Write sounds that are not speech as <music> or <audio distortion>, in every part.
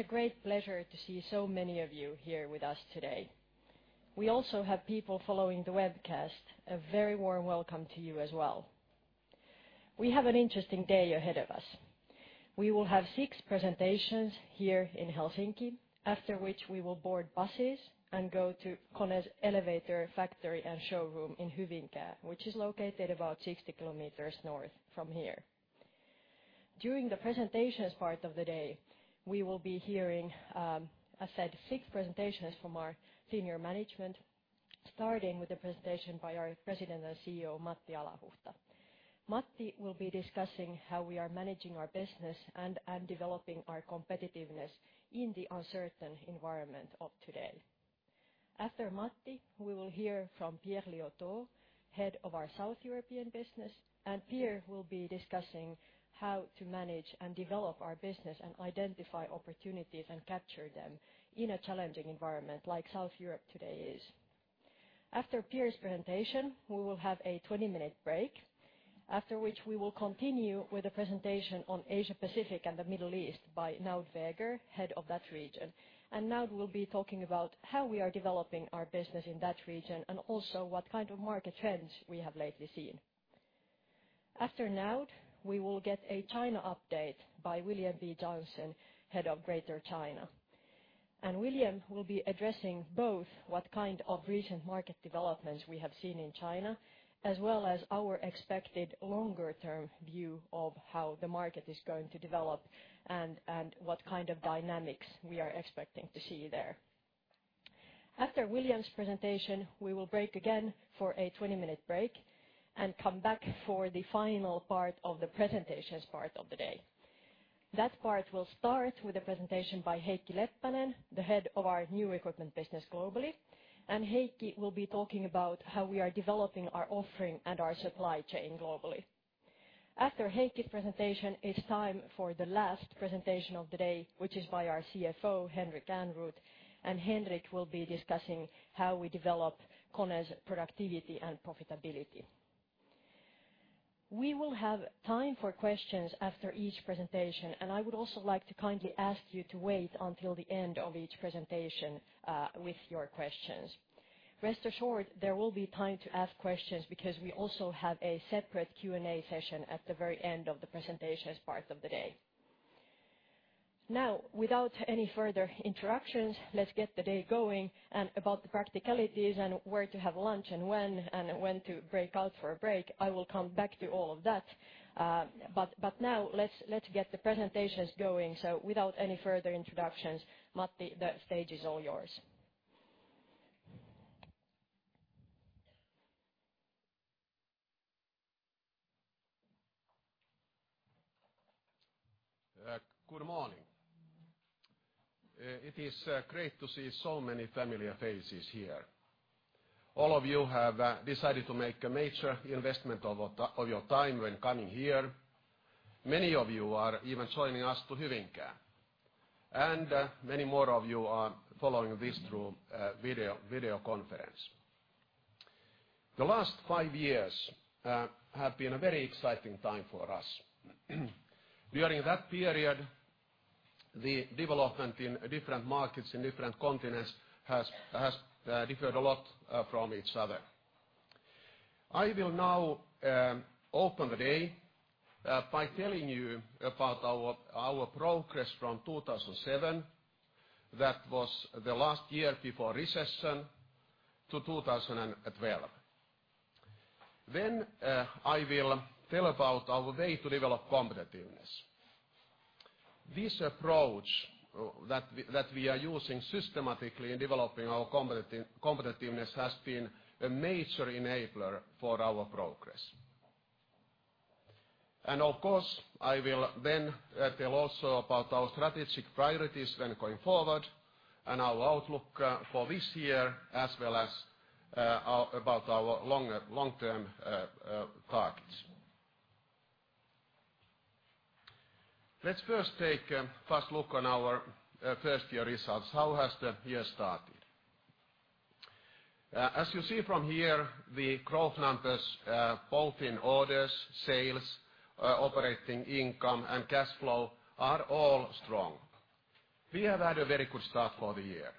It's a great pleasure to see so many of you here with us today. We also have people following the webcast. A very warm welcome to you as well. We have an interesting day ahead of us. We will have six presentations here in Helsinki, after which we will board buses and go to KONE's elevator factory and showroom in Hyvinkää, which is located about 60 kilometers north from here. During the presentations part of the day, we will be hearing, as said, six presentations from our senior management, starting with a presentation by our President and CEO, Matti Alahuhta. Matti will be discussing how we are managing our business and developing our competitiveness in the uncertain environment of today. After Matti, we will hear from Pierre Liautaud, Head of our South European business, Pierre will be discussing how to manage and develop our business and identify opportunities and capture them in a challenging environment like South Europe today is. After Pierre's presentation, we will have a 20-minute break, after which we will continue with a presentation on Asia Pacific and the Middle East by Noud Veeger, Head of that region. Noud will be talking about how we are developing our business in that region and also what kind of market trends we have lately seen. After Noud, we will get a China update by William B. Johnson, Head of Greater China. William will be addressing both what kind of recent market developments we have seen in China, as well as our expected longer-term view of how the market is going to develop and what kind of dynamics we are expecting to see there. After William's presentation, we will break again for a 20-minute break and come back for the final part of the presentations part of the day. That part will start with a presentation by Heikki Leppänen, the Head of our new equipment business globally. Heikki will be talking about how we are developing our offering and our supply chain globally. After Heikki's presentation, it's time for the last presentation of the day, which is by our CFO, Henrik Ehrnrooth, Henrik will be discussing how we develop KONE's productivity and profitability. We will have time for questions after each presentation, I would also like to kindly ask you to wait until the end of each presentation with your questions. Rest assured, there will be time to ask questions because we also have a separate Q&A session at the very end of the presentations part of the day. Without any further introductions, let's get the day going and about the practicalities and where to have lunch and when, and when to break out for a break, I will come back to all of that. Now let's get the presentations going. Without any further introductions, Matti, the stage is all yours. Good morning. It is great to see so many familiar faces here. All of you have decided to make a major investment of your time when coming here. Many of you are even joining us to Hyvinkää. Many more of you are following this through video conference. The last five years have been a very exciting time for us. During that period, the development in different markets in different continents has differed a lot from each other. I will now open the day by telling you about our progress from 2007, that was the last year before recession, to 2012. I will tell about our way to develop competitiveness. This approach that we are using systematically in developing our competitiveness has been a major enabler for our progress. Of course, I will then tell also about our strategic priorities when going forward and our outlook for this year as well as about our long-term targets. Let's first take a first look on our first year results. How has the year started? As you see from here, the growth numbers both in orders, sales, operating income, and cash flow are all strong. We have had a very good start for the year.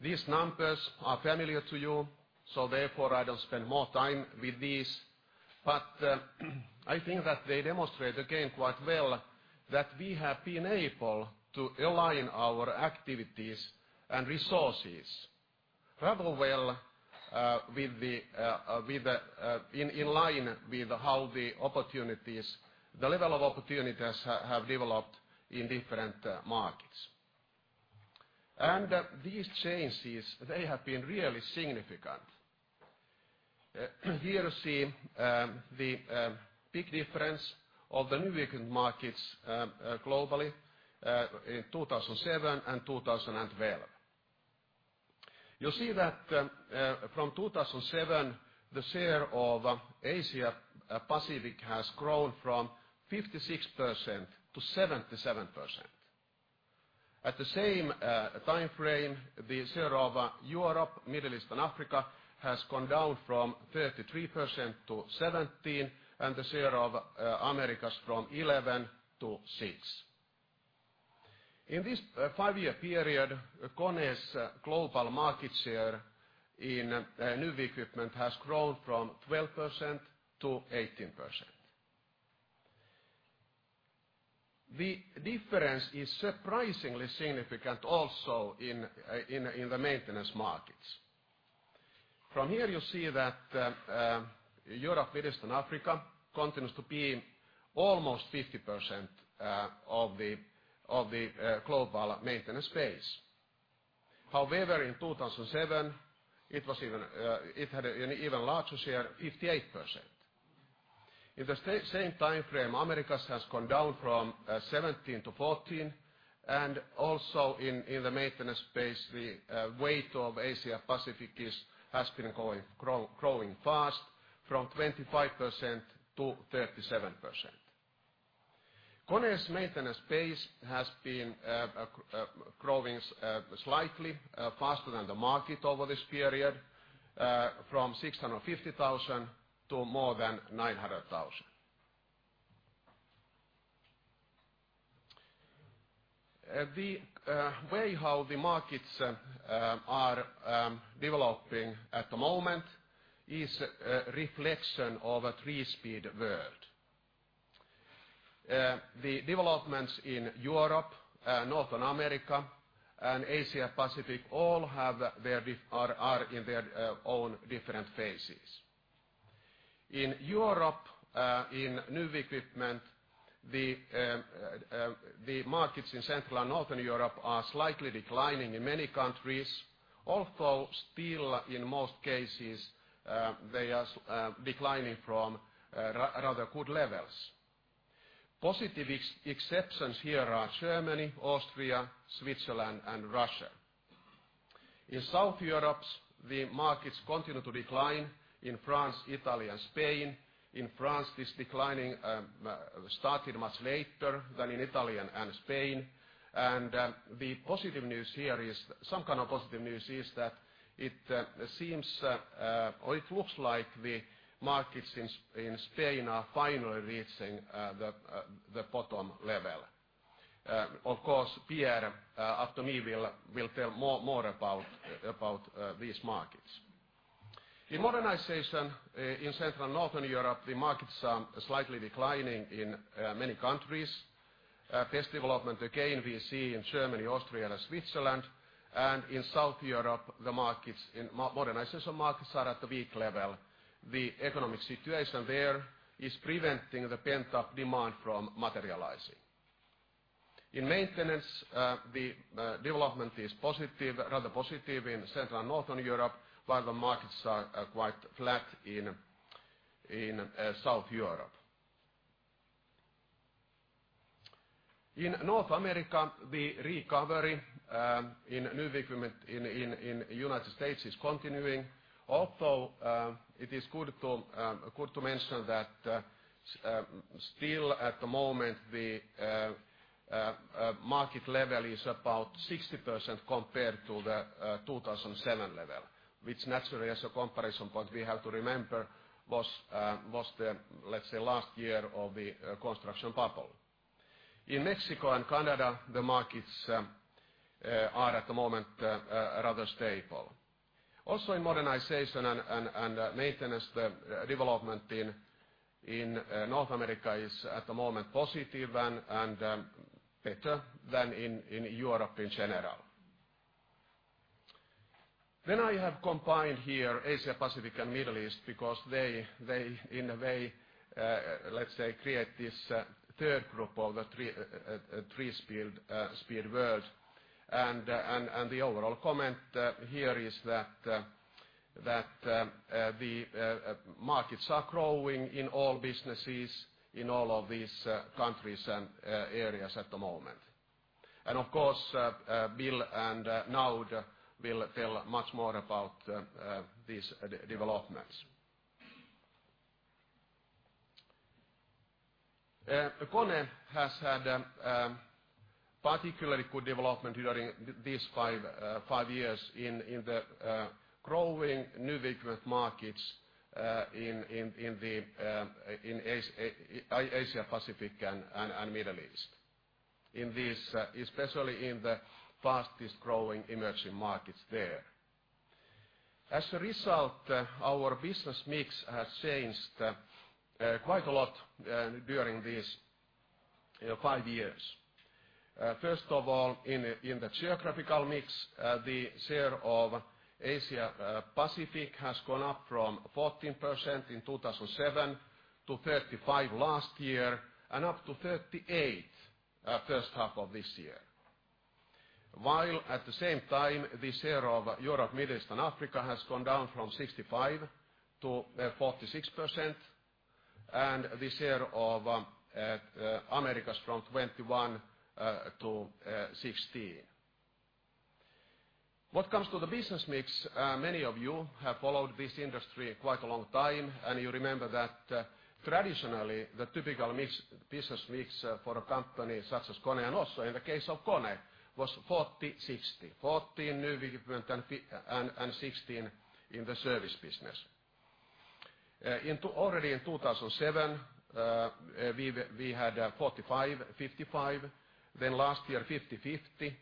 These numbers are familiar to you, so therefore I don't spend more time with these, but I think that they demonstrate again quite well that we have been able to align our activities and resources in line with how the level of opportunities have developed in different markets. These changes, they have been really significant. Here you see the big difference of the new equipment markets globally in 2007 and 2012. You see that from 2007, the share of Asia Pacific has grown from 56% to 77%. At the same timeframe, the share of Europe, Middle East, and Africa has gone down from 33% to 17%, and the share of Americas from 11% to 6%. In this five-year period, KONE's global market share in new equipment has grown from 12% to 18%. The difference is surprisingly significant also in the maintenance markets. From here, you see that Europe, Middle East, and Africa continues to be almost 50% of the global maintenance base. However, in 2007, it had an even larger share, 58%. In the same timeframe, Americas has gone down from 17% to 14%, and also in the maintenance base, the weight of Asia Pacific has been growing fast from 25% to 37%. KONE's maintenance base has been growing slightly faster than the market over this period, from 650,000 to more than 900,000. The way how the markets are developing at the moment is a reflection of a three-speed world. The developments in Europe, Northern America, and Asia Pacific all are in their own different phases. In Europe, in new equipment, the markets in Central and Northern Europe are slightly declining in many countries, although still in most cases, they are declining from rather good levels. Positive exceptions here are Germany, Austria, Switzerland, and Russia. In South Europe, the markets continue to decline in France, Italy, and Spain. In France, this declining started much later than in Italy and Spain. Some kind of positive news is that it looks like the markets in Spain are finally reaching the bottom level. Of course, Pierre, after me, will tell more about these markets. In modernization in Central and Northern Europe, the markets are slightly declining in many countries. Best development, again, we see in Germany, Austria, and Switzerland. In South Europe, the modernization markets are at a weak level. The economic situation there is preventing the pent-up demand from materializing. In maintenance, the development is rather positive in Central and Northern Europe while the markets are quite flat in South Europe. In North America, the recovery in new equipment in the U.S. is continuing, although it is good to mention that still at the moment, the market level is about 60% compared to the 2007 level, which naturally as a comparison point, we have to remember was the, let's say, last year of the construction bubble. In Mexico and Canada, the markets are at the moment rather stable. Also, in modernization and maintenance, the development in North America is at the moment positive and better than in Europe in general. I have combined here Asia Pacific and Middle East because they in a way, let's say, create this third group of the three-speed world. The overall comment here is that the markets are growing in all businesses, in all of these countries and areas at the moment. Of course, Bill and Noud will tell much more about these developments. KONE has had a particularly good development during these five years in the growing new equipment markets in Asia Pacific and Middle East, especially in the fastest growing emerging markets there. As a result, our business mix has changed quite a lot during these five years. First of all, in the geographical mix, the share of Asia Pacific has gone up from 14% in 2007 to 35% last year and up to 38% first half of this year. While at the same time, the share of Europe, Middle East, and Africa has gone down from 65% to 46%, and the share of Americas from 21% to 16%. What comes to the business mix, many of you have followed this industry quite a long time, and you remember that traditionally, the typical business mix for a company such as KONE and also in the case of KONE was 40/60. 40 new equipment and 16 in the service business. Already in 2007, we had 45/55. Last year, 50/50.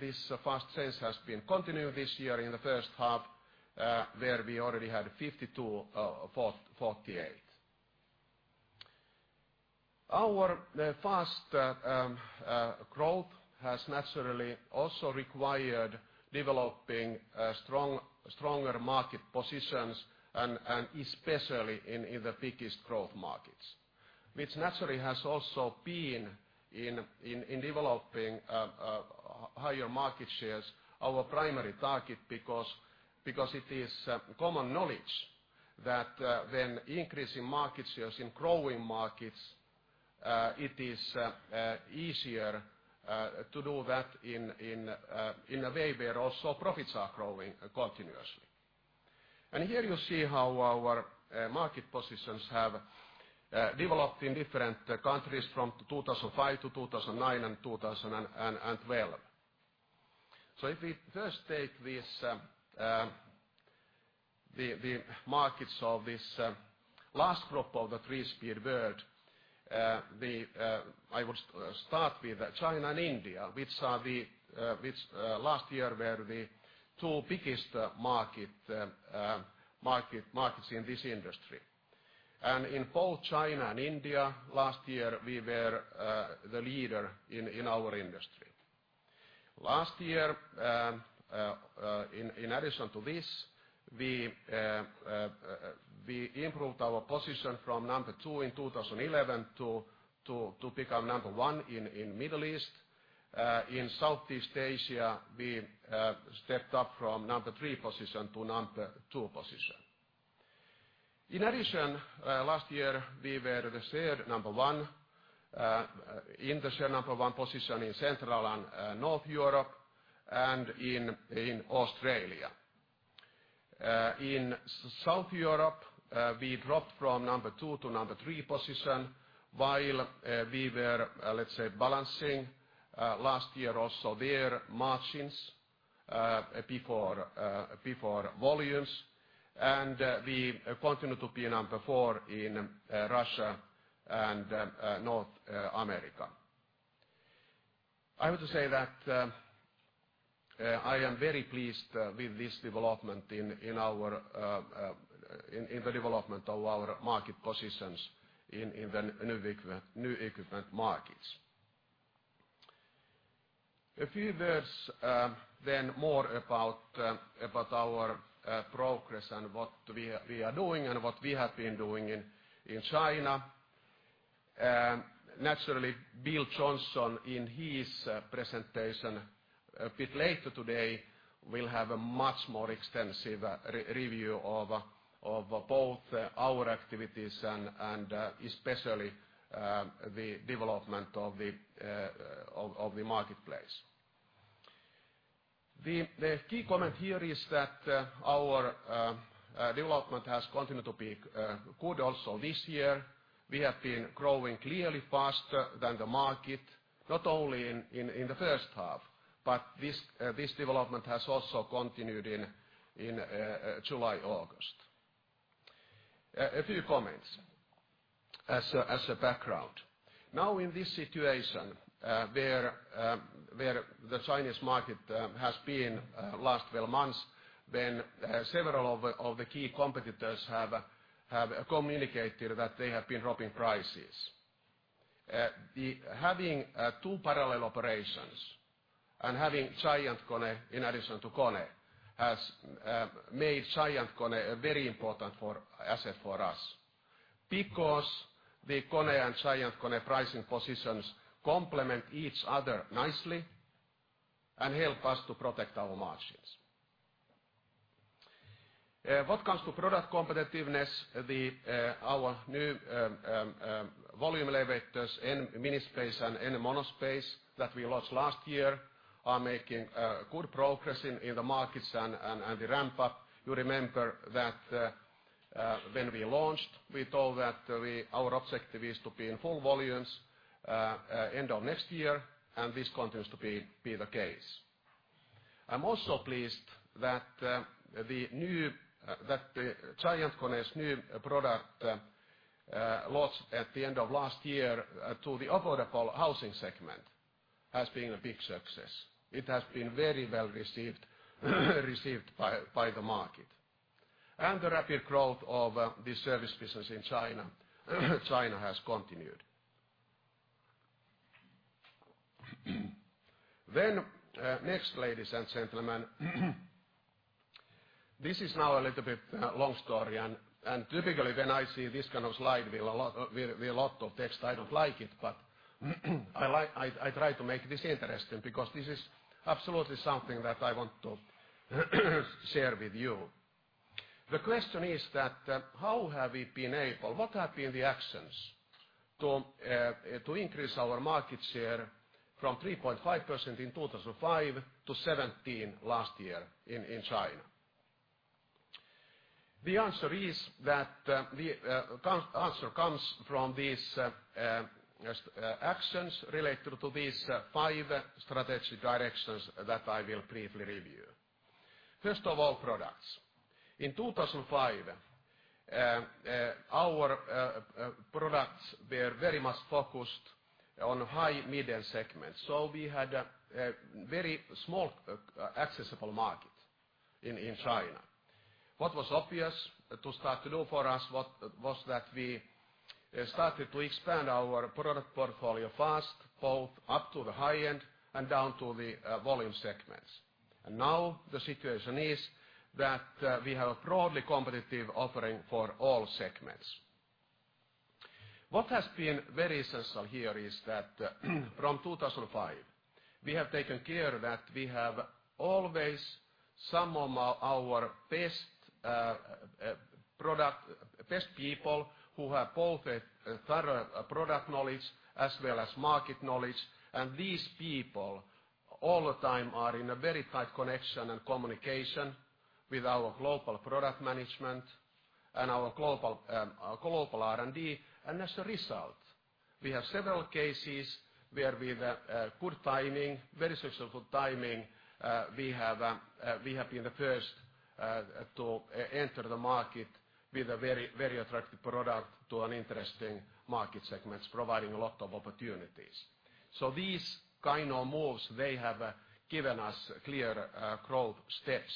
This fast change has been continuing this year in the first half, where we already had 52/48. Our fast growth has naturally also required developing stronger market positions and especially in the biggest growth markets, which naturally has also been in developing higher market shares, our primary target, because it is common knowledge that when increasing market shares in growing markets, it is easier to do that in a way where also profits are growing continuously. Here you see how our market positions have developed in different countries from 2005 to 2009 and 2012. If we first take the markets of this last group of the three-speed world, I would start with China and India, which last year were the two biggest markets in this industry. In both China and India last year, we were the leader in our industry. Last year, in addition to this, we improved our position from number 2 in 2011 to become number 1 in Middle East. In Southeast Asia, we stepped up from number three position to number two position. In addition, last year we were the shared number one in the share number one position in Central and North Europe and in Australia. In South Europe, we dropped from number two to number three position, while we were, let's say, balancing last year also there margins before volumes. We continue to be number four in Russia and North America. I have to say that I am very pleased with the development of our market positions in the new equipment markets. A few words then more about our progress and what we are doing and what we have been doing in China. Naturally, Bill Johnson in his presentation a bit later today will have a much more extensive review of both our activities and especially the development of the marketplace. The key comment here is that our development has continued to be good also this year. We have been growing clearly faster than the market, not only in the first half, but this development has also continued in July, August. A few comments as a background. Now in this situation where the Chinese market has been last 12 months when several of the key competitors have communicated that they have been dropping prices. Having two parallel operations and having GiantKONE in addition to KONE has made GiantKONE a very important asset for us because the KONE and GiantKONE pricing positions complement each other nicely and help us to protect our margins. What comes to product competitiveness, our new volume elevators, N MiniSpace and N MonoSpace that we launched last year, are making good progress in the markets and the ramp-up. You remember that when we launched, we thought that our objective is to be in full volumes end of next year, this continues to be the case. I'm also pleased that GiantKONE's new product launched at the end of last year to the affordable housing segment has been a big success. It has been very well received by the market. The rapid growth of the service business in China has continued. Next, ladies and gentlemen, this is now a little bit long story and typically when I see this kind of slide with a lot of text, I don't like it, but I try to make this interesting because this is absolutely something that I want to share with you. The question is that, how have we been able, what have been the actions to increase our market share from 3.5% in 2005 to 17 last year in China? The answer comes from these actions related to these five strategic directions that I will briefly review. First of all, products. In 2005, our products were very much focused on high middle segments. We had a very small accessible market in China. What was obvious to start to do for us was that we started to expand our product portfolio fast, both up to the high end and down to the volume segments. Now the situation is that we have a broadly competitive offering for all segments. What has been very essential here is that from 2005, we have taken care that we have always some of our best people who have both a thorough product knowledge as well as market knowledge, these people all the time are in a very tight connection and communication with our global product management and our global R&D. As a result, we have several cases where with good timing, very successful timing, we have been the first to enter the market with a very attractive product to an interesting market segments, providing a lot of opportunities. These kind of moves, they have given us clear growth steps.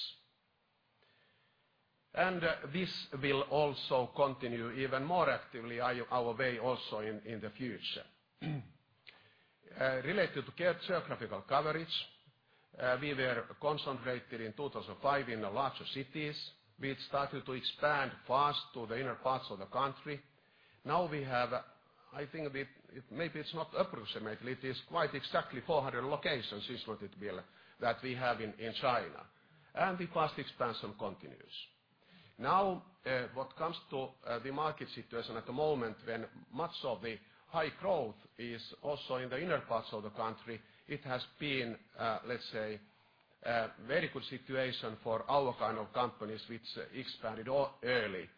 This will also continue even more actively our way also in the future. Related to geographical coverage, we were concentrated in 2005 in the larger cities. We started to expand fast to the inner parts of the country. Now we have, I think maybe it's not approximately, it is quite exactly 400 locations, isn't it, Bill, that we have in China, the fast expansion continues. What comes to the market situation at the moment when much of the high growth is also in the inner parts of the country, it has been, let's say, a very good situation for our kind of companies which expanded early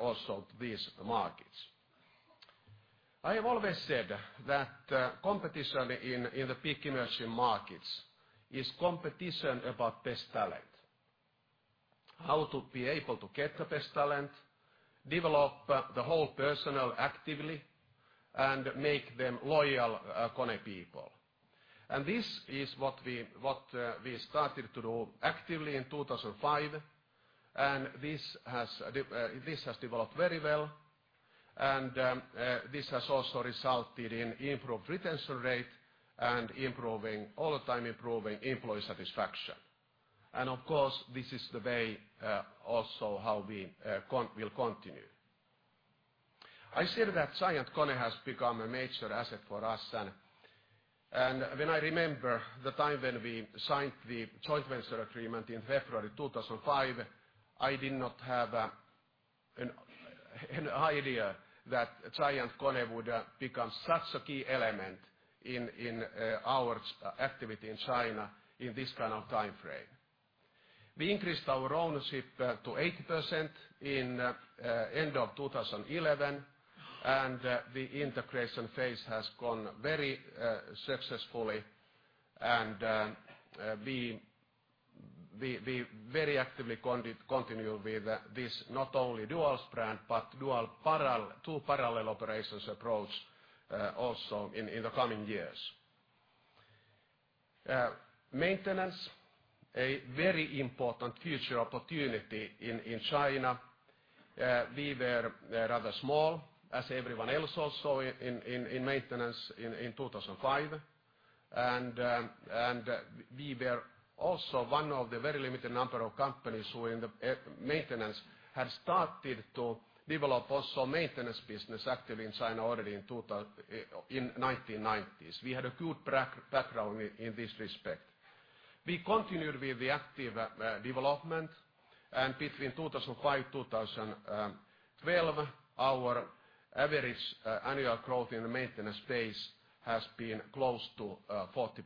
also to these markets. I have always said that competition in the big emerging markets is competition about best talent. How to be able to get the best talent, develop the whole personnel actively, and make them loyal KONE people. This is what we started to do actively in 2005, this has developed very well, this has also resulted in improved retention rate and all the time improving employee satisfaction. Of course, this is the way also how we will continue. I said that GiantKONE has become a major asset for us. When I remember the time when we signed the joint venture agreement in February 2005, I did not have an idea that GiantKONE would become such a key element in our activity in China in this kind of timeframe. We increased our ownership to 80% in end of 2011, the integration phase has gone very successfully. We very actively continue with this not only dual brand, but two parallel operations approach also in the coming years. Maintenance, a very important future opportunity in China. We were rather small, as everyone else also in maintenance in 2005. We were also one of the very limited number of companies who in the maintenance had started to develop also maintenance business active in China already in 1990s. We had a good background in this respect. We continued with the active development and between 2005, 2012, our average annual growth in the maintenance base has been close to 40%.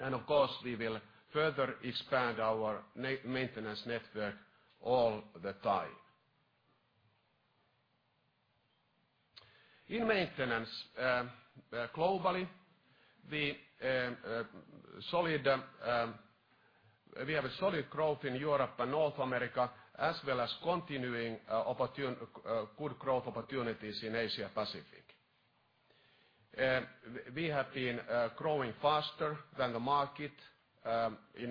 Of course, we will further expand our maintenance network all the time. In maintenance globally, we have a solid growth in Europe and North America, as well as continuing good growth opportunities in Asia Pacific. We have been growing faster than the market,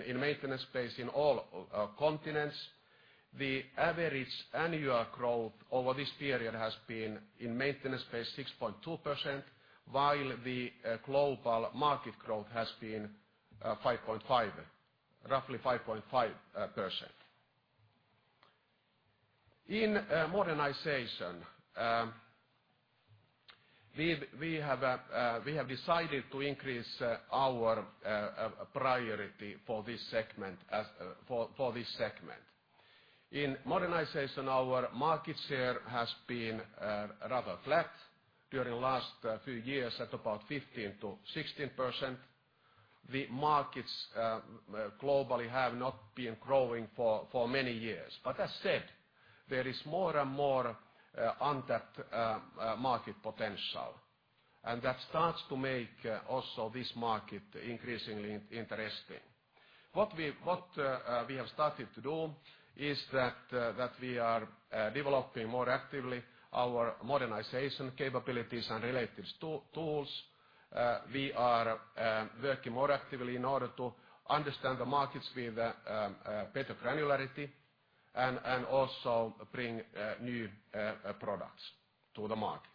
in maintenance base in all continents. The average annual growth over this period has been, in maintenance base, 6.2%, while the global market growth has been roughly 5.5%. In modernization, we have decided to increase our priority for this segment. In modernization, our market share has been rather flat during last few years at about 15%-16%. The markets globally have not been growing for many years. As said, there is more and more untapped market potential. That starts to make also this market increasingly interesting. What we have started to do is that we are developing more actively our modernization capabilities and related tools. We are working more actively in order to understand the markets with better granularity and also bring new products to the markets.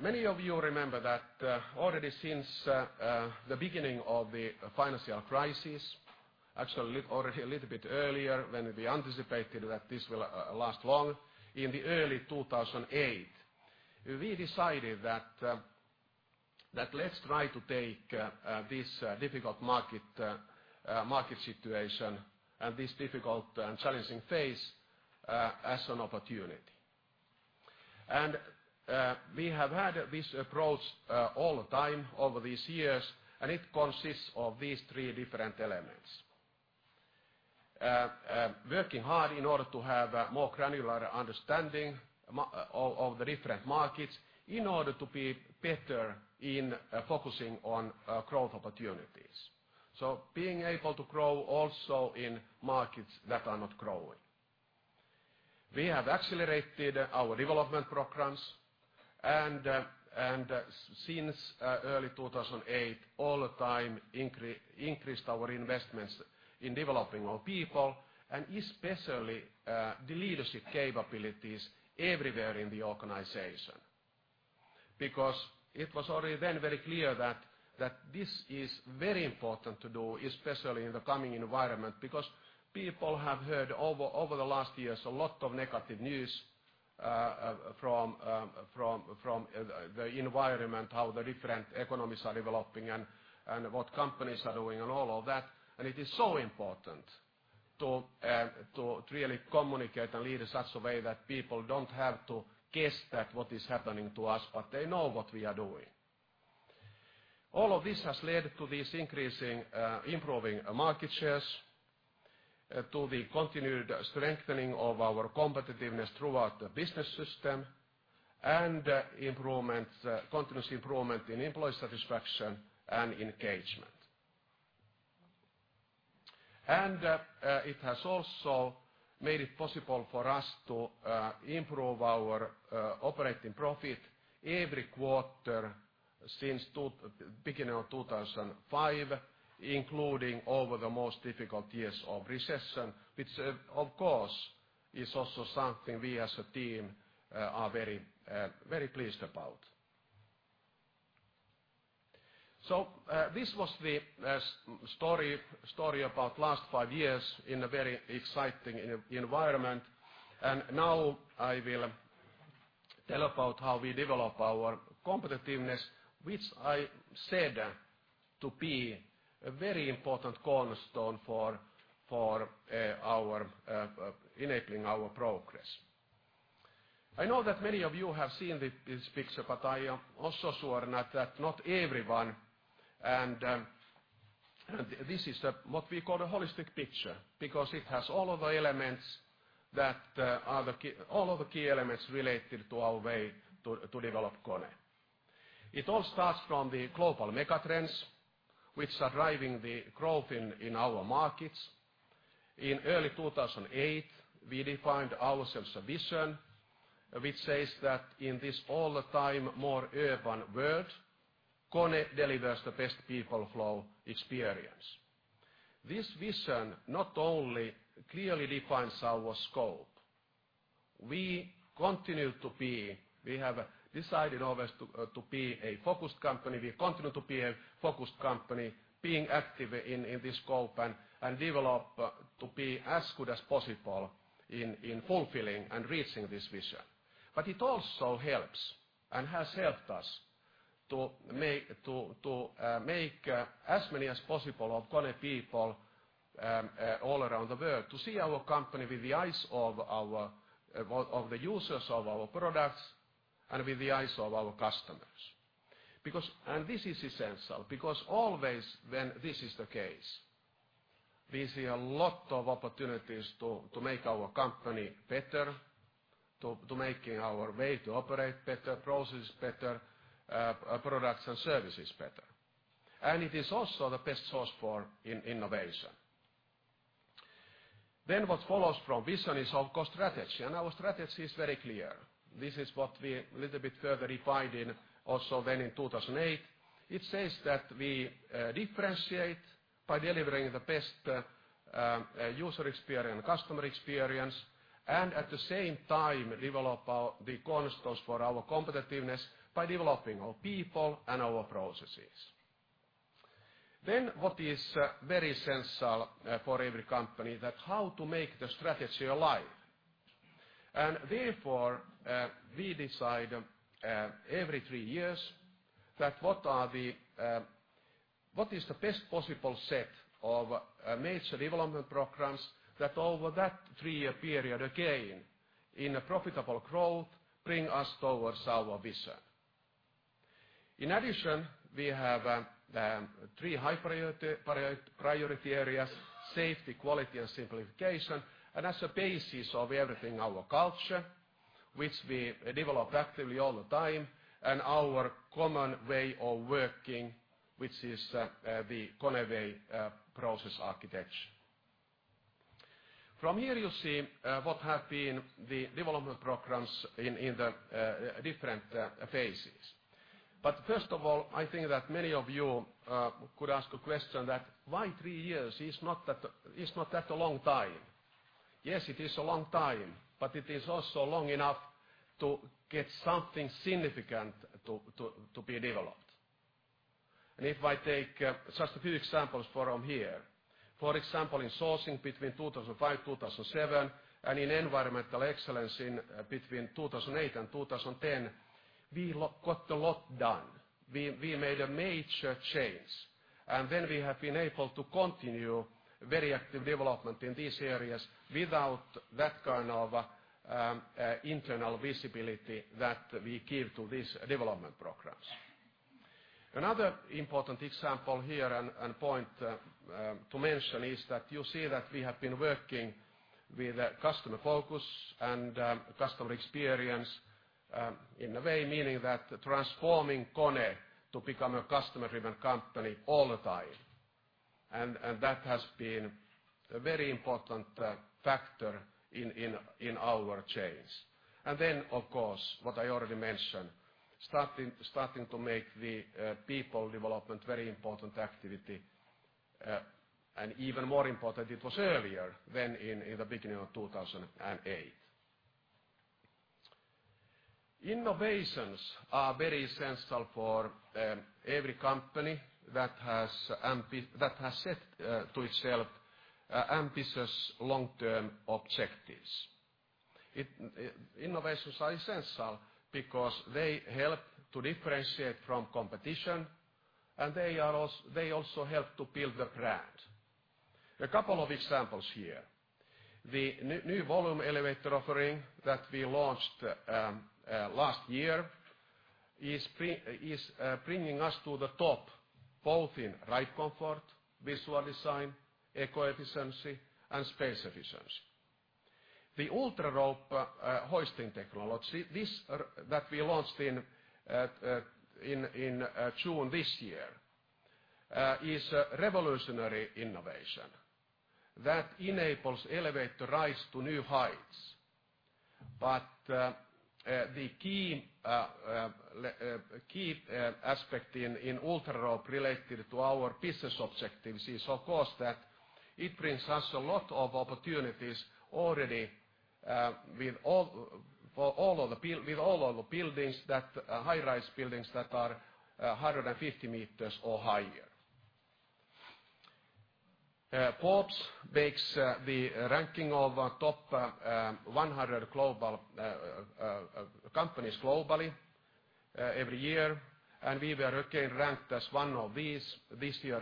Many of you remember that already since the beginning of the financial crisis, actually already a little bit earlier when we anticipated that this will last long, in early 2008, we decided that let's try to take this difficult market situation and this difficult and challenging phase as an opportunity. We have had this approach all the time over these years, and it consists of these three different elements. Working hard in order to have a more granular understanding of the different markets in order to be better in focusing on growth opportunities. Being able to grow also in markets that are not growing. We have accelerated our development programs and since early 2008, all the time increased our investments in developing our people and especially the leadership capabilities everywhere in the organization. Because it was already then very clear that this is very important to do, especially in the coming environment, because people have heard over the last years a lot of negative news from the environment, how the different economies are developing and what companies are doing and all of that. It is so important to really communicate and lead in such a way that people don't have to guess that what is happening to us, but they know what we are doing. All of this has led to these improving market shares, to the continued strengthening of our competitiveness throughout the business system and continuous improvement in employee satisfaction and engagement. It has also made it possible for us to improve our operating profit every quarter since beginning of 2005, including over the most difficult years of recession, which of course, is also something we as a team are very pleased about. This was the story about last five years in a very exciting environment. Now I will tell about how we develop our competitiveness, which I said to be a very important cornerstone for enabling our progress. I know that many of you have seen this picture, I am also sure that not everyone, and this is what we call a holistic picture because it has all of the key elements related to our way to develop KONE. It all starts from the global mega trends which are driving the growth in our markets. In early 2008, we defined ourselves a vision which says that in this all the time more urban world, KONE delivers the best people flow experience. This vision not only clearly defines our scope. We have decided always to be a focused company. We continue to be a focused company, being active in this scope and develop to be as good as possible in fulfilling and reaching this vision. It also helps and has helped us to make as many as possible of KONE people all around the world to see our company with the eyes of the users of our products and with the eyes of our customers. This is essential because always when this is the case, we see a lot of opportunities to make our company better, to making our way to operate better, process better, products and services better. It is also the best source for innovation. What follows from vision is, of course, strategy. Our strategy is very clear. This is what we a little bit further refined in also then in 2008. It says that we differentiate by delivering the best user experience, customer experience, and at the same time develop the cornerstones for our competitiveness by developing our people and our processes. What is very essential for every company, that how to make the strategy alive. Therefore, we decide every three years what is the best possible set of major development programs that over that three-year period, again, in a profitable growth, bring us towards our vision. In addition, we have three high-priority areas: safety, quality, and simplification. As a basis of everything, our culture, which we develop actively all the time, and our common way of working, which is the KONE Way process architecture. From here, you see what have been the development programs in the different phases. First of all, I think that many of you could ask a question that why three years is not that a long time? Yes, it is a long time, but it is also long enough to get something significant to be developed. If I take just a few examples from here, for example, in sourcing between 2005, 2007, and in environmental excellence between 2008 and 2010, we got a lot done. We made a major change. Then we have been able to continue very active development in these areas without that kind of internal visibility that we give to these development programs. Another important example here and point to mention is that you see that we have been working with customer focus and customer experience in a way, meaning that transforming KONE to become a customer-driven company all the time. That has been a very important factor in our change. Then, of course, what I already mentioned, starting to make the people development very important activity, and even more important it was earlier than in the beginning of 2008. Innovations are very essential for every company that has set to itself ambitious long-term objectives. Innovations are essential because they help to differentiate from competition, and they also help to build the brand. A couple of examples here. The new volume elevator offering that we launched last year is bringing us to the top, both in ride comfort, visual design, eco-efficiency, and space efficiency. The UltraRope hoisting technology that we launched in June this year is a revolutionary innovation that enables elevator to rise to new heights. The key aspect in UltraRope related to our business objectives is, of course, that it brings us a lot of opportunities already with all of the high-rise buildings that are 150 meters or higher. Forbes makes the ranking of top 100 companies globally every year, and we were again ranked as one of these this year.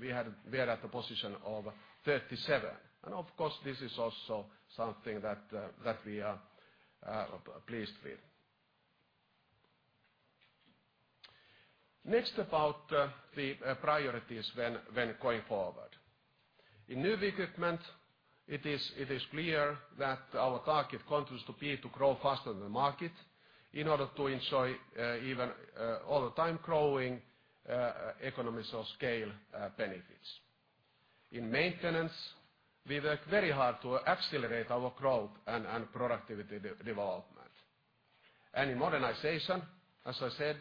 We are at the position of 37. Of course, this is also something that we are pleased with. Next, about the priorities when going forward. In new equipment, it is clear that our target continues to be to grow faster than the market in order to ensure even all the time growing economies of scale benefits. In maintenance, we work very hard to accelerate our growth and productivity development. In modernization, as I said,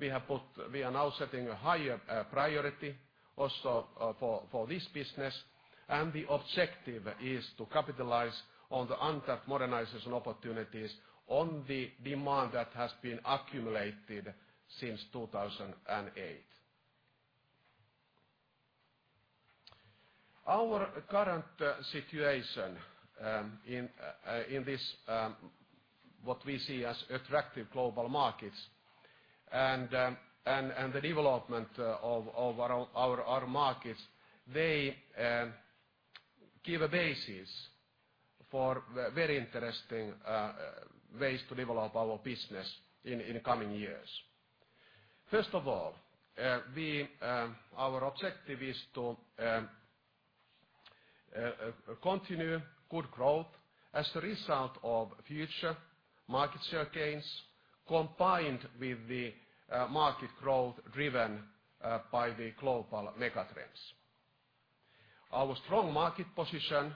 we are now setting a higher priority also for this business, and the objective is to capitalize on the untapped modernization opportunities on the demand that has been accumulated since 2008. Our current situation in this, what we see as attractive global markets and the development of our markets, they give a basis for very interesting ways to develop our business in the coming years. First of all, our objective is to continue good growth as a result of future market share gains combined with the market growth driven by the global mega trends. Our strong market position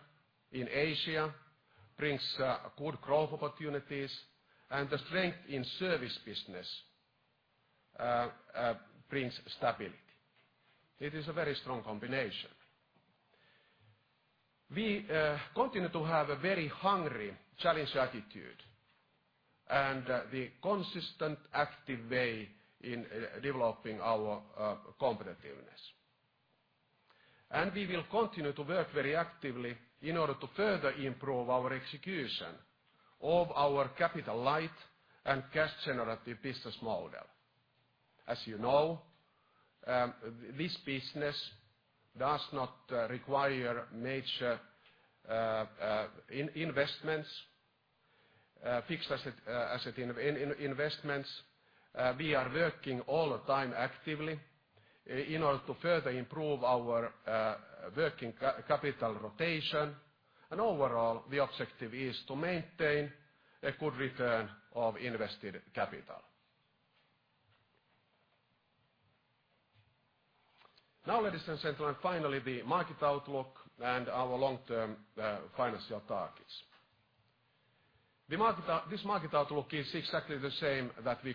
in Asia brings good growth opportunities. The strength in service business brings stability. It is a very strong combination. We continue to have a very hungry challenge attitude and the consistent, active way in developing our competitiveness. We will continue to work very actively in order to further improve our execution of our capital light and cash generative business model. As you know, this business does not require major investments, fixed asset investments. We are working all the time actively in order to further improve our working capital rotation. Overall, the objective is to maintain a good return of invested capital. Now, ladies and gentlemen, finally, the market outlook and our long-term financial targets. This market outlook is exactly the same that we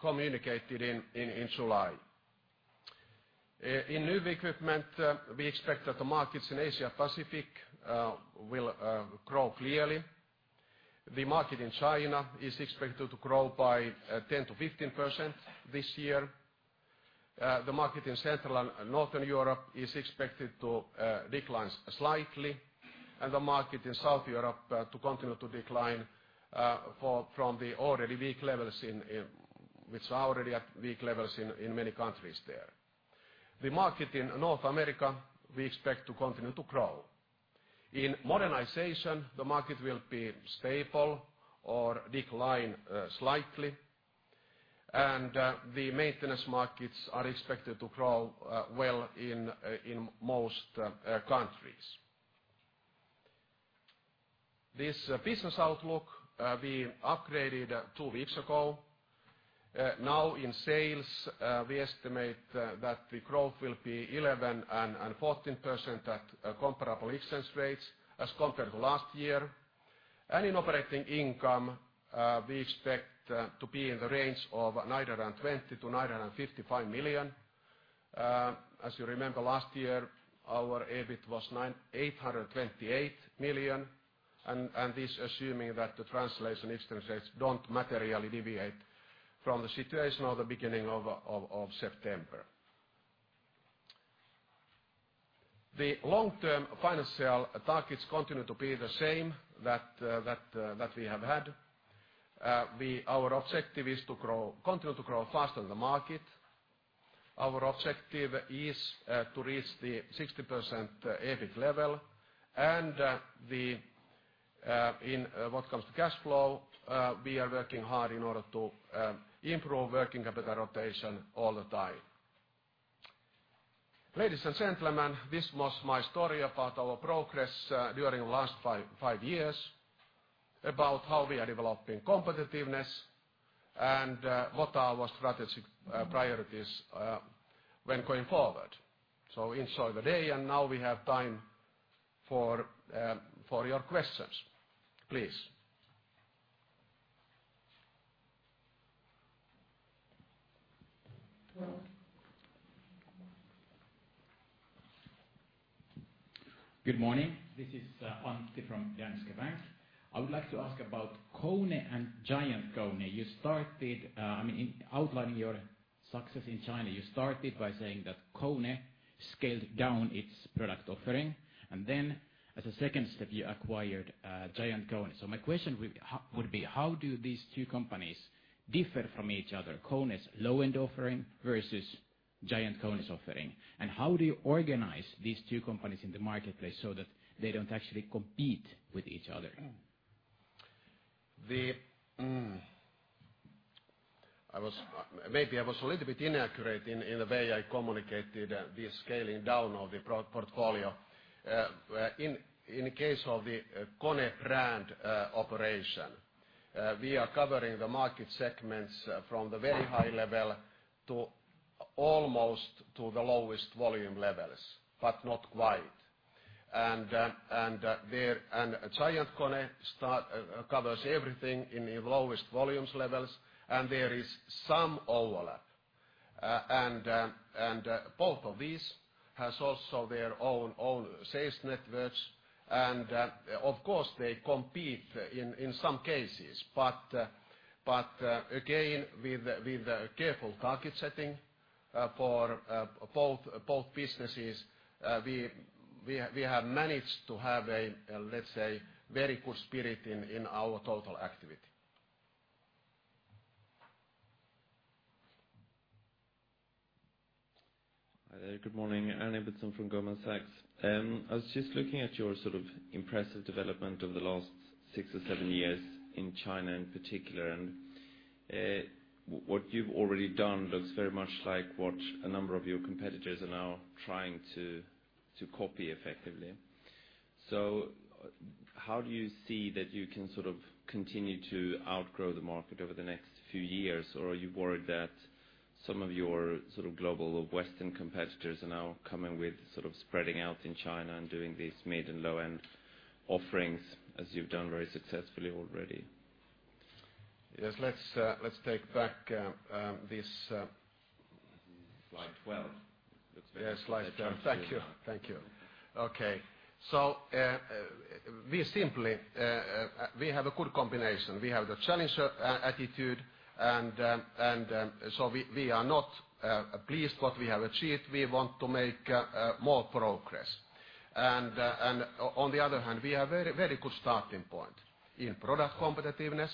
communicated in July. In new equipment, we expect that the markets in Asia Pacific will grow clearly. The market in China is expected to grow by 10%-15% this year. The market in Central and Northern Europe is expected to decline slightly. The market in South Europe to continue to decline from the already weak levels in many countries there. The market in North America, we expect to continue to grow. In modernization, the market will be stable or decline slightly. The maintenance markets are expected to grow well in most countries. This business outlook we upgraded two weeks ago. In sales, we estimate that the growth will be 11% and 14% at comparable exchange rates as compared to last year. In operating income, we expect to be in the range of 920 million to 955 million. As you remember, last year, our EBIT was 828 million. This assuming that the translation exchange rates don't materially deviate from the situation of the beginning of September. The long-term financial targets continue to be the same that we have had. Our objective is to continue to grow faster than the market. Our objective is to reach the 16% EBIT level. What comes to cash flow, we are working hard in order to improve working capital rotation all the time. Ladies and gentlemen, this was my story about our progress during the last five years, about how we are developing competitiveness and what are our strategic priorities when going forward. Enjoy the day. Now we have time for your questions. Please. Good morning. This is Antti from Danske Bank. I would like to ask about KONE and Giant KONE. Outlining your success in China, you started by saying that KONE scaled down its product offering, and then as a second step, you acquired Giant KONE. My question would be, how do these two companies differ from each other, KONE's low-end offering versus Giant KONE's offering? How do you organize these two companies in the marketplace so that they don't actually compete with each other? Maybe I was a little bit inaccurate in the way I communicated the scaling down of the portfolio. In case of the KONE brand operation, we are covering the market segments from the very high level to almost to the lowest volume levels, but not quite. Giant KONE covers everything in the lowest volumes levels, and there is some overlap. Both of these has also their own sales networks, and of course, they compete in some cases. Again, with careful target setting for both businesses, we have managed to have a, let's say, very good spirit in our total activity. Hi there. Good morning. Arne Nilsson from Goldman Sachs. I was just looking at your impressive development over the last six or seven years in China in particular, and what you've already done looks very much like what a number of your competitors are now trying to copy effectively. How do you see that you can continue to outgrow the market over the next few years? Are you worried that some of your global or Western competitors are now coming with spreading out in China and doing these mid and low-end offerings as you've done very successfully already? Yes, let's take back this- Slide 12. Yes, slide 12. Thank you. Okay. We have a good combination. We have the challenger attitude. We are not pleased what we have achieved. We want to make more progress. On the other hand, we have very good starting point. In product competitiveness,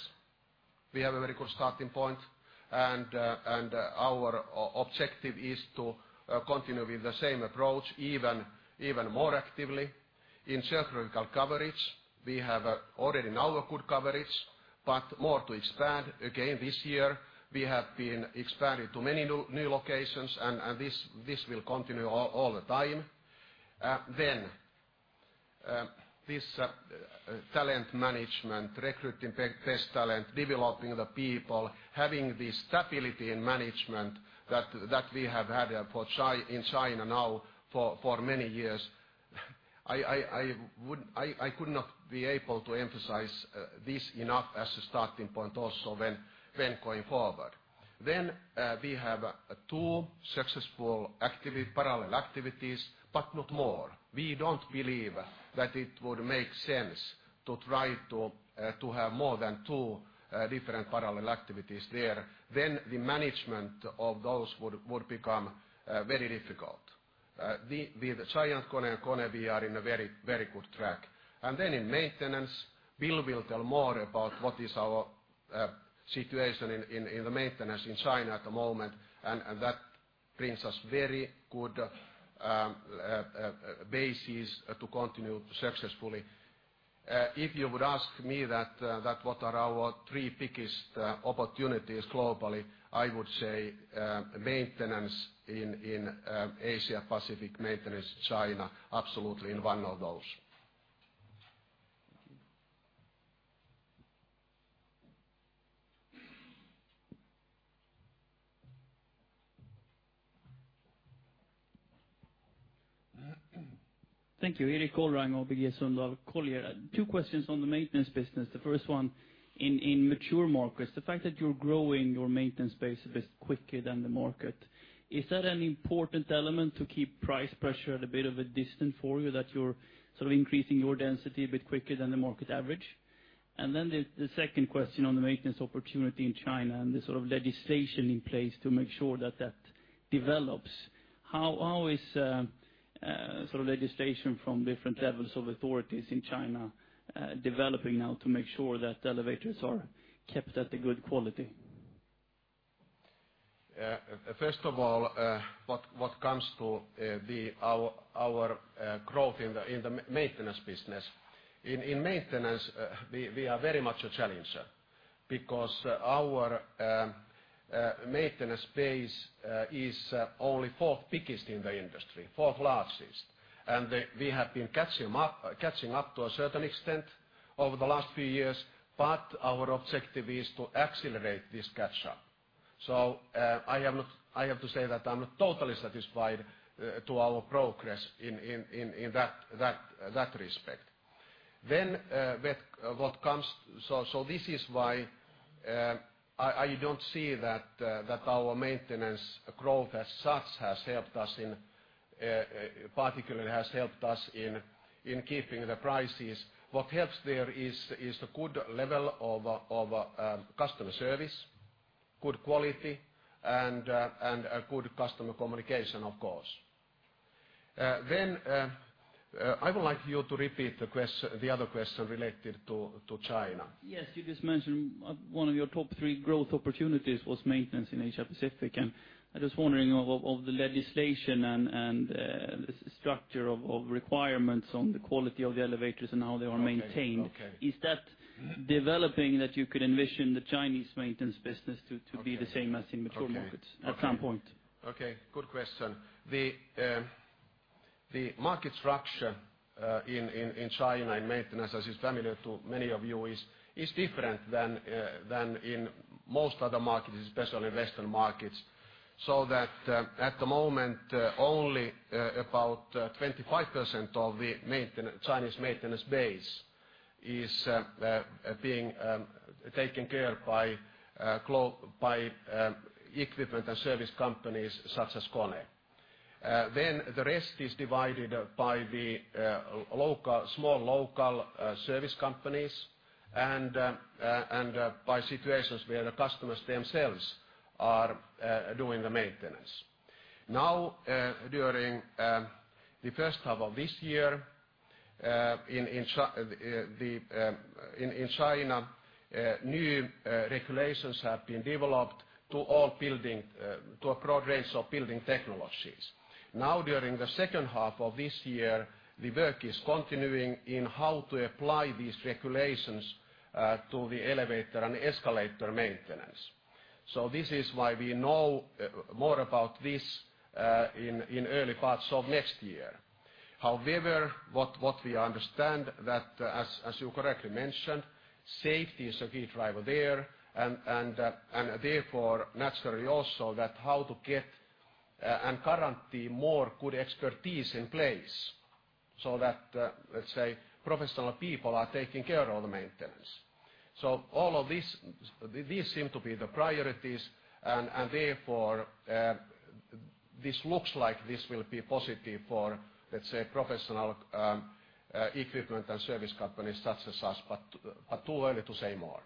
we have a very good starting point. Our objective is to continue with the same approach even more actively. In geographical coverage, we have already now a good coverage, but more to expand again this year. We have been expanding to many new locations. This will continue all the time. This talent management, recruiting best talent, developing the people, having the stability in management that we have had in China now for many years. I could not be able to emphasize this enough as a starting point also when going forward. We have two successful parallel activities, but not more. We don't believe that it would make sense to try to have more than two different parallel activities there. The management of those would become very difficult. With GiantKONE and KONE, we are in a very good track. In maintenance, Bill will tell more about what is our situation in the maintenance in China at the moment. That brings us very good basis to continue successfully. If you would ask me that what are our three biggest opportunities globally, I would say maintenance in Asia-Pacific, maintenance China, absolutely in one of those. Thank you. Erik Golrang of ABG Sundal Collier here. Two questions on the maintenance business. The first one, in mature markets, the fact that you're growing your maintenance base a bit quicker than the market, is that an important element to keep price pressure at a bit of a distance for you that you're sort of increasing your density a bit quicker than the market average? The second question on the maintenance opportunity in China and the sort of legislation in place to make sure that develops, how is legislation from different levels of authorities in China developing now to make sure that elevators are kept at a good quality? What comes to our growth in the maintenance business. In maintenance, we are very much a challenger because our maintenance base is only fourth biggest in the industry, fourth largest. We have been catching up to a certain extent over the last few years, but our objective is to accelerate this catch-up. I have to say that I'm not totally satisfied to our progress in that respect. This is why I don't see that our maintenance growth as such has particularly helped us in keeping the prices. What helps there is a good level of customer service, good quality, and good customer communication, of course. I would like you to repeat the other question related to China. Yes. You just mentioned one of your top three growth opportunities was maintenance in Asia Pacific. I'm just wondering of the legislation and the structure of requirements on the quality of the elevators and how they are maintained. Okay. Is that developing that you could envision the Chinese maintenance business to be the same as in mature markets at some point? Okay. Good question. The market structure in China in maintenance, as is familiar to many of you, is different than in most other markets, especially Western markets. That at the moment, only about 25% of the Chinese maintenance base is being taken care by equipment and service companies such as KONE. The rest is divided by the small local service companies and by situations where the customers themselves are doing the maintenance. During the first half of this year in China, new regulations have been developed to a progress of building technologies. During the second half of this year, the work is continuing in how to apply these regulations to the elevator and escalator maintenance. This is why we know more about this in early parts of next year. What we understand that, as you correctly mentioned, safety is a key driver there, and therefore, naturally also that how to get and guarantee more good expertise in place so that let's say professional people are taking care of the maintenance. These seem to be the priorities, and therefore, this looks like this will be positive for, let's say, professional equipment and service companies such as us but too early to say more.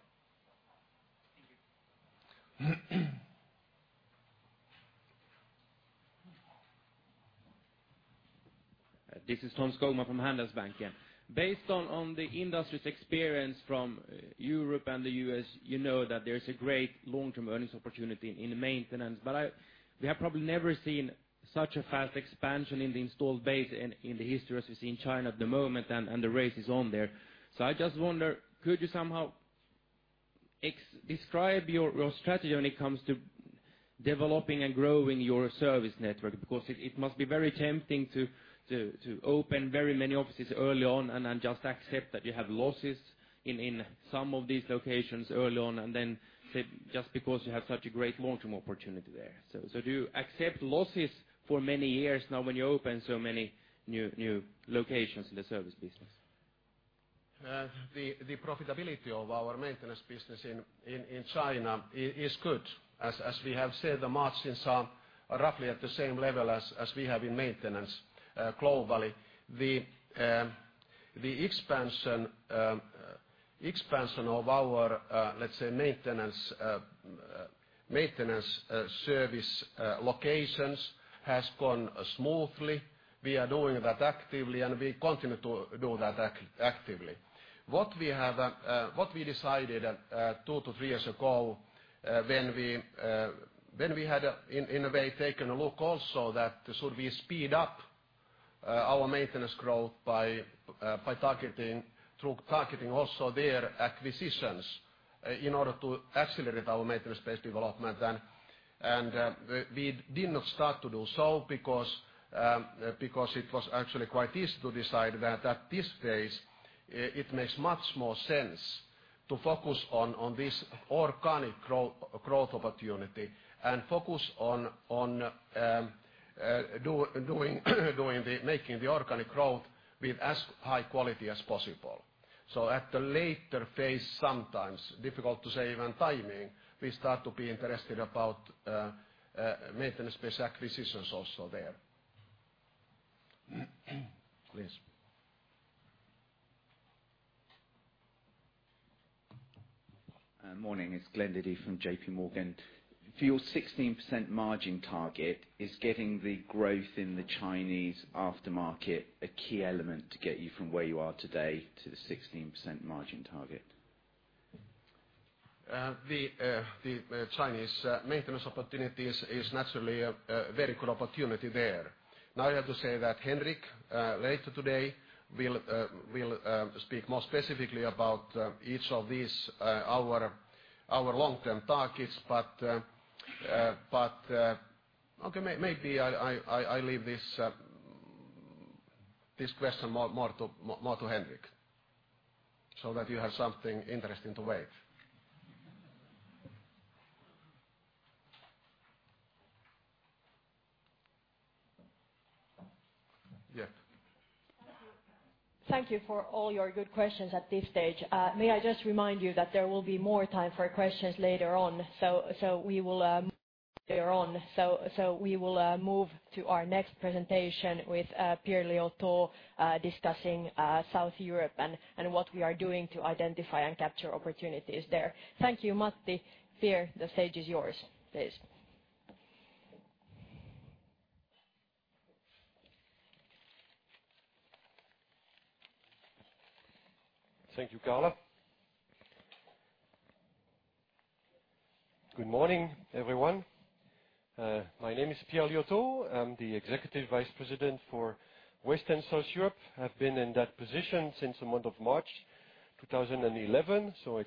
This is Tom Skogman from Handelsbanken. Based on the industry's experience from Europe and the U.S., you know that there's a great long-term earnings opportunity in maintenance. We have probably never seen such a fast expansion in the installed base in the history as we see in China at the moment, and the race is on there. I just wonder, could you somehow describe your strategy when it comes to developing and growing your service network? Because it must be very tempting to open very many offices early on and then just accept that you have losses in some of these locations early on, and then just because you have such a great long-term opportunity there. Do you accept losses for many years now when you open so many new locations in the service business? The profitability of our maintenance business in China is good. As we have said, the margins are roughly at the same level as we have in maintenance globally. The expansion of our, let's say, maintenance service locations has gone smoothly. We are doing that actively, and we continue to do that actively. What we decided two to three years ago when we had, in a way, taken a look also that should we speed up our maintenance growth by targeting also their acquisitions in order to accelerate our maintenance-based development then. We did not start to do so because it was actually quite easy to decide that at this phase, it makes much more sense to focus on this organic growth opportunity and focus on making the organic growth with as high quality as possible. At the later phase, sometimes difficult to say even timing, we start to be interested about maintenance-based acquisitions also there. Please. Morning. It is Glen Liddy from JP Morgan. For your 16% margin target is getting the growth in the Chinese aftermarket a key element to get you from where you are today to the 16% margin target? The Chinese maintenance opportunities is naturally a very good opportunity there. I have to say that Henrik, later today, will speak more specifically about each of these, our long-term targets. Okay, maybe I leave this question more to Henrik, so that you have something interesting to wait. Yes. Thank you for all your good questions at this stage. May I just remind you that there will be more time for questions later on. We will move to our next presentation with Pierre Liautaud discussing South Europe and what we are doing to identify and capture opportunities there. Thank you, Matti. Pierre, the stage is yours. Please. Thank you, Karla. Good morning, everyone. My name is Pierre Liautaud. I am the Executive Vice President for West and South Europe. I have been in that position since the month of March 2011. It is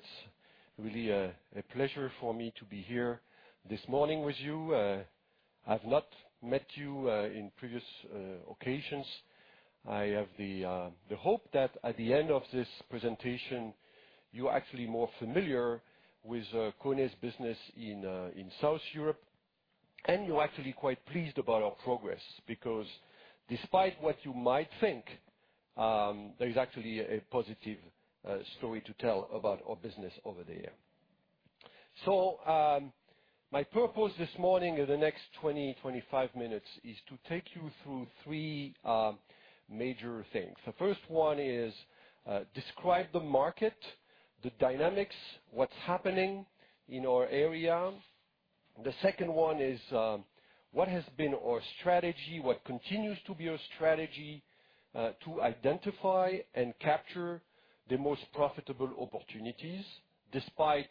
really a pleasure for me to be here this morning with you. I have not met you in previous occasions. I have the hope that at the end of this presentation, you are actually more familiar with KONE's business in South Europe, and you are actually quite pleased about our progress. Despite what you might think, there is actually a positive story to tell about our business over there. My purpose this morning in the next 20, 25 minutes is to take you through three major things. The first one is describe the market, the dynamics, what is happening in our area. The second one is, what has been our strategy, what continues to be our strategy to identify and capture the most profitable opportunities despite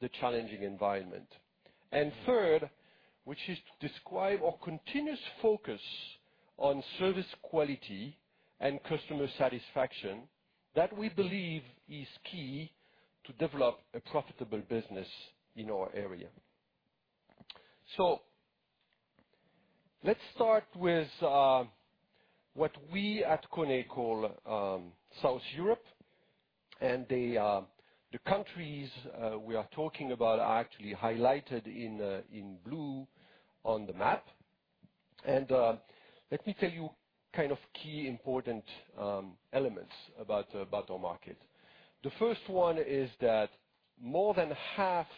the challenging environment. Third, which is to describe our continuous focus on service quality and customer satisfaction that we believe is key to develop a profitable business in our area. Let's start with what we at KONE call South Europe, the countries we are talking about are actually highlighted in blue on the map. Let me tell you key important elements about our market. The first one is that more than half of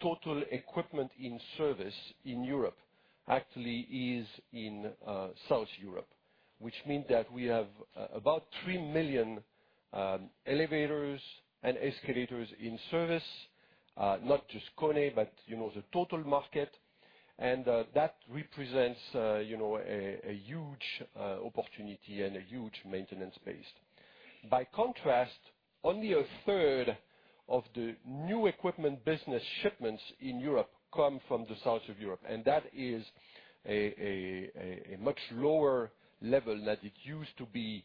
total equipment in service in Europe actually is in South Europe. Which means that we have about 3 million elevators and escalators in service. Not just KONE, but the total market. That represents a huge opportunity and a huge maintenance base. By contrast, only a third of the new equipment business shipments in Europe come from the south of Europe, that is a much lower level than it used to be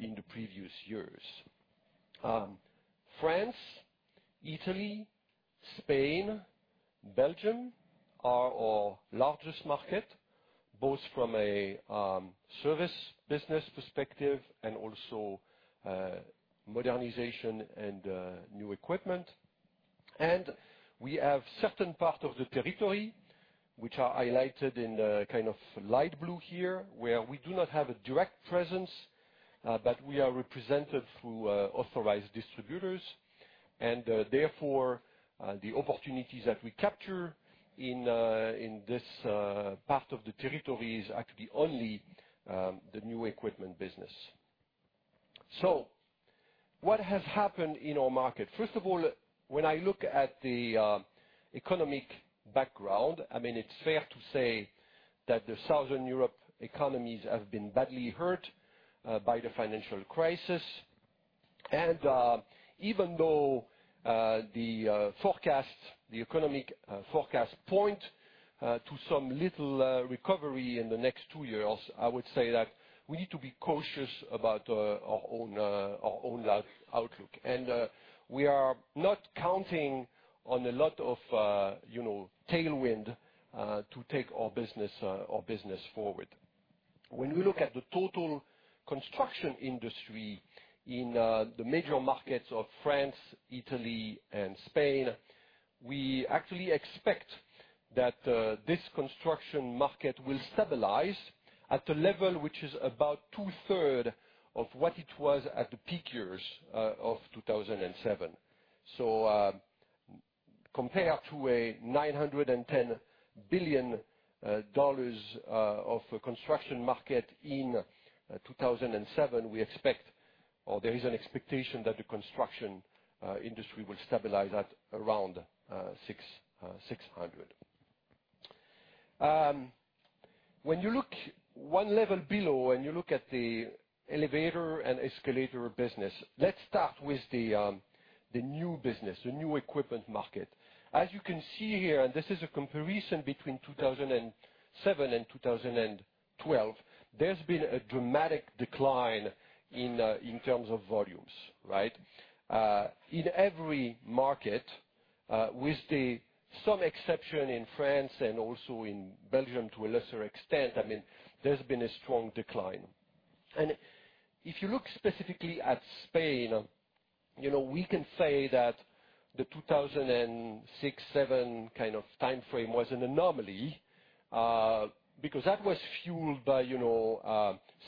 in the previous years. France, Italy, Spain, Belgium are our largest market, both from a service business perspective and also modernization and new equipment. We have certain parts of the territory, which are highlighted in the light blue here, where we do not have a direct presence, but we are represented through authorized distributors. Therefore, the opportunities that we capture in this part of the territory is actually only the new equipment business. What has happened in our market? First of all, when I look at the economic background, it's fair to say that the Southern Europe economies have been badly hurt by the financial crisis. Even though the economic forecast point to some little recovery in the next 2 years, I would say that we need to be cautious about our own outlook. We are not counting on a lot of tailwind to take our business forward. When we look at the total construction industry in the major markets of France, Italy, and Spain, we actually expect that this construction market will stabilize at a level which is about two-third of what it was at the peak years of 2007. Compared to a EUR 910 billion of construction market in 2007, there is an expectation that the construction industry will stabilize at around 600 billion. When you look 1 level below, you look at the elevator and escalator business, let's start with the new business, the new equipment market. As you can see here, this is a comparison between 2007 and 2012, there's been a dramatic decline in terms of volumes, right? In every market, with some exception in France and also in Belgium to a lesser extent, there's been a strong decline. If you look specifically at Spain, we can say that the 2006, 2007 kind of timeframe was an anomaly. That was fueled by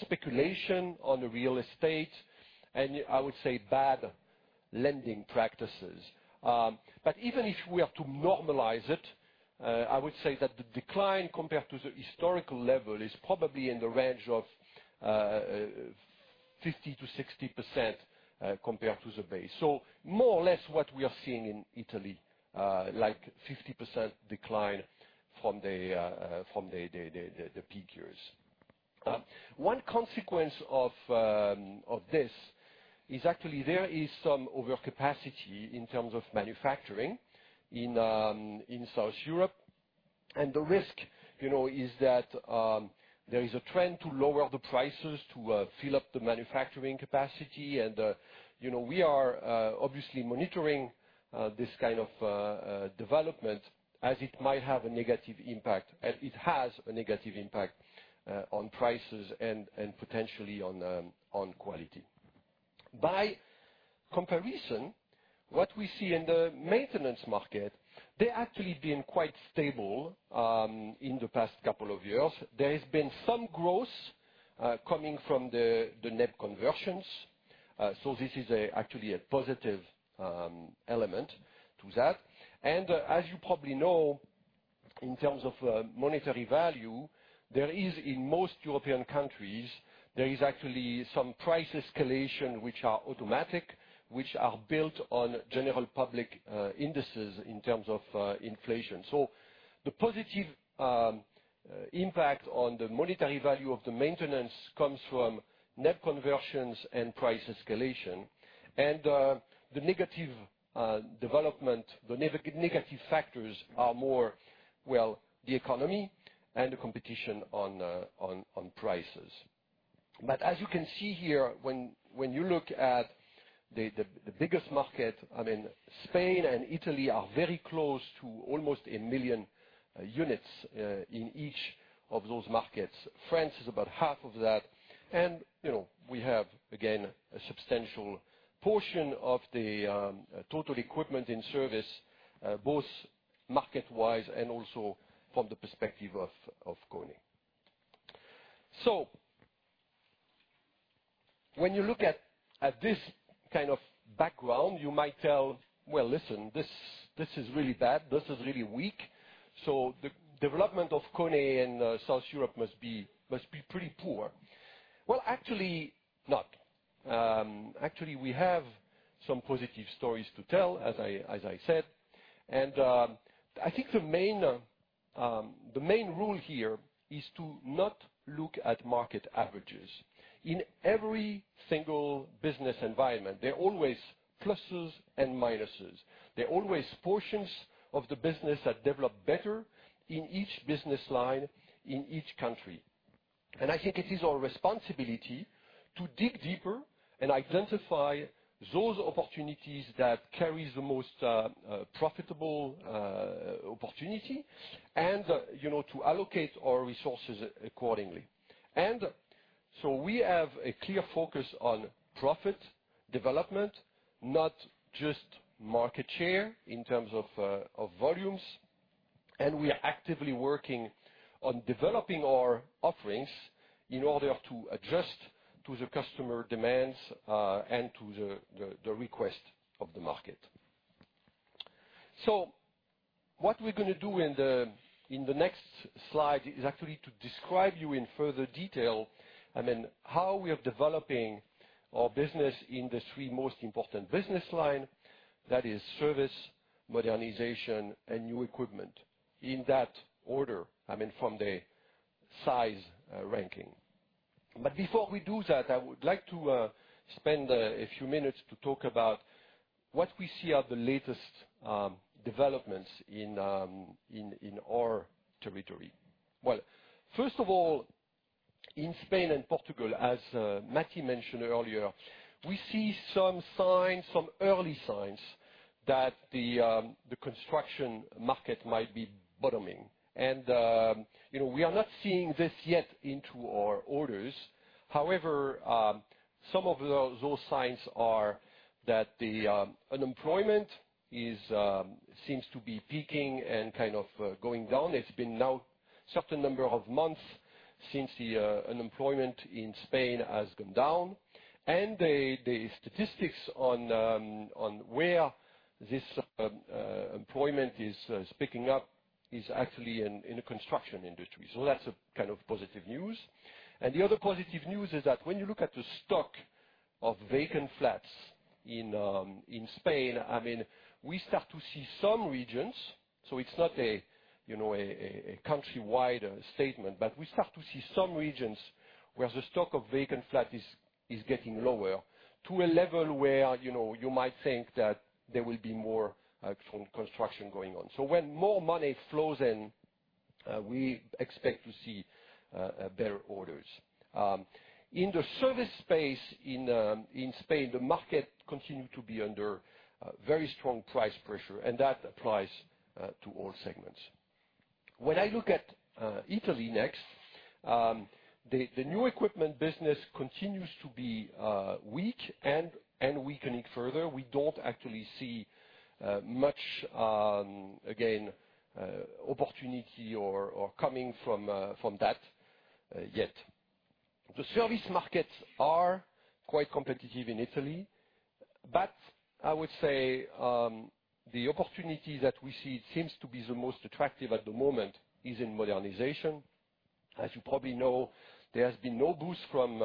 speculation on the real estate, I would say bad lending practices. Even if we are to normalize it, I would say that the decline compared to the historical level is probably in the range of 50%-60% compared to the base. More or less what we are seeing in Italy, like 50% decline from the peak years. One consequence of this is actually there is some overcapacity in terms of manufacturing in South Europe. The risk is that there is a trend to lower the prices to fill up the manufacturing capacity. We are obviously monitoring this kind of development, as it might have a negative impact, and it has a negative impact on prices and potentially on quality. By comparison, what we see in the maintenance market, they actually been quite stable in the past couple of years. There has been some growth coming from the net conversions. This is actually a positive element to that. As you probably know, in terms of monetary value, there is, in most European countries, there is actually some price escalation, which are automatic, which are built on general public indices in terms of inflation. The positive impact on the monetary value of the maintenance comes from net conversions and price escalation. The negative development, the negative factors are more the economy and the competition on prices. As you can see here, when you look at the biggest market, Spain and Italy are very close to almost 1 million units in each of those markets. France is about half of that. We have, again, a substantial portion of the total equipment in service, both market-wise and also from the perspective of KONE. When you look at this kind of background, you might tell, "Well, listen, this is really bad. This is really weak. The development of KONE in South Europe must be pretty poor." Well, actually not. Actually, we have some positive stories to tell, as I said. I think the main rule here is to not look at market averages. In every single business environment, there are always pluses and minuses. There are always portions of the business that develop better in each business line, in each country. I think it is our responsibility to dig deeper and identify those opportunities that carry the most profitable opportunity and to allocate our resources accordingly. We have a clear focus on profit development, not just market share in terms of volumes. We are actively working on developing our offerings in order to adjust to the customer demands, and to the request of the market. What we're going to do in the next slide is actually to describe to you in further detail how we are developing our business in the three most important business line. That is service, modernization, and new equipment, in that order from the size ranking. Before we do that, I would like to spend a few minutes to talk about what we see are the latest developments in our territory. Well, first of all, in Spain and Portugal, as Matti mentioned earlier, we see some early signs that the construction market might be bottoming. We are not seeing this yet into our orders. However, some of those signs are that the unemployment seems to be peaking and kind of going down. It's been now certain number of months since the unemployment in Spain has come down. The statistics on where this employment is picking up is actually in the construction industry. That's a kind of positive news. The other positive news is that when you look at the stock of vacant flats in Spain, we start to see some regions, so it's not a countrywide statement, but we start to see some regions where the stock of vacant flat is getting lower to a level where you might think that there will be more construction going on. When more money flows in, we expect to see better orders. In the service space in Spain, the market continued to be under very strong price pressure, and that applies to all segments. When I look at Italy next, the new equipment business continues to be weak and weakening further. We don't actually see much, again, opportunity or coming from that yet. The service markets are quite competitive in Italy, but I would say the opportunity that we see seems to be the most attractive at the moment is in modernization. As you probably know, there has been no boost from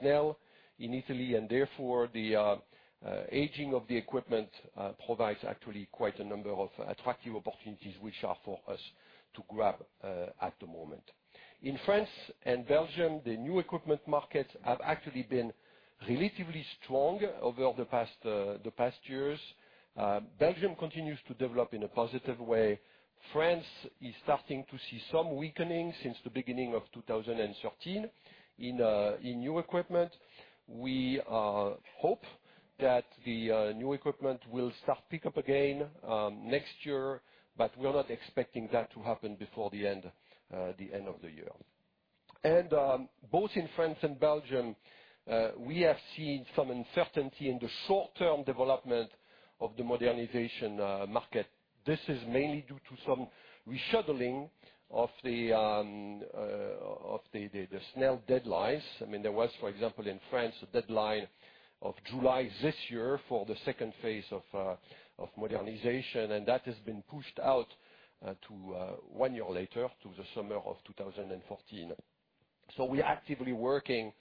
SNEL in Italy, and therefore, the aging of the equipment provides actually quite a number of attractive opportunities, which are for us to grab at the moment. In France and Belgium, the new equipment markets have actually been relatively strong over the past years. Belgium continues to develop in a positive way. France is starting to see some weakening since the beginning of 2013 in new equipment. We hope that the new equipment will start pick up again next year, but we are not expecting that to happen before the end of the year. Both in France and Belgium, we have seen some uncertainty in the short-term development of the modernization market. This is mainly due to some rescheduling of the SNEL deadlines. There was, for example, in France, a deadline of July this year for the second phase of modernization, and that has been pushed out to one year later to the summer of 2014. We are actively working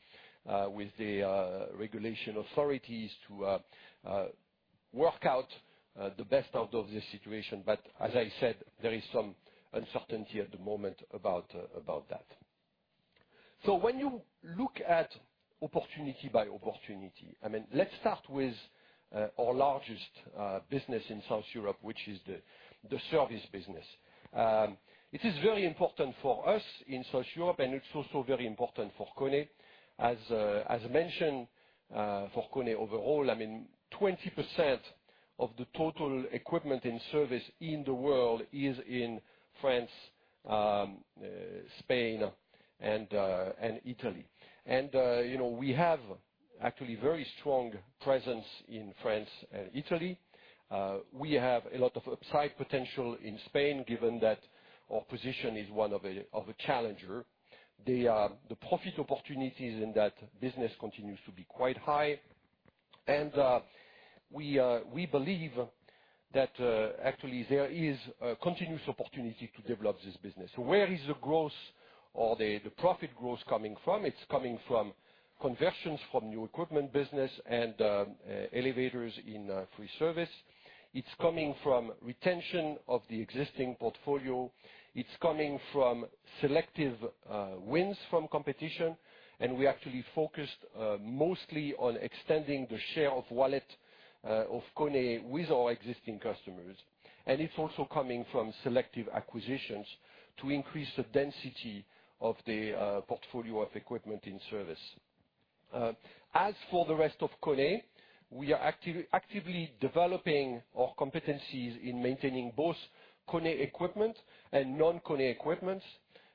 with the regulation authorities to work out the best out of this situation. But as I said, there is some uncertainty at the moment about that. When you look at opportunity by opportunity, let's start with our largest business in South Europe, which is the service business. It is very important for us in South Europe, and it's also very important for KONE. As mentioned, for KONE overall, 20% of the total equipment in service in the world is in France, Spain, and Italy. We have actually very strong presence in France and Italy. We have a lot of upside potential in Spain, given that our position is one of a challenger. The profit opportunities in that business continues to be quite high. We believe that actually there is a continuous opportunity to develop this business. Where is the growth or the profit growth coming from? It's coming from conversions from new equipment business and elevators in free service. It's coming from retention of the existing portfolio. It's coming from selective wins from competition, and we actually focused mostly on extending the share of wallet of KONE with our existing customers. It's also coming from selective acquisitions to increase the density of the portfolio of equipment in service. As for the rest of KONE, we are actively developing our competencies in maintaining both KONE equipment and non-KONE equipment.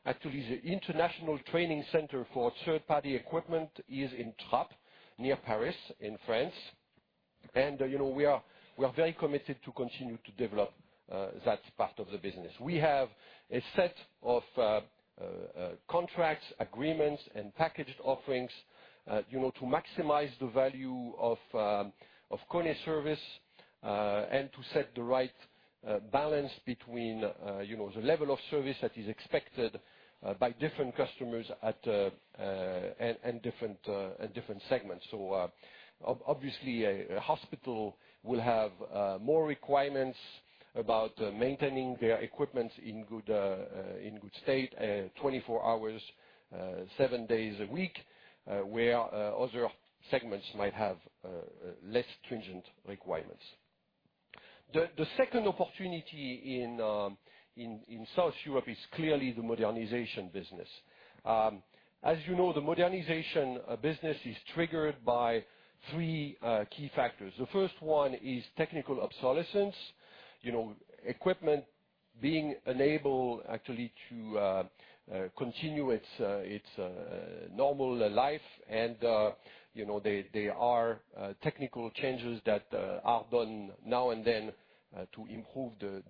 Actually, the international training center for third-party equipment is in Trappes, near Paris, in France. We are very committed to continue to develop that part of the business. We have a set of contracts, agreements, and packaged offerings, to maximize the value of KONE service. To set the right balance between the level of service that is expected by different customers at, and different segments. Obviously, a hospital will have more requirements about maintaining their equipment in good state, 24 hours, seven days a week. Where other segments might have less stringent requirements. The second opportunity in South Europe is clearly the modernization business. As you know, the modernization business is triggered by three key factors. The first one is technical obsolescence. Equipment being unable, actually, to continue its normal life. There are technical changes that are done now and then to improve the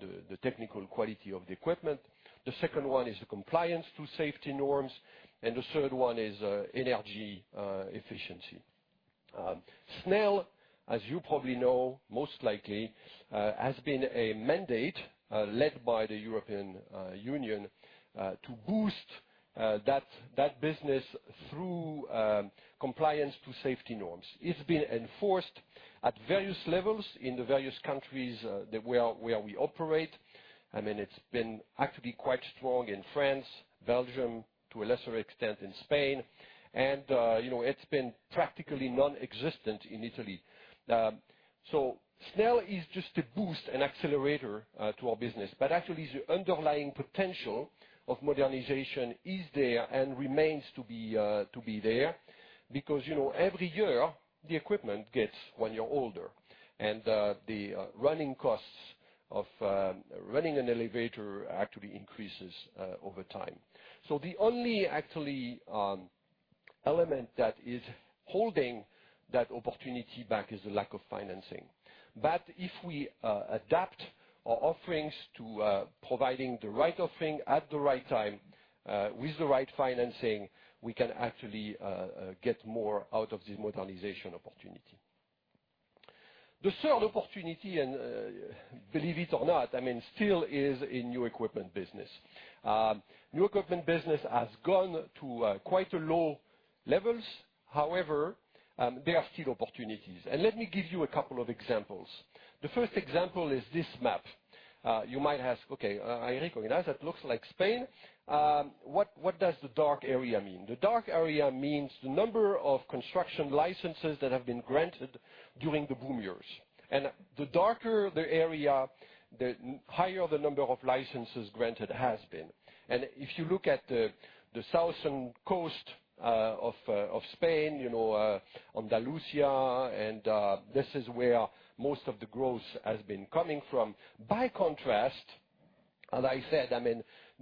technical quality of the equipment. The second one is the compliance to safety norms. The third one is energy efficiency. SNEL, as you probably know, most likely, has been a mandate led by the European Union, to boost that business through compliance to safety norms. It's been enforced at various levels in the various countries where we operate. It's been quite strong in France, Belgium, to a lesser extent in Spain. It's been practically nonexistent in Italy. SNEL is just a boost, an accelerator to our business. Actually, the underlying potential of modernization is there and remains to be there because, every year the equipment gets one year older. The running costs of running an elevator actually increases over time. The only element that is holding that opportunity back is the lack of financing. If we adapt our offerings to providing the right offering at the right time, with the right financing, we can actually get more out of this modernization opportunity. The third opportunity and, believe it or not, still is in new equipment business. New equipment business has gone to quite low levels. However, there are still opportunities. Let me give you a couple of examples. The first example is this map. You might ask, "Okay, Enrico, that looks like Spain. What does the dark area mean?" The dark area means the number of construction licenses that have been granted during the boom years. The darker the area, the higher the number of licenses granted has been. If you look at the southern coast of Spain, Andalusia, this is where most of the growth has been coming from. By contrast, as I said,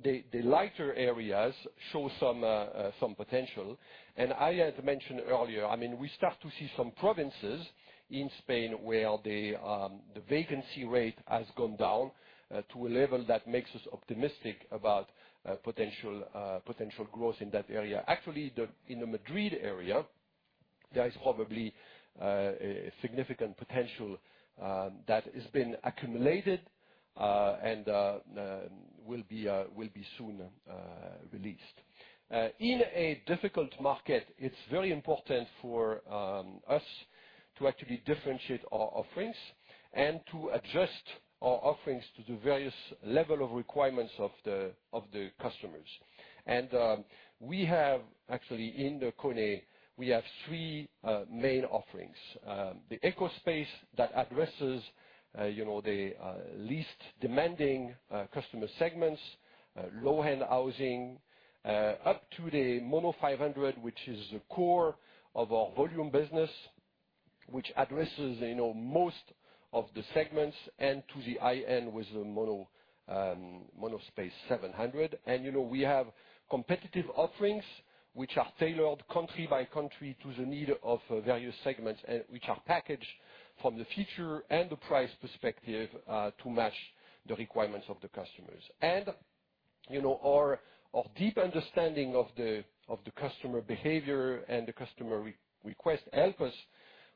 the lighter areas show some potential. I had mentioned earlier, we start to see some provinces in Spain where the vacancy rate has gone down to a level that makes us optimistic about potential growth in that area. Actually, in the Madrid area, there is probably a significant potential that has been accumulated, and will be soon released. In a difficult market, it's very important for us to actually differentiate our offerings and to adjust our offerings to the various level of requirements of the customers. We have, actually, in the KONE, we have three main offerings. The EcoSpace that addresses the least demanding customer segments, low-end housing, up to the MonoSpace 500, which is the core of our volume business, which addresses most of the segments, to the high-end with the MonoSpace 700. We have competitive offerings, which are tailored country by country to the need of various segments, and which are packaged from the feature and the price perspective to match the requirements of the customers. Our deep understanding of the customer behavior and the customer request help us,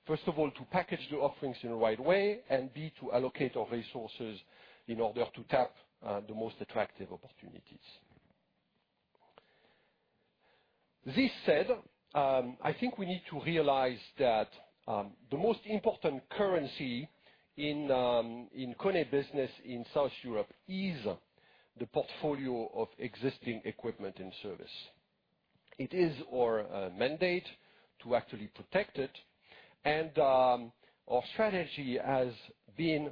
first of all, to package the offerings in the right way, and b, to allocate our resources in order to tap the most attractive opportunities. This said, I think we need to realize that the most important currency in KONE business in South Europe is the portfolio of existing equipment and service. It is our mandate to actually protect it, and our strategy has been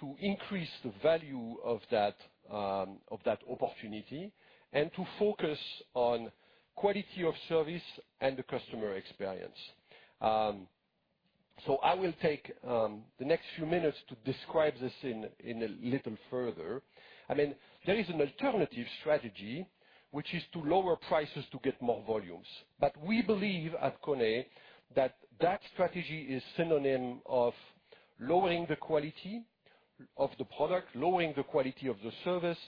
to increase the value of that opportunity and to focus on quality of service and the customer experience. I will take the next few minutes to describe this a little further. There is an alternative strategy, which is to lower prices to get more volumes. We believe at KONE, that strategy is synonym of lowering the quality of the product, lowering the quality of the service,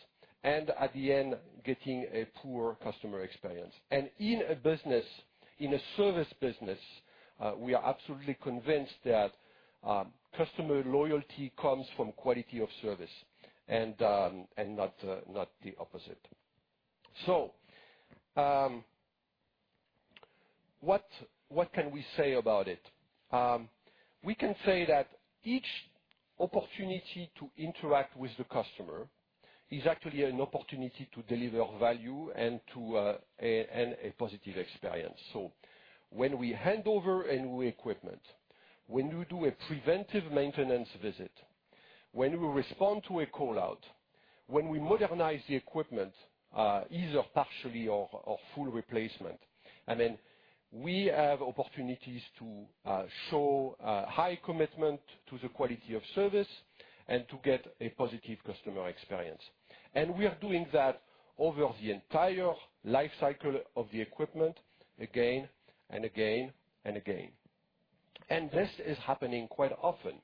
and at the end, getting a poor customer experience. In a service business, we are absolutely convinced that customer loyalty comes from quality of service and not the opposite. What can we say about it? We can say that each opportunity to interact with the customer is actually an opportunity to deliver value and a positive experience. When we hand over a new equipment, when we do a preventive maintenance visit, when we respond to a call-out, when we modernize the equipment, either partially or full replacement, we have opportunities to show high commitment to the quality of service and to get a positive customer experience. We are doing that over the entire life cycle of the equipment again and again and again. This is happening quite often.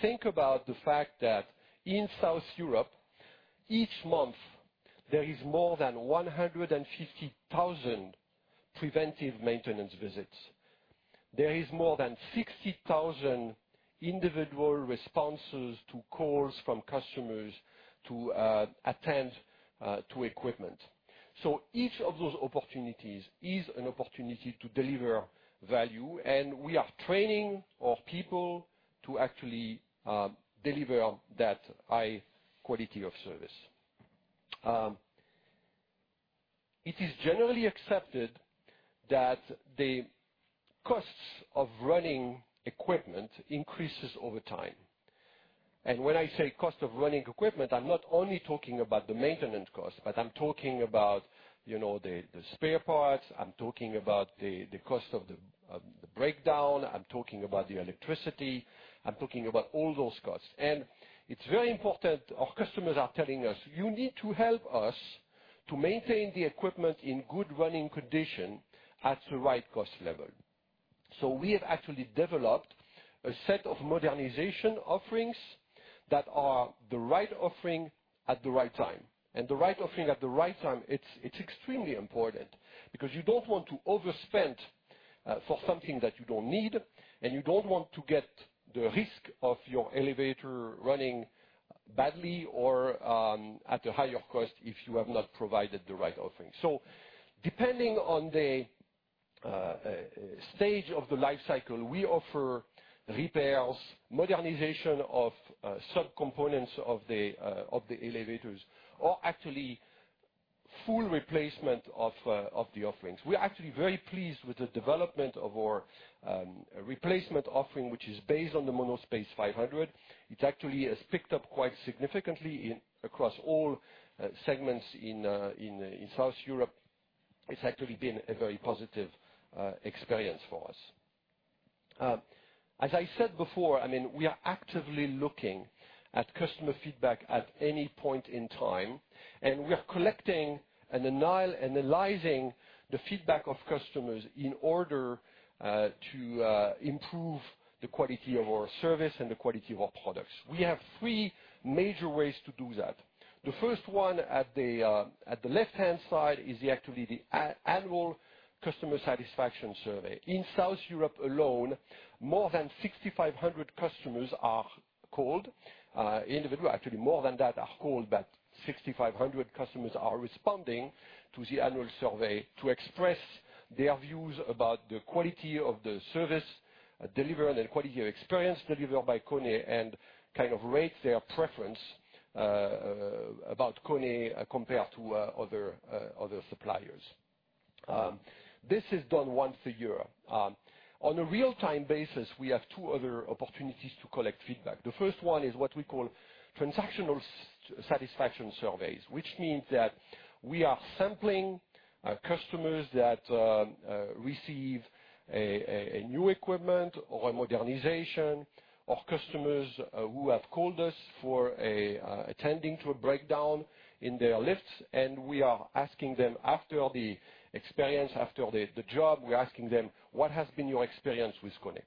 Think about the fact that in South Europe, each month there is more than 150,000 preventive maintenance visits. There is more than 60,000 individual responses to calls from customers to attend to equipment. Each of those opportunities is an opportunity to deliver value, and we are training our people to actually deliver that high quality of service. It is generally accepted that the costs of running equipment increases over time. When I say cost of running equipment, I'm not only talking about the maintenance cost, but I'm talking about the spare parts, I'm talking about the cost of the breakdown, I'm talking about the electricity, I'm talking about all those costs. It's very important our customers are telling us, "You need to help us to maintain the equipment in good running condition at the right cost level." We have actually developed a set of modernization offerings that are the right offering at the right time. The right offering at the right time, it's extremely important because you don't want to overspend for something that you don't need, and you don't want to get the risk of your elevator running badly or at a higher cost if you have not provided the right offering. Depending on the stage of the life cycle, we offer repairs, modernization of subcomponents of the elevators, or actually full replacement of the offerings. We are actually very pleased with the development of our replacement offering, which is based on the MonoSpace 500. It actually has picked up quite significantly across all segments in South Europe. It's actually been a very positive experience for us. As I said before, we are actively looking at customer feedback at any point in time, we are collecting and analyzing the feedback of customers in order to improve the quality of our service and the quality of our products. We have three major ways to do that. The first one, at the left-hand side, is actually the annual customer satisfaction survey. In South Europe alone, more than 6,500 customers are called. More than that are called, but 6,500 customers are responding to the annual survey to express their views about the quality of the service delivered and quality of experience delivered by KONE and kind of rate their preference about KONE compared to other suppliers. This is done once a year. On a real-time basis, we have two other opportunities to collect feedback. The first one is what we call transactional satisfaction surveys, which means that we are sampling customers that receive a new equipment or a modernization, or customers who have called us for attending to a breakdown in their lifts. We are asking them after the experience, after the job, we're asking them, "What has been your experience with KONE?"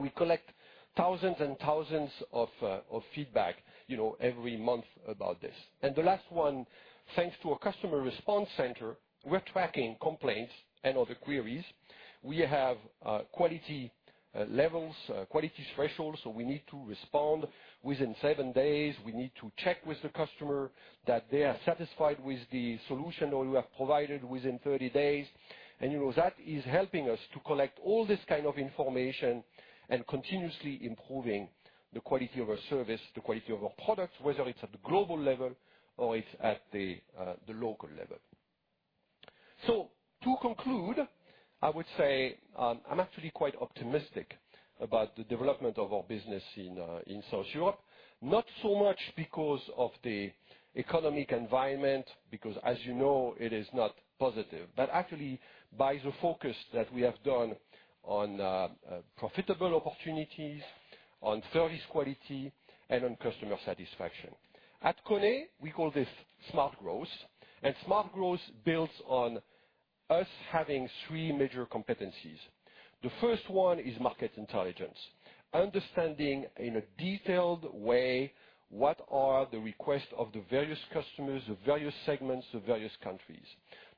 We collect thousands and thousands of feedback every month about this. The last one, thanks to our customer response center, we're tracking complaints and other queries. We have quality levels, quality thresholds, we need to respond within seven days, we need to check with the customer that they are satisfied with the solution that we have provided within 30 days. That is helping us to collect all this kind of information and continuously improving the quality of our service, the quality of our products, whether it's at the global level or it's at the local level. To conclude, I would say I'm actually quite optimistic about the development of our business in South Europe. Not so much because of the economic environment, because as you know, it is not positive. But actually by the focus that we have done on profitable opportunities, on service quality, and on customer satisfaction. At KONE, we call this smart growth. Smart growth builds on us having three major competencies. The first one is market intelligence. Understanding in a detailed way what are the requests of the various customers, the various segments of various countries.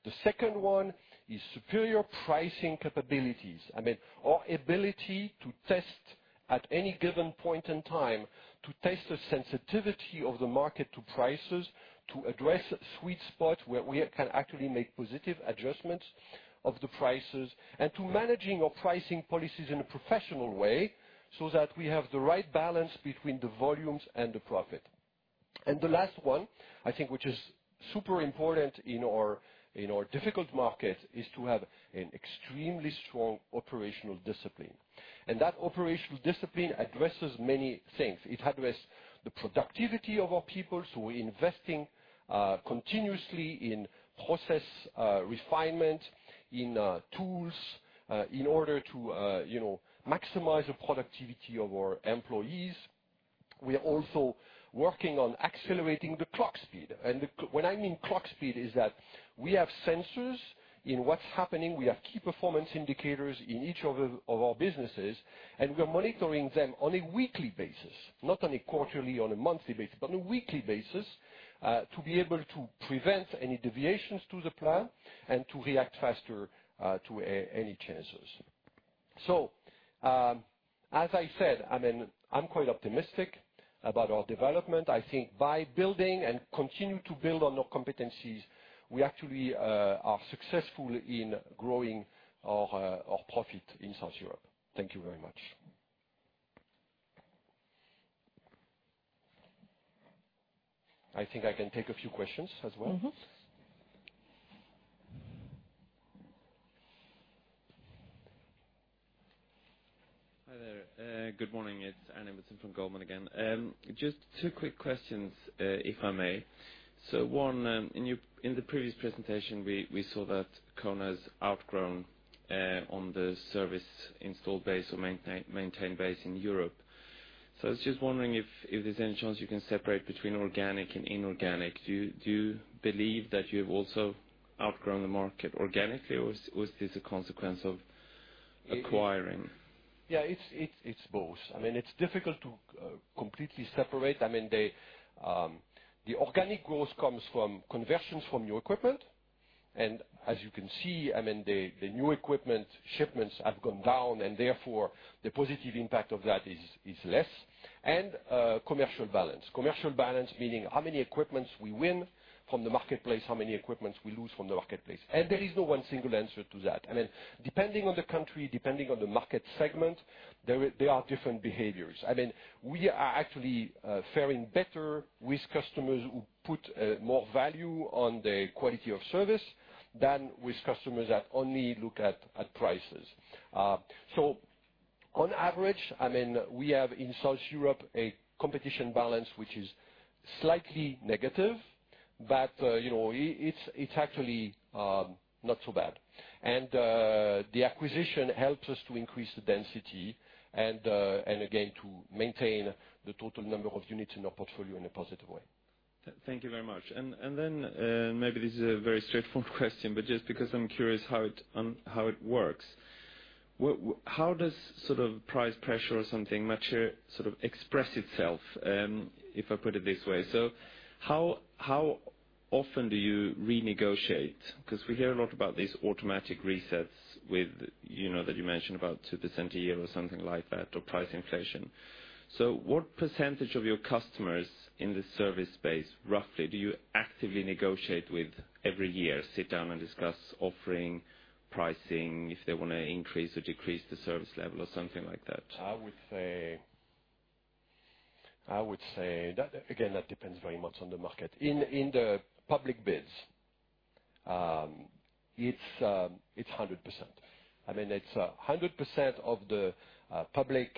The second one is superior pricing capabilities. I mean, our ability to test at any given point in time, to test the sensitivity of the market to prices, to address sweet spot where we can actually make positive adjustments of the prices, and to managing our pricing policies in a professional way so that we have the right balance between the volumes and the profit. The last one, I think which is super important in our difficult market, is to have an extremely strong operational discipline. That operational discipline addresses many things. It addresses the productivity of our people. We're investing continuously in process refinement, in tools, in order to maximize the productivity of our employees. We are also working on accelerating the clock speed. What I mean clock speed is that we have sensors in what's happening. We have key performance indicators in each of our businesses, and we are monitoring them on a weekly basis. Not on a quarterly, on a monthly basis, but on a weekly basis, to be able to prevent any deviations to the plan and to react faster to any changes. As I said, I'm quite optimistic about our development. I think by building and continue to build on our competencies, we actually are successful in growing our profit in South Europe. Thank you very much. I think I can take a few questions as well. Hi there. Good morning. It's Arne Nilsson from Goldman again. Just two quick questions, if I may. One, in the previous presentation, we saw that KONE has outgrown on the service installed base or maintained base in Europe. I was just wondering if there's any chance you can separate between organic and inorganic. Do you believe that you've also outgrown the market organically, or is this a consequence of acquiring? Yeah, it's both. It's difficult to completely separate. The organic growth comes from conversions from new equipment. As you can see, the new equipment shipments have gone down, and therefore, the positive impact of that is less. Commercial balance. Commercial balance meaning how many equipments we win from the marketplace, how many equipments we lose from the marketplace. There is no one single answer to that. Depending on the country, depending on the market segment, there are different behaviors. We are actually faring better with customers who put more value on the quality of service than with customers that only look at prices. On average, we have in South Europe a competition balance which is slightly negative, but it's actually not so bad. The acquisition helps us to increase the density and, again, to maintain the total number of units in our portfolio in a positive way. Thank you very much. Maybe this is a very straightforward question, just because I am curious how it works. How does price pressure or something, Matti, express itself, if I put it this way? How often do you renegotiate? We hear a lot about these automatic resets that you mentioned about 2% a year or something like that, or price inflation. What percentage of your customers in the service space roughly do you actively negotiate with every year? Sit down and discuss offering, pricing, if they want to increase or decrease the service level or something like that? I would say that, again, that depends very much on the market. In the public bids, it's 100%. It's 100% of the public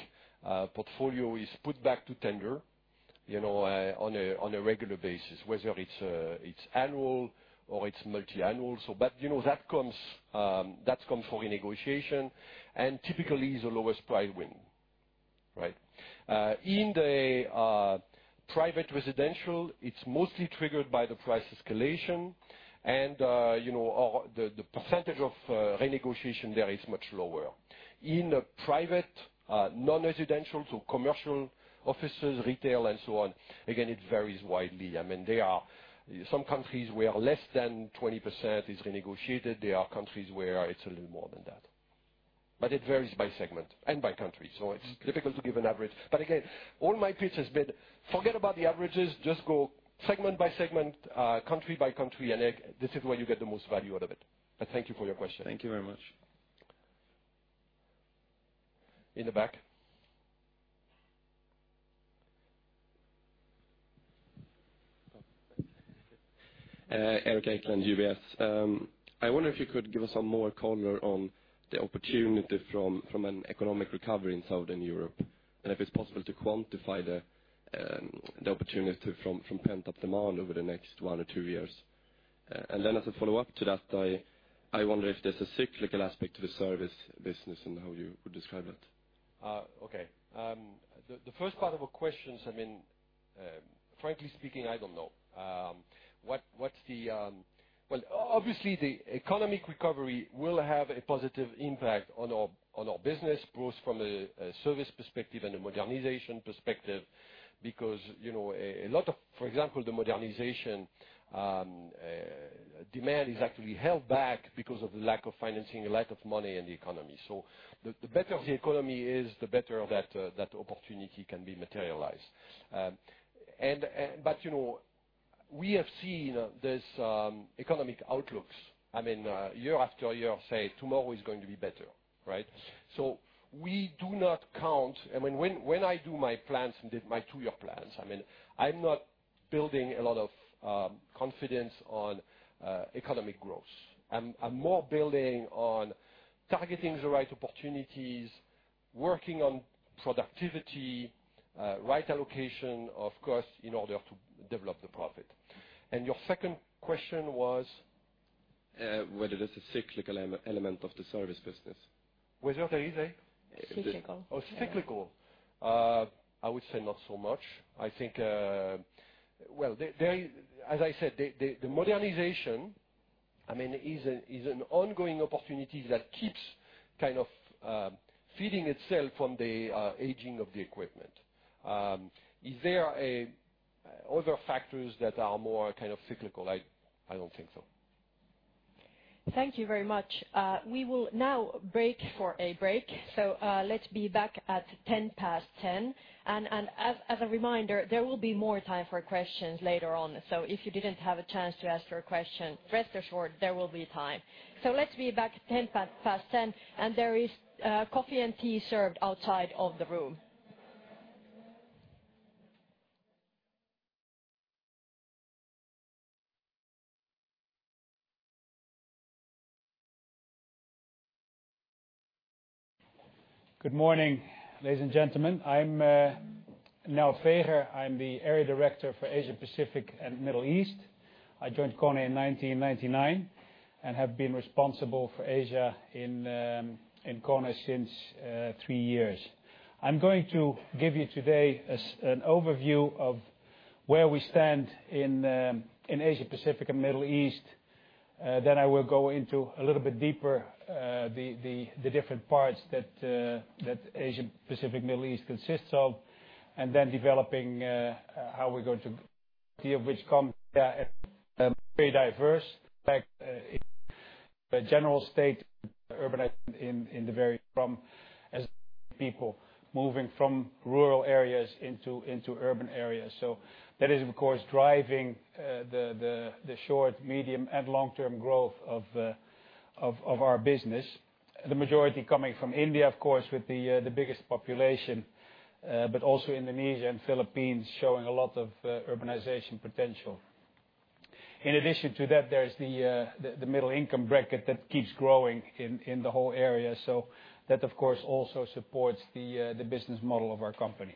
portfolio is put back to tender on a regular basis, whether it's annual or it's multi-annual. That comes for renegotiation and typically the lowest price win. Right. In the private residential, it's mostly triggered by the price escalation and the percentage of renegotiation there is much lower. In private, non-residential, so commercial offices, retail, and so on, again, it varies widely. There are some countries where less than 20% is renegotiated. There are countries where it's a little more than that. It varies by segment and by country, so it's difficult to give an average. Again, all my pitch has been forget about the averages, just go segment by segment, country by country, and this is where you get the most value out of it. Thank you for your question. Thank you very much. In the back. Eric Eklund, UBS. If it's possible to give us some more color on the opportunity from an economic recovery in Southern Europe, and if it's possible to quantify the opportunity from pent-up demand over the next one or two years. As a follow-up to that, I wonder if there's a cyclical aspect to the service business and how you would describe it. Okay. The first part of the questions, frankly speaking, I don't know. Obviously, the economic recovery will have a positive impact on our business, both from a service perspective and a modernization perspective. A lot of, for example, the modernization demand is actually held back because of the lack of financing and lack of money in the economy. The better the economy is, the better that opportunity can be materialized. We have seen these economic outlooks, year after year, say tomorrow is going to be better, right? We do not count. When I do my two-year plans, I'm not building a lot of confidence on economic growth. I'm more building on targeting the right opportunities, working on productivity, right allocation, of course, in order to develop the profit. Your second question was Whether there's a cyclical element of the service business. Whether there is Cyclical. Oh, cyclical. I would say not so much. As I said, the modernization is an ongoing opportunity that keeps kind of feeding itself from the aging of the equipment. Is there other factors that are more kind of cyclical? I don't think so. Thank you very much. We will now break for a break. Let's be back at 10:10 A.M. As a reminder, there will be more time for questions later on. If you didn't have a chance to ask your question, rest assured there will be time. Let's be back 10:10 A.M., there is coffee and tea served outside of the room. Good morning, ladies and gentlemen. I'm Noud Wegman. I'm the Area Director for Asia Pacific and Middle East. I joined KONE in 1999 and have been responsible for Asia in KONE since three years. I'm going to give you today an overview of where we stand in Asia Pacific and Middle East. Then I will go into a little bit deeper, the different parts that Asia Pacific, Middle East consists of. And then developing how we're going to which come very diverse, like the general state urban are in the very from <audio distortion> as people moving from rural areas into urban areas. That is, of course, driving the short, medium, and long-term growth of our business. The majority coming from India, of course, with the biggest population. Also Indonesia and Philippines showing a lot of urbanization potential. In addition to that, there is the middle income bracket that keeps growing in the whole area, that, of course, also supports the business model of our company.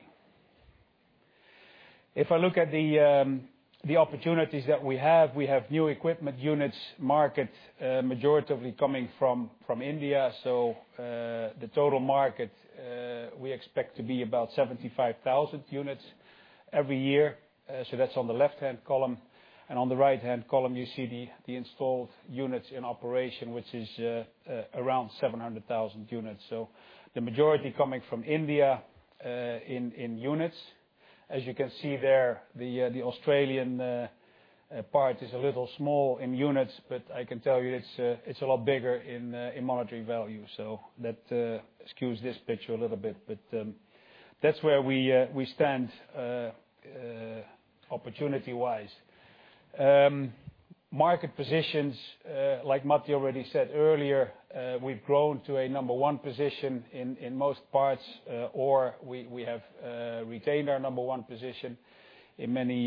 If I look at the opportunities that we have, we have new equipment units market majority coming from India. The total market, we expect to be about 75,000 units every year. That's on the left-hand column. On the right-hand column, you see the installed units in operation, which is around 700,000 units. The majority coming from India in units. As you can see there, the Australian part is a little small in units, but I can tell you it's a lot bigger in monetary value. That skews this picture a little bit, but that's where we stand opportunity-wise. Market positions, like Matti already said earlier, we've grown to a number one position in most parts, or we have retained our number one position in many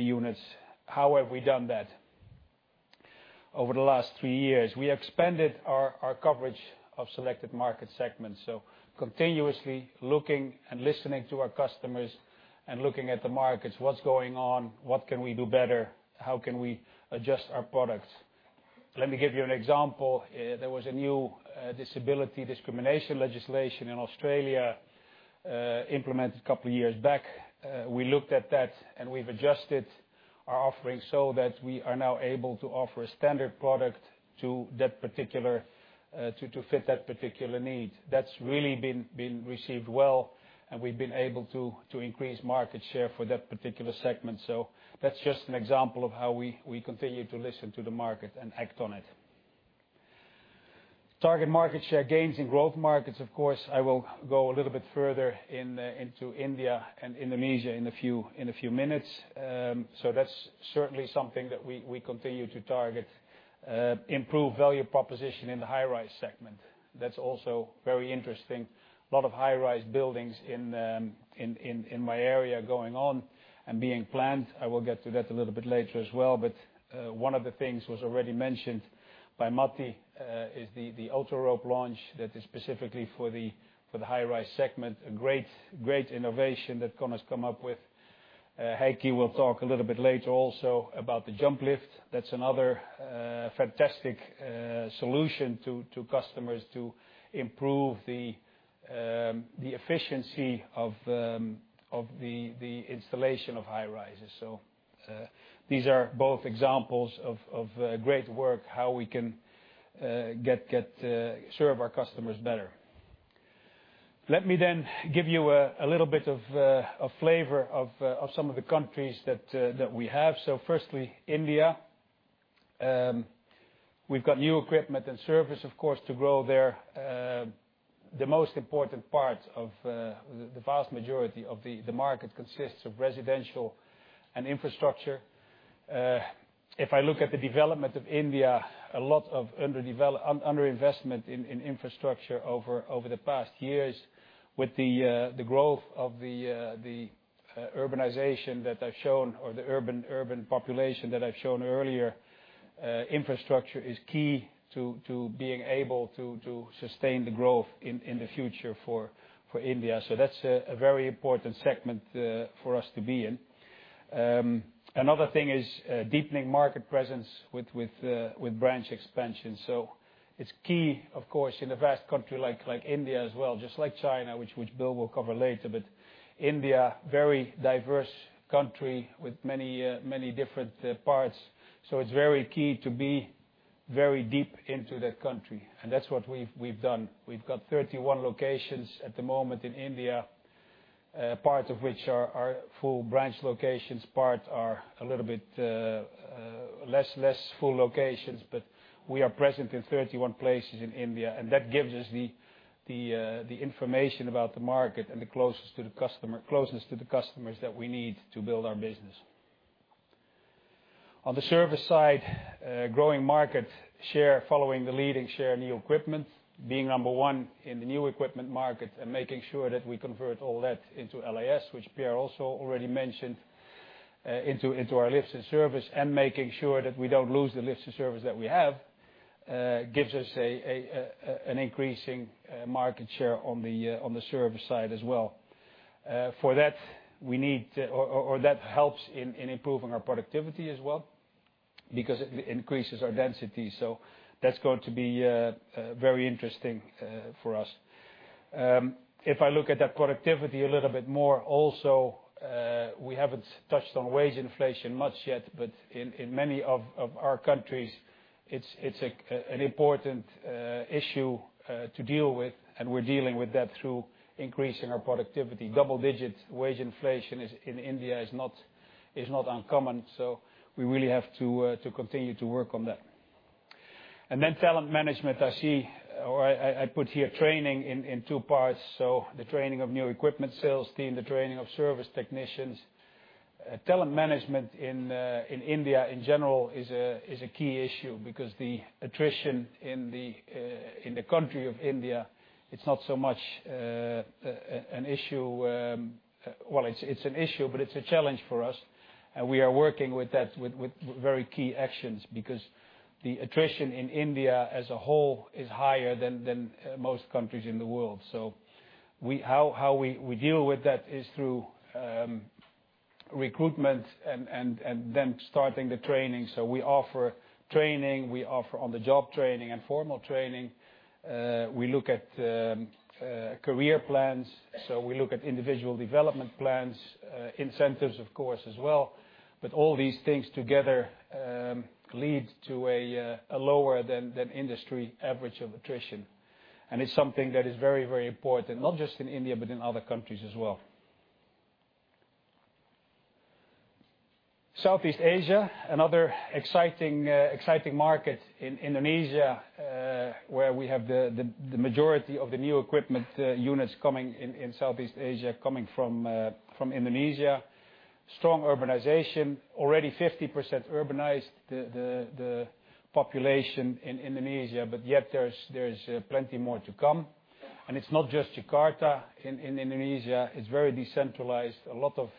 units. How have we done that? Over the last three years, we expanded our coverage of selected market segments. Continuously looking and listening to our customers and looking at the markets. What's going on? What can we do better? How can we adjust our products? Let me give you an example. There was a new disability discrimination legislation in Australia implemented a couple of years back. We looked at that, and we've adjusted our offering so that we are now able to offer a standard product to fit that particular need. That's really been received well, and we've been able to increase market share for that particular segment. That's just an example of how we continue to listen to the market and act on it. Target market share gains in growth markets, of course, I will go a little bit further into India and Indonesia in a few minutes. That's certainly something that we continue to target. Improve value proposition in the high-rise segment. That's also very interesting. A lot of high-rise buildings in my area going on and being planned. I will get to that a little bit later as well. One of the things was already mentioned by Matti, is the UltraRope launch that is specifically for the high-rise segment. A great innovation that KONE's come up with. Heikki will talk a little bit later also about the JumpLift. That's another fantastic solution to customers to improve the efficiency of the installation of high-rises. These are both examples of great work, how we can serve our customers better. Let me then give you a little bit of flavor of some of the countries that we have. Firstly, India. We've got new equipment and service, of course, to grow there. The most important part of the vast majority of the market consists of residential and infrastructure. If I look at the development of India, a lot of under-investment in infrastructure over the past years with the growth of the urbanization that I've shown or the urban population that I've shown earlier. Infrastructure is key to being able to sustain the growth in the future for India. That's a very important segment for us to be in. Another thing is deepening market presence with branch expansion. It's key, of course, in a vast country like India as well, just like China, which Bill will cover later. India, very diverse country with many different parts. It's very key to be very deep into that country. That's what we've done. We've got 31 locations at the moment in India, part of which are full branch locations, part are a little bit less full locations, but we are present in 31 places in India, and that gives us the information about the market and the closeness to the customers that we need to build our business. On the service side, growing market share following the leading share new equipment, being number one in the new equipment market and making sure that we convert all that into LAS, which Pierre also already mentioned, into our Lifts in Service and making sure that we don't lose the Lifts in Service that we have, gives us an increasing market share on the service side as well. For that, we need, or that helps in improving our productivity as well because it increases our density. That's going to be very interesting for us. If I look at that productivity a little bit more also, we haven't touched on wage inflation much yet, but in many of our countries, it's an important issue to deal with, and we're dealing with that through increasing our productivity. Double-digit wage inflation in India is not uncommon, we really have to continue to work on that. Talent management, I see, or I put here training in two parts. The training of new equipment sales team, the training of service technicians. Talent management in India, in general, is a key issue because the attrition in the country of India, it's not so much an issue. It's an issue, but it's a challenge for us, and we are working with that with very key actions because the attrition in India as a whole is higher than most countries in the world. How we deal with that is through recruitment and starting the training. We offer training, we offer on-the-job training and formal training. We look at career plans, we look at individual development plans. Incentives, of course, as well. All these things together lead to a lower than industry average of attrition. It's something that is very important, not just in India but in other countries as well. Southeast Asia, another exciting market in Indonesia, where we have the majority of the new equipment units coming in Southeast Asia, coming from Indonesia. Strong urbanization. Already 50% urbanized, the population in Indonesia, yet there's plenty more to come. It's not just Jakarta in Indonesia. It's very decentralized. A lot of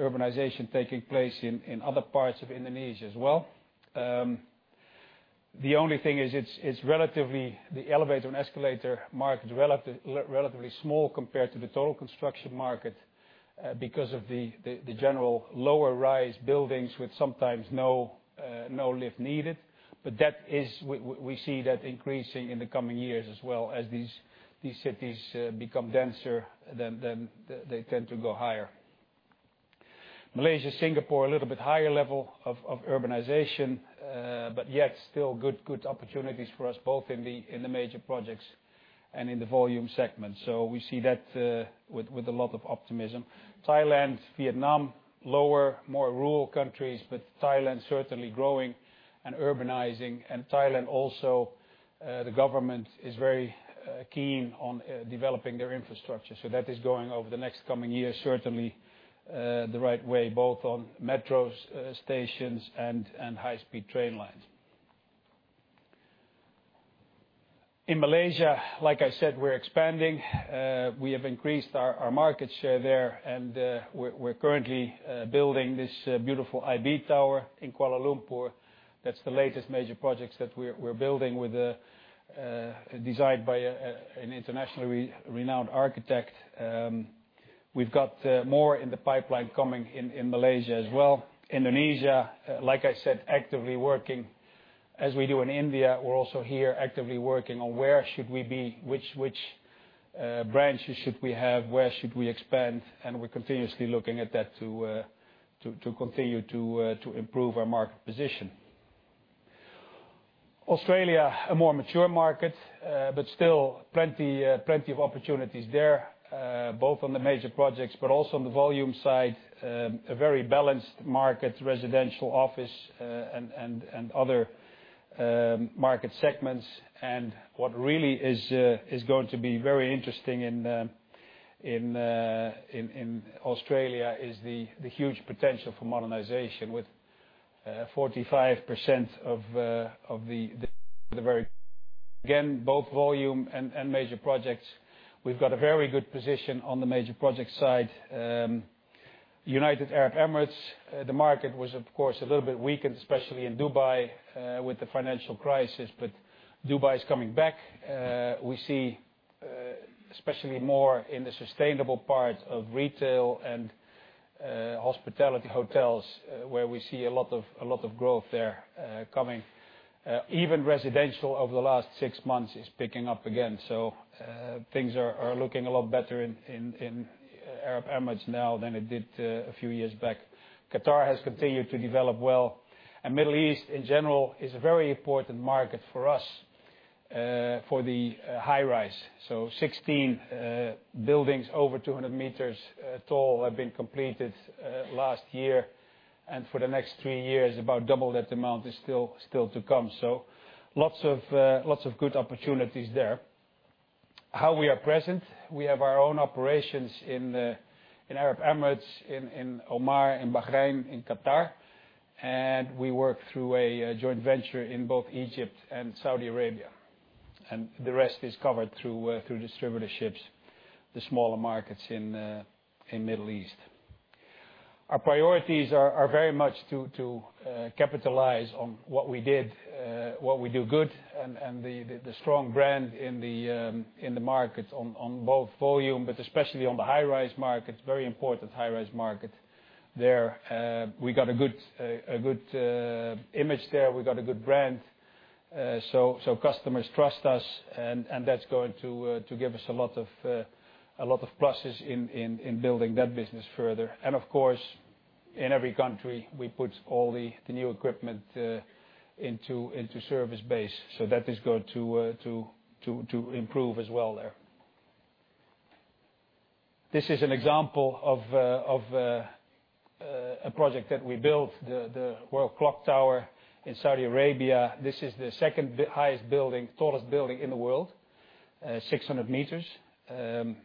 urbanization taking place in other parts of Indonesia as well. The only thing is the elevator and escalator market is relatively small compared to the total construction market because of the general lower-rise buildings with sometimes no lift needed. We see that increasing in the coming years as well. As these cities become denser, they tend to go higher. Malaysia, Singapore, a little bit higher level of urbanization, yet still good opportunities for us, both in the major projects and in the volume segment. We see that with a lot of optimism. Thailand, Vietnam, lower, more rural countries, Thailand certainly growing and urbanizing. Thailand also, the government is very keen on developing their infrastructure. That is going over the next coming years, certainly the right way, both on metro stations and high-speed train lines. In Malaysia, like I said, we're expanding. We have increased our market share there, and we're currently building this beautiful IB Tower in Kuala Lumpur. That's the latest major project that we're building, designed by an internationally renowned architect. We've got more in the pipeline coming in Malaysia as well. Indonesia, like I said, actively working as we do in India. We're also here actively working on where should we be, which branches should we have, where should we expand? We're continuously looking at that to continue to improve our market position. Australia, a more mature market, still plenty of opportunities there, both on the major projects, also on the volume side, a very balanced market, residential, office, and other market segments. What really is going to be very interesting in Australia is the huge potential for modernization with 45% of the very, again, both volume and major projects. We've got a very good position on the major project side. United Arab Emirates, the market was, of course, a little bit weakened, especially in Dubai, with the financial crisis, Dubai is coming back. We see especially more in the sustainable part of retail and hospitality hotels, where we see a lot of growth there coming. Even residential over the last six months is picking up again. Things are looking a lot better in Arab Emirates now than it did a few years back. Qatar has continued to develop well. Middle East, in general, is a very important market for us for the high rise. 16 buildings over 200 meters tall have been completed last year, and for the next three years, about double that amount is still to come. Lots of good opportunities there. How we are present, we have our own operations in Arab Emirates, in Oman, in Bahrain, in Qatar, and we work through a joint venture in both Egypt and Saudi Arabia. The rest is covered through distributorships, the smaller markets in Middle East. Our priorities are very much to capitalize on what we do good and the strong brand in the market on both volume, especially on the high-rise market. Very important high-rise market there. We got a good image there. We got a good brand. Customers trust us, and that's going to give us a lot of pluses in building that business further. Of course, in every country, we put all the new equipment into service base. That is going to improve as well there. This is an example of a project that we built, the Royal Clock Tower in Saudi Arabia. This is the second highest building, tallest building in the world, 600 meters. It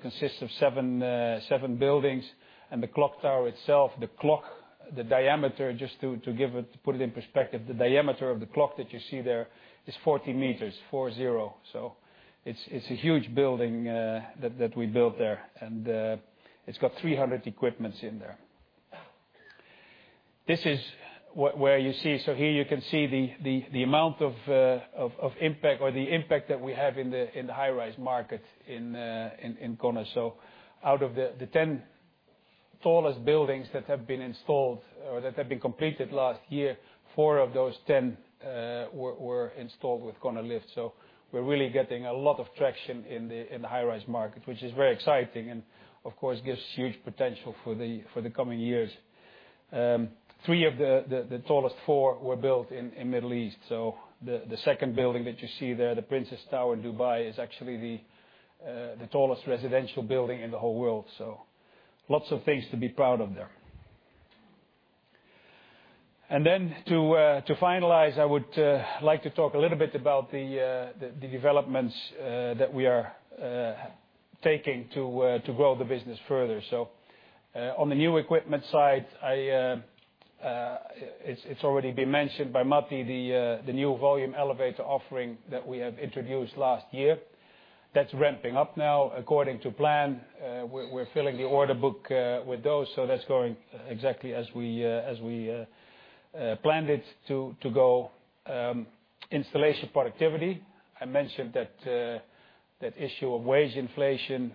consists of seven buildings and the clock tower itself. The clock, the diameter, just to put it in perspective, the diameter of the clock that you see there is 40 meters, 4, 0. It's a huge building that we built there, and it has 300 equipments in there. Here you can see the amount of impact, or the impact that we have in the high-rise market in KONE. Out of the 10 tallest buildings that have been installed or that have been completed last year, four of those 10 were installed with KONE lifts. We're really getting a lot of traction in the high-rise market, which is very exciting and of course, gives huge potential for the coming years. Three of the tallest four were built in Middle East. The second building that you see there, the Princess Tower in Dubai, is actually the tallest residential building in the whole world. Lots of things to be proud of there. To finalize, I would like to talk a little bit about the developments that we are taking to grow the business further. On the new equipment side, it's already been mentioned by Matti, the new volume elevator offering that we have introduced last year. That's ramping up now according to plan. We're filling the order book with those, so that's going exactly as we planned it to go. Installation productivity. I mentioned that issue of wage inflation.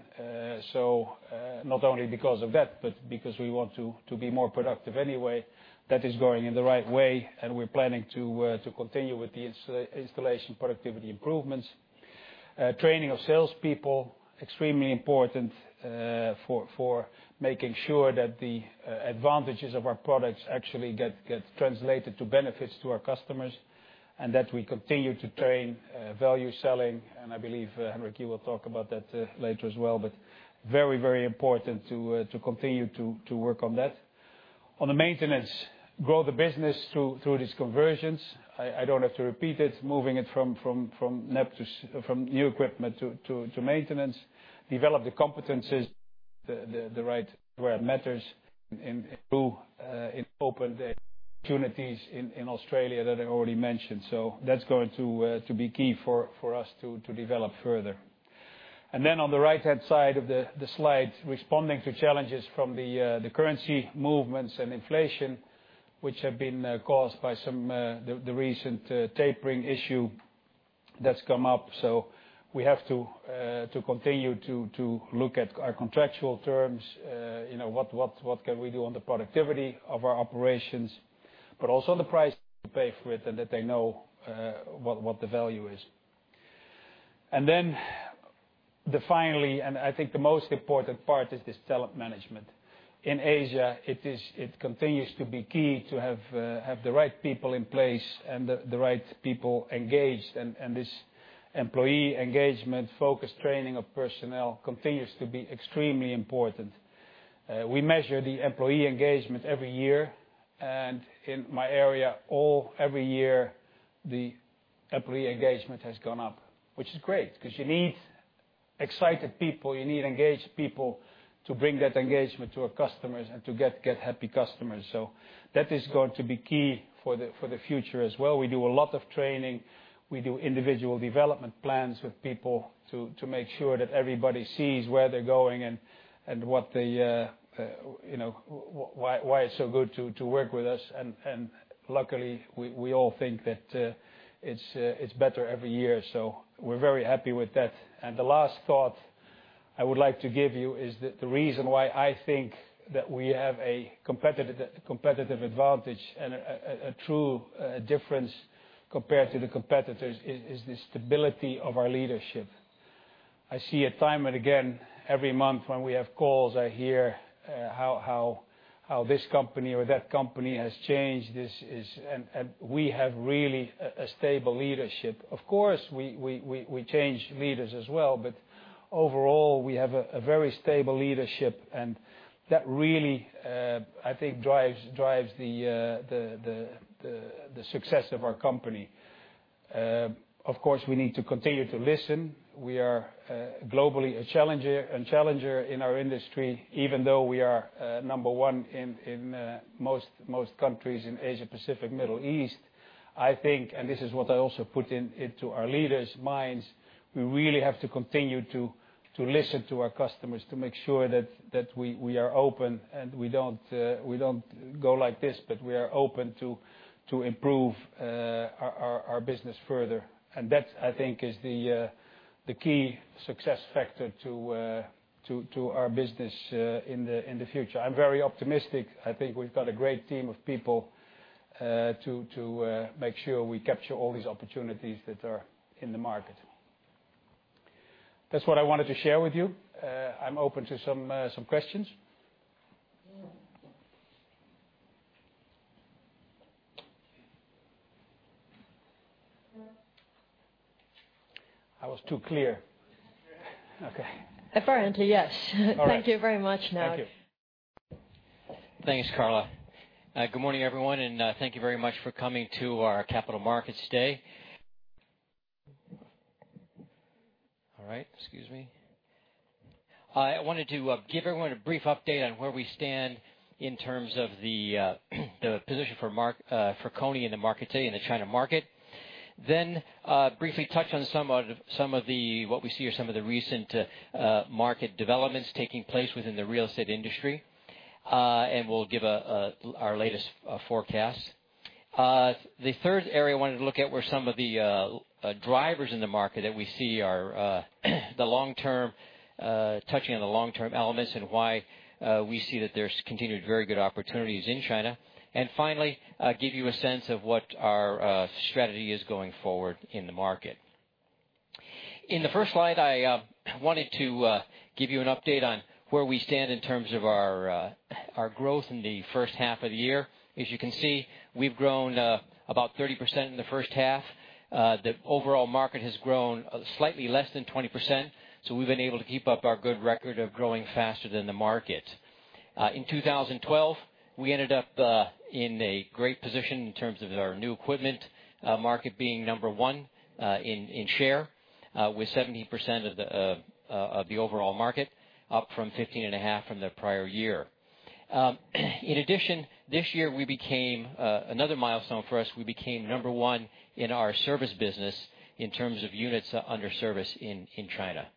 Not only because of that, but because we want to be more productive anyway. That is going in the right way, and we're planning to continue with the installation productivity improvements. Training of salespeople, extremely important for making sure that the advantages of our products actually get translated to benefits to our customers, and that we continue to train value selling. I believe, Henrik, you will talk about that later as well, but very important to continue to work on that. On the maintenance, grow the business through these conversions. I don't have to repeat it, moving it from new equipment to maintenance. Develop the competencies, the right where it matters and through open opportunities in Australia that I already mentioned. That's going to be key for us to develop further. On the right-hand side of the slide, responding to challenges from the currency movements and inflation, which have been caused by the recent tapering issue that's come up. We have to continue to look at our contractual terms. What can we do on the productivity of our operations, but also the price to pay for it and that they know what the value is. The finally, and I think the most important part is this talent management. In Asia, it continues to be key to have the right people in place and the right people engaged, and this employee engagement focus, training of personnel continues to be extremely important. We measure the employee engagement every year, and in my area every year, the employee engagement has gone up, which is great because you need excited people. You need engaged people to bring that engagement to our customers and to get happy customers. That is going to be key for the future as well. We do a lot of training. We do individual development plans with people to make sure that everybody sees where they're going and why it's so good to work with us. Luckily, we all think that it's better every year. We're very happy with that. The last thought I would like to give you is that the reason why I think that we have a competitive advantage and a true difference compared to the competitors is the stability of our leadership. I see it time and again every month when we have calls. I hear how this company or that company has changed. We have really a stable leadership. Of course, we change leaders as well. Overall, we have a very stable leadership, and that really, I think, drives the success of our company. Of course, we need to continue to listen. We are globally a challenger in our industry, even though we are number one in most countries in Asia, Pacific, Middle East. I think, and this is what I also put into our leaders' minds, we really have to continue to listen to our customers to make sure that we are open and we don't go like this, but we are open to improve our business further. That, I think, is the key success factor to our business in the future. I'm very optimistic. I think we've got a great team of people to make sure we capture all these opportunities that are in the market. That's what I wanted to share with you. I'm open to some questions. I was too clear. Okay. Apparently, yes. All right. Thank you very much, Noud. Thank you. Thanks, Karla. Good morning, everyone, and thank you very much for coming to our Capital Markets Day. All right. Excuse me. I wanted to give everyone a brief update on where we stand in terms of the position for KONE in the market today, in the China market. Briefly touch on what we see are some of the recent market developments taking place within the real estate industry, and we'll give our latest forecast. The third area I wanted to look at were some of the drivers in the market that we see are touching on the long-term elements and why we see that there's continued very good opportunities in China. Finally, give you a sense of what our strategy is going forward in the market. In the first slide, I wanted to give you an update on where we stand in terms of our growth in the first half of the year. As you can see, we've grown about 30% in the first half. The overall market has grown slightly less than 20%, so we've been able to keep up our good record of growing faster than the market. In 2012, we ended up in a great position in terms of our new equipment market being number 1 in share with 17% of the overall market, up from 15 and a half from the prior year. In addition, this year, another milestone for us, we became number 1 in our service business in terms of units under service in China.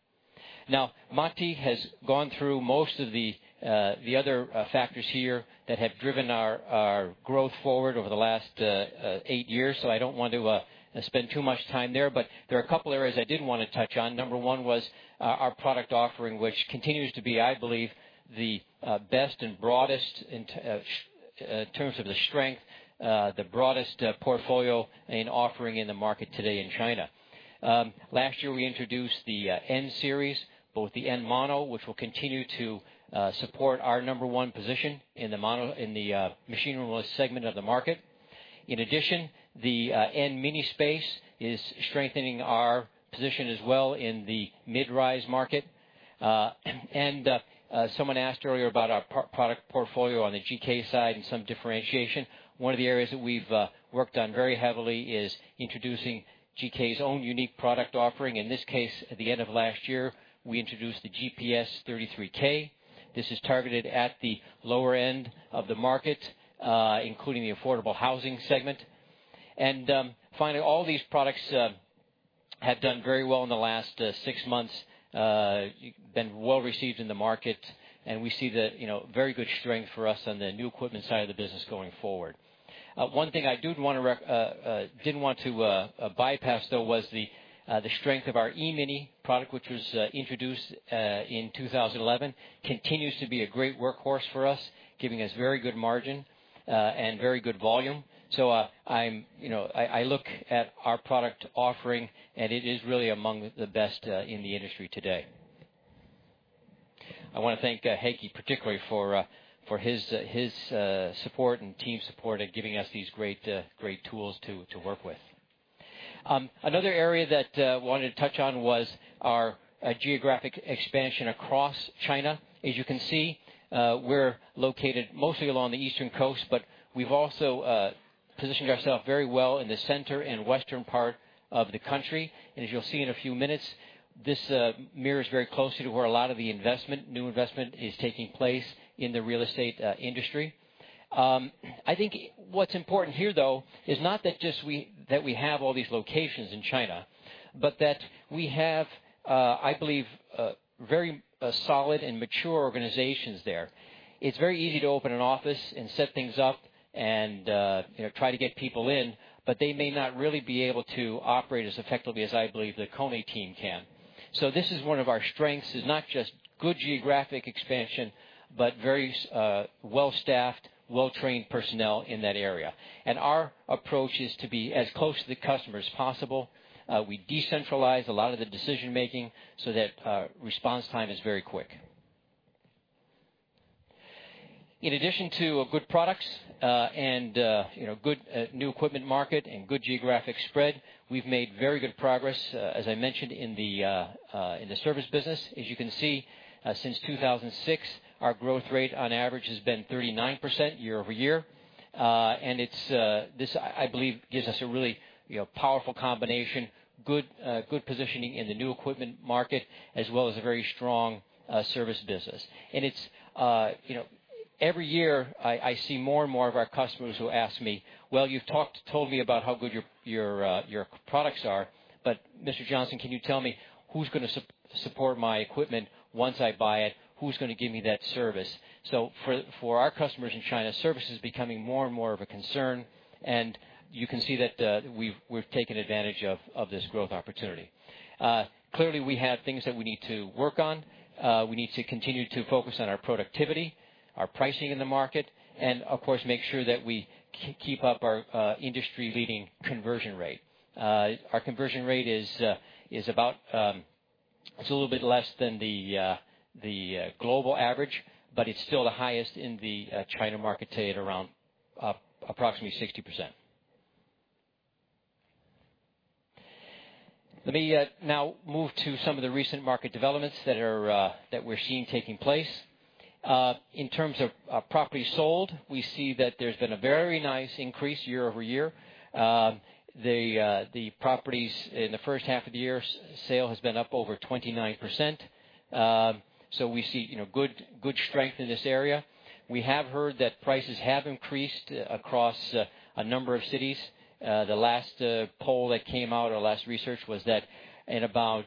Now, Matti has gone through most of the other factors here that have driven our growth forward over the last 8 years, so I don't want to spend too much time there, but there are a couple areas I did want to touch on. Number 1 was our product offering, which continues to be, I believe, the best and broadest in terms of the strength, the broadest portfolio and offering in the market today in China. Last year, we introduced the N Series, both the N Mono, which will continue to support our number 1 position in the machine-room-less segment of the market. In addition, the N MiniSpace is strengthening our position as well in the mid-rise market. Someone asked earlier about our product portfolio on the GK side and some differentiation. One of the areas that we've worked on very heavily is introducing GK's own unique product offering. In this case, at the end of last year, we introduced the GPS 33K. This is targeted at the lower end of the market, including the affordable housing segment. Finally, all these products have done very well in the last 6 months, been well-received in the market, and we see very good strength for us on the new equipment side of the business going forward. One thing I didn't want to bypass, though, was the strength of our E-Mini product, which was introduced in 2011. Continues to be a great workhorse for us, giving us very good margin and very good volume. I look at our product offering, and it is really among the best in the industry today. I want to thank Heikki particularly for his support and team support at giving us these great tools to work with. Another area that I wanted to touch on was our geographic expansion across China. As you can see, we're located mostly along the eastern coast, but we've also positioned ourselves very well in the center and western part of the country. As you'll see in a few minutes, this mirrors very closely to where a lot of the new investment is taking place in the real estate industry. I think what's important here, though, is not that we have all these locations in China, but that we have, I believe, very solid and mature organizations there. It's very easy to open an office and set things up and try to get people in, but they may not really be able to operate as effectively as I believe the KONE team can. This is one of our strengths, is not just good geographic expansion, but very well-staffed, well-trained personnel in that area. Our approach is to be as close to the customer as possible. We decentralize a lot of the decision-making so that response time is very quick. In addition to good products and good new equipment market and good geographic spread, we've made very good progress, as I mentioned, in the service business. As you can see, since 2006, our growth rate on average has been 39% year-over-year. This, I believe, gives us a really powerful combination, good positioning in the new equipment market, as well as a very strong service business. Every year, I see more and more of our customers who ask me, "Well, you've told me about how good your products are, but Mr. Johnson, can you tell me who's going to support my equipment once I buy it? Who's going to give me that service?" For our customers in China, service is becoming more and more of a concern, and you can see that we've taken advantage of this growth opportunity. Clearly, we have things that we need to work on. We need to continue to focus on our productivity, our pricing in the market, and of course, make sure that we keep up our industry-leading conversion rate. Our conversion rate is a little bit less than the global average, but it's still the highest in the China market today at around approximately 60%. Let me now move to some of the recent market developments that we're seeing taking place. In terms of properties sold, we see that there's been a very nice increase year-over-year. The properties in the first half of the year, sale has been up over 29%, so we see good strength in this area. We have heard that prices have increased across a number of cities. The last poll that came out, our last research, was that in about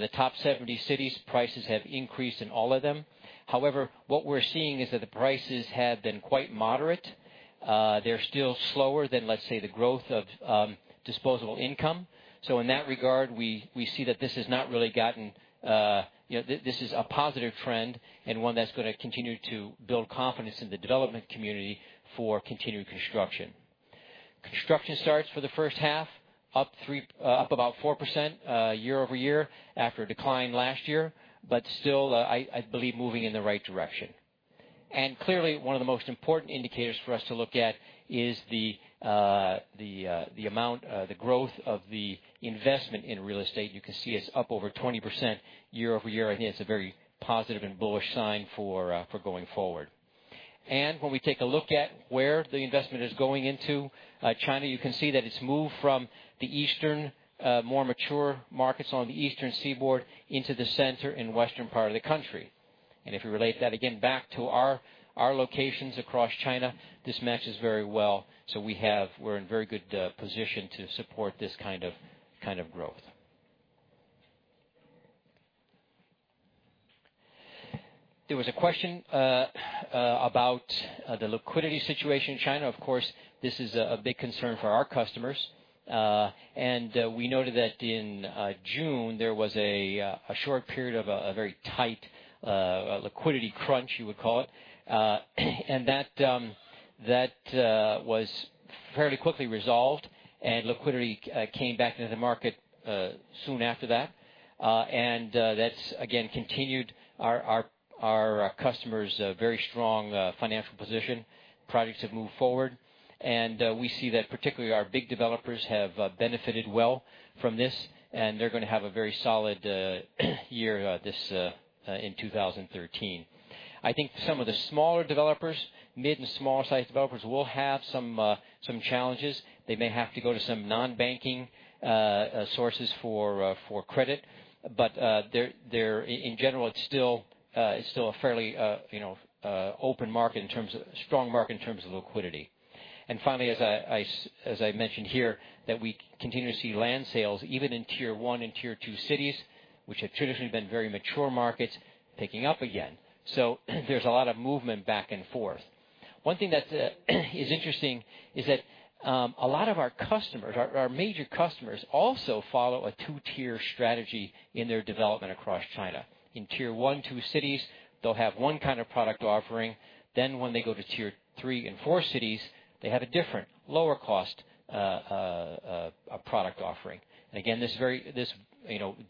the top 70 cities, prices have increased in all of them. However, what we're seeing is that the prices have been quite moderate. They're still slower than, let's say, the growth of disposable income. In that regard, we see that this is a positive trend and one that's going to continue to build confidence in the development community for continued construction. Construction starts for the first half, up about 4% year-over-year after a decline last year, but still, I believe, moving in the right direction. Clearly, one of the most important indicators for us to look at is the growth of the investment in real estate. You can see it's up over 20% year-over-year. Again, it's a very positive and bullish sign for going forward. When we take a look at where the investment is going into China, you can see that it's moved from the eastern, more mature markets on the eastern seaboard into the center and western part of the country. If we relate that again back to our locations across China, this matches very well. We're in very good position to support this kind of growth. There was a question about the liquidity situation in China. Of course, this is a big concern for our customers. We noted that in June, there was a short period of a very tight liquidity crunch, you would call it. That was fairly quickly resolved, and liquidity came back into the market soon after that. That's, again, continued our customer's very strong financial position. Projects have moved forward, and we see that particularly our big developers have benefited well from this, and they're going to have a very solid year in 2013. I think some of the smaller developers, mid and small-sized developers, will have some challenges. They may have to go to some non-banking sources for credit. In general, it's still a fairly open market in terms of strong market, in terms of liquidity. Finally, as I mentioned here, that we continue to see land sales even in tier 1 and tier 2 cities, which have traditionally been very mature markets, picking up again. There's a lot of movement back and forth. One thing that is interesting is that a lot of our major customers also follow a 2-tier strategy in their development across China. In tier 1, 2 cities, they'll have one kind of product offering. When they go to tier 3 and 4 cities, they have a different, lower cost product offering. Again, this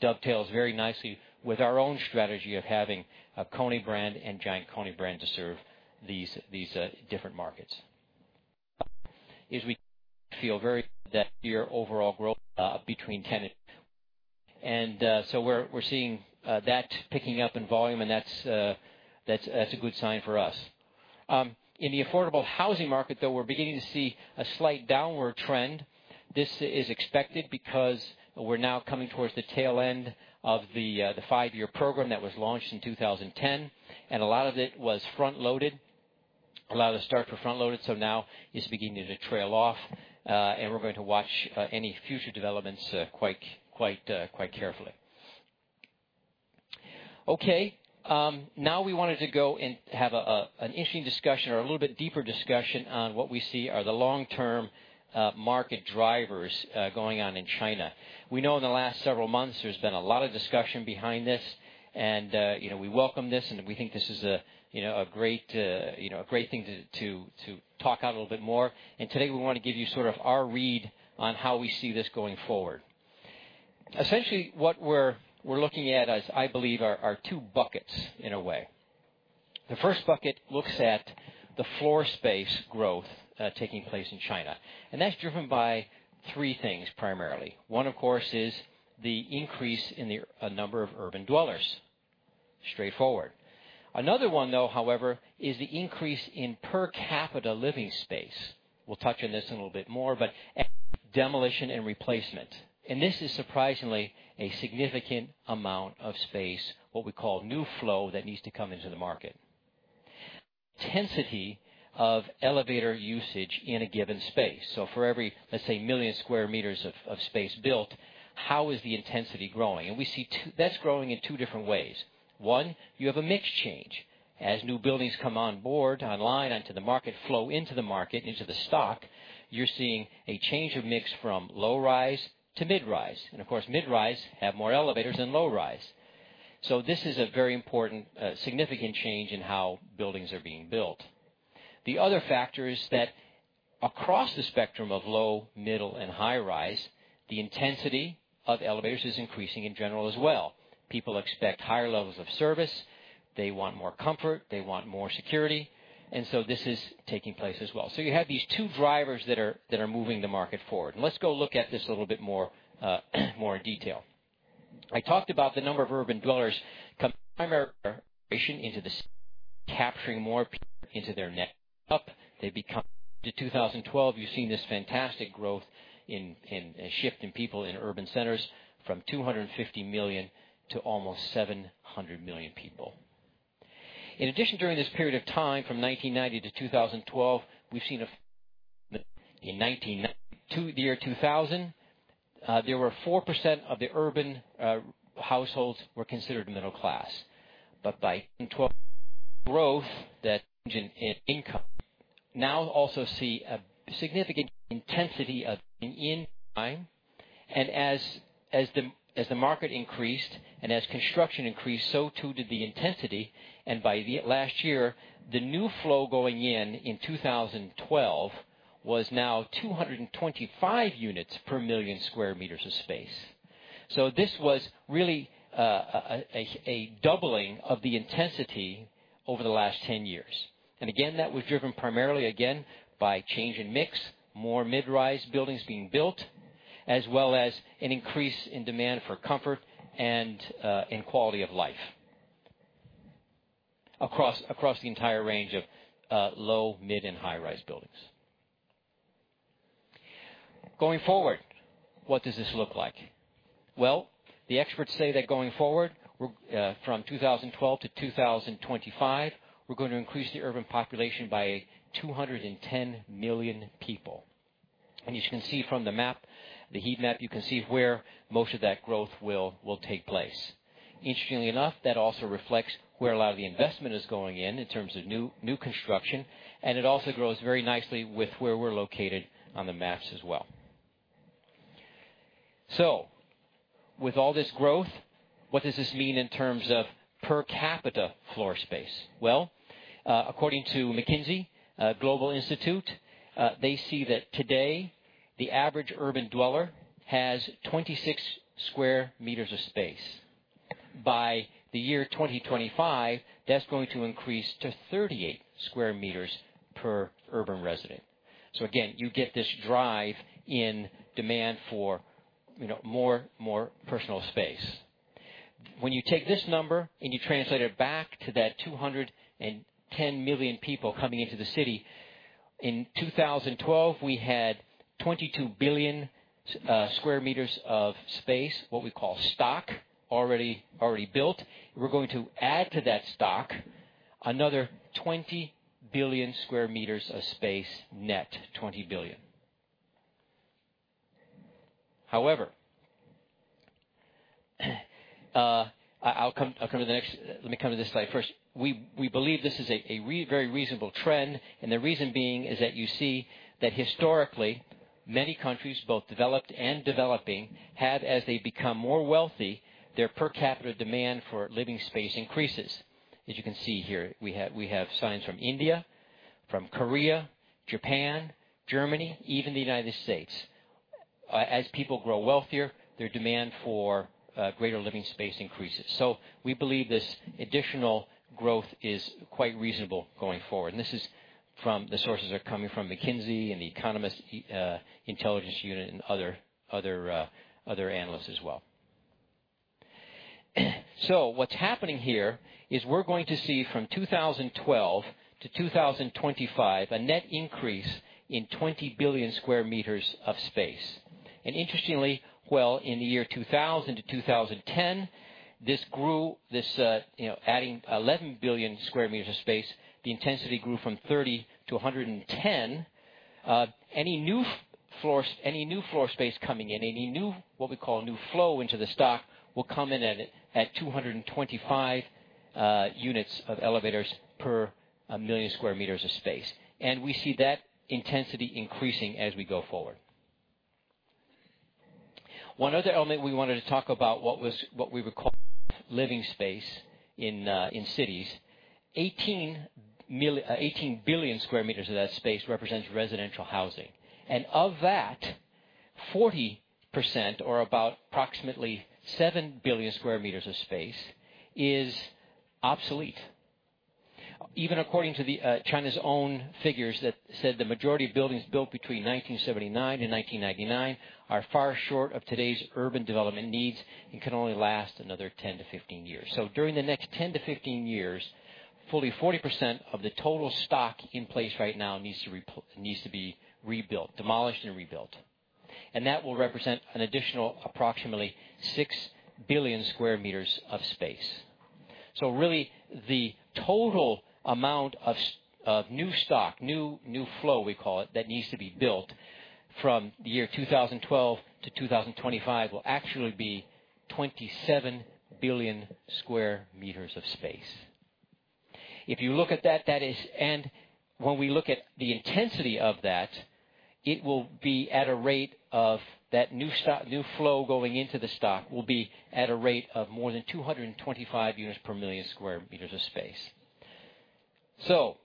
dovetails very nicely with our own strategy of having a KONE brand and Giant KONE brand to serve these different markets. We're seeing that picking up in volume, and that's a good sign for us. In the affordable housing market, though, we're beginning to see a slight downward trend. This is expected because we're now coming towards the tail end of the 5-year program that was launched in 2010, and a lot of it was front-loaded. A lot of the start were front-loaded, now it's beginning to trail off. We're going to watch any future developments quite carefully. Okay. Now we wanted to go and have an interesting discussion or a little bit deeper discussion on what we see are the long-term market drivers going on in China. We know in the last several months, there's been a lot of discussion behind this, we welcome this, we think this is a great thing to talk out a little bit more. Today, we want to give you sort of our read on how we see this going forward. Essentially, what we're looking at is, I believe, are 2 buckets in a way. The first bucket looks at the floor space growth taking place in China, that's driven by 3 things, primarily. One, of course, is the increase in the number of urban dwellers. Straightforward. Another one, though, however, is the increase in per capita living space. We'll touch on this in a little bit more, demolition and replacement. This is surprisingly a significant amount of space, what we call new flow, that needs to come into the market. Intensity of elevator usage in a given space. For every, let's say, million square meters of space built, how is the intensity growing? We see that's growing in 2 different ways. One, you have a mix change. As new buildings come on board, online onto the market, flow into the market, into the stock, you're seeing a change of mix from low-rise to mid-rise. Of course, mid-rise have more elevators than low-rise. This is a very important, significant change in how buildings are being built. The other factor is that across the spectrum of low, middle, and high-rise, the intensity of elevators is increasing in general as well. People expect higher levels of service. They want more comfort. They want more security. This is taking place as well. You have these 2 drivers that are moving the market forward. Let's go look at this a little bit more in detail. I talked about the number of urban dwellers capturing more people into their net. To 2012, you've seen this fantastic growth in shift in people in urban centers from 250 million to almost 700 million people. In addition, during this period of time, from 1990 to 2012, in the year 2000, 4% of the urban households were considered middle class. By <audio distortion> growth, that in income now, also see a significant intensity of in time. As the market increased and as construction increased, so too did the intensity. By last year, the new flow going in 2012, was now 225 units per million sq m of space. This was really a doubling of the intensity over the last 10 years. Again, that was driven primarily, again, by change in mix, more mid-rise buildings being built. As well as an increase in demand for comfort and quality of life across the entire range of low-, mid-, and high-rise buildings. Going forward, what does this look like? The experts say that going forward, from 2012 to 2025, we're going to increase the urban population by 210 million people. As you can see from the heat map, you can see where most of that growth will take place. Interestingly enough, that also reflects where a lot of the investment is going in terms of new construction, and it also grows very nicely with where we're located on the maps as well. With all this growth, what does this mean in terms of per capita floor space? According to McKinsey Global Institute, they see that today, the average urban dweller has 26 sq m of space. By the year 2025, that's going to increase to 38 sq m per urban resident. Again, you get this drive in demand for more personal space. When you take this number and you translate it back to that 210 million people coming into the city, in 2012, we had 22 billion sq m of space, what we call stock, already built. We're going to add to that stock another 20 billion sq m of space, net 20 billion. However, let me come to this slide first. We believe this is a very reasonable trend, and the reason being is that you see that historically, many countries, both developed and developing, have, as they become more wealthy, their per capita demand for living space increases. As you can see here, we have signs from India, from Korea, Japan, Germany, even the U.S. As people grow wealthier, their demand for greater living space increases. We believe this additional growth is quite reasonable going forward. The sources are coming from McKinsey and The Economist Intelligence Unit and other analysts as well. What's happening here is we're going to see from 2012 to 2025, a net increase in 20 billion sq m of space. Interestingly, well, in the year 2000 to 2010, this grew, adding 11 billion sq m of space. The intensity grew from 30 to 110. Any new floor space coming in, any new, what we call new flow into the stock, will come in at 225 units of elevators per million sq m of space. We see that intensity increasing as we go forward. One other element we wanted to talk about, what we would call living space in cities. 18 billion sq m of that space represents residential housing. Of that, 40%, or approximately seven billion sq m of space, is obsolete. Even according to China's own figures that said the majority of buildings built between 1979 and 1999 are far short of today's urban development needs and can only last another 10-15 years. During the next 10-15 years, fully 40% of the total stock in place right now needs to be rebuilt, demolished, and rebuilt. That will represent an additional approximately six billion sq m of space. Really, the total amount of new stock, new flow we call it, that needs to be built from the year 2012 to 2025 will actually be 27 billion sq m of space. If you look at that, and when we look at the intensity of that, it will be at a rate of that new flow going into the stock will be at a rate of more than 225 units per million sq m of space.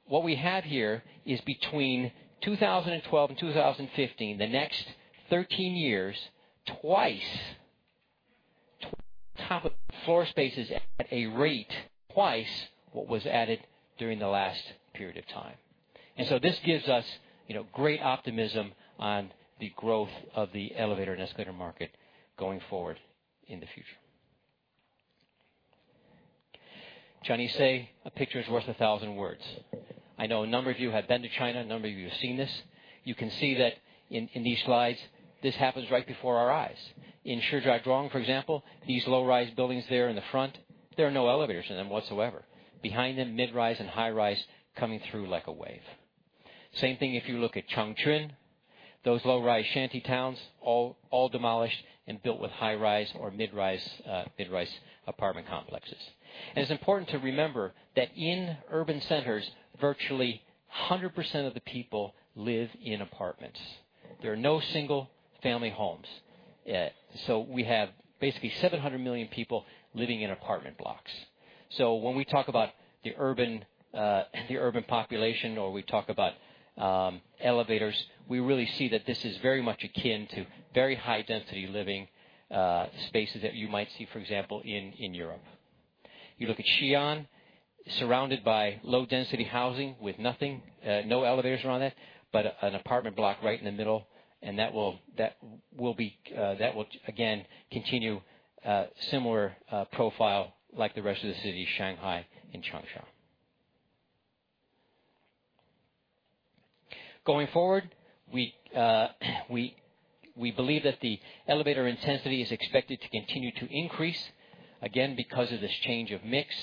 What we have here is between 2012 and 2050, the next 38 years, twice top floor spaces at a rate twice what was added during the last period of time. This gives us great optimism on the growth of the elevator and escalator market going forward in the future. Chinese say, "A picture is worth a thousand words." I know a number of you have been to China, a number of you have seen this. You can see that in these slides, this happens right before our eyes. In Shijiazhuang, for example, these low-rise buildings there in the front, there are no elevators in them whatsoever. Behind them, mid-rise and high-rise coming through like a wave. Same thing if you look at Changchun. Those low-rise shanty towns, all demolished and built with high-rise or mid-rise apartment complexes. It's important to remember that in urban centers, virtually 100% of the people live in apartments. There are no single-family homes. We have basically 700 million people living in apartment blocks. When we talk about the urban population, or we talk about elevators, we really see that this is very much akin to very high-density living spaces that you might see, for example, in Europe. You look at Xi'an, surrounded by low-density housing with nothing, no elevators around it, but an apartment block right in the middle, that will again continue similar profile like the rest of the city, Shanghai and Changsha. Going forward, we believe that the elevator intensity is expected to continue to increase, again, because of this change of mix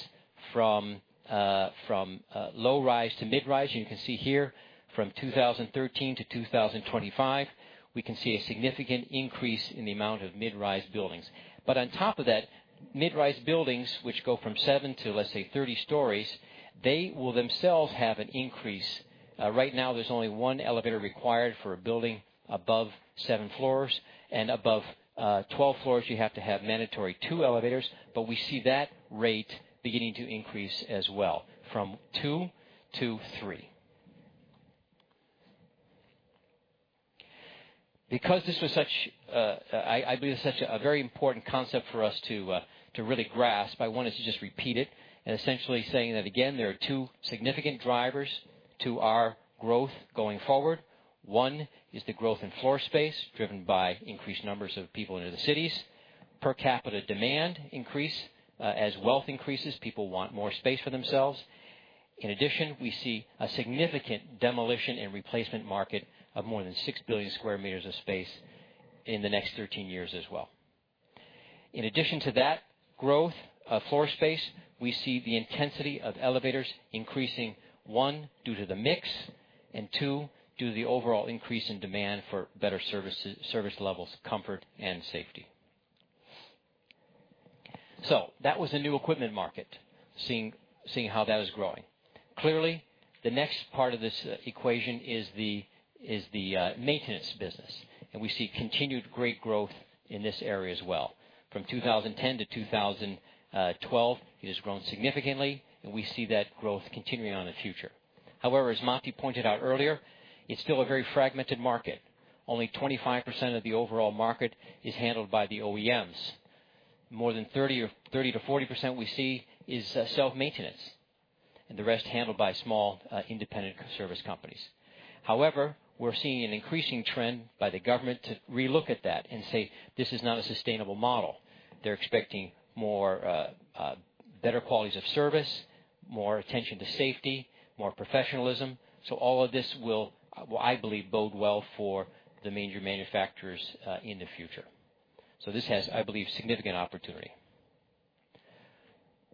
from low rise to mid rise. You can see here from 2013 to 2025, we can see a significant increase in the amount of mid-rise buildings. On top of that, mid-rise buildings, which go from seven to, let's say, 30 stories, they will themselves have an increase. Right now, there's only one elevator required for a building above seven floors, and above 12 floors, you have to have mandatory two elevators. We see that rate beginning to increase as well from two to three. I believe this is such a very important concept for us to really grasp, I wanted to just repeat it and essentially saying that again, there are two significant drivers to our growth going forward. One is the growth in floor space, driven by increased numbers of people into the cities. Per capita demand increase. As wealth increases, people want more space for themselves. In addition, we see a significant demolition and replacement market of more than 6 billion square meters of space in the next 13 years as well. In addition to that growth of floor space, we see the intensity of elevators increasing, one, due to the mix, and two, due to the overall increase in demand for better service levels, comfort, and safety. That was the new equipment market, seeing how that is growing. Clearly, the next part of this equation is the maintenance business, and we see continued great growth in this area as well. From 2010 to 2012, it has grown significantly, and we see that growth continuing on in the future. However, as Matti pointed out earlier, it's still a very fragmented market. Only 25% of the overall market is handled by the OEMs. More than 30%-40% we see is self-maintenance, and the rest handled by small independent service companies. However, we're seeing an increasing trend by the government to relook at that and say, "This is not a sustainable model." They're expecting better qualities of service, more attention to safety, more professionalism. All of this will, I believe, bode well for the major manufacturers in the future. This has, I believe, significant opportunity.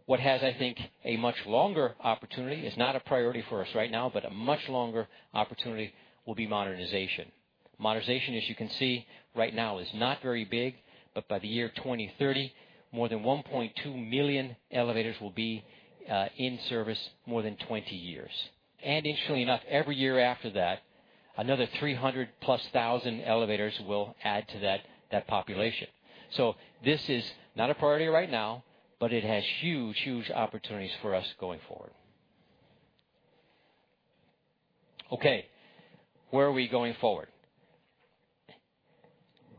What has, I think, a much longer opportunity is not a priority for us right now, but a much longer opportunity will be modernization. Modernization, as you can see right now, is not very big, but by the year 2030, more than 1.2 million elevators will be in service more than 20 years. Interestingly enough, every year after that, another 300-plus thousand elevators will add to that population. This is not a priority right now, but it has huge opportunities for us going forward. Okay. Where are we going forward?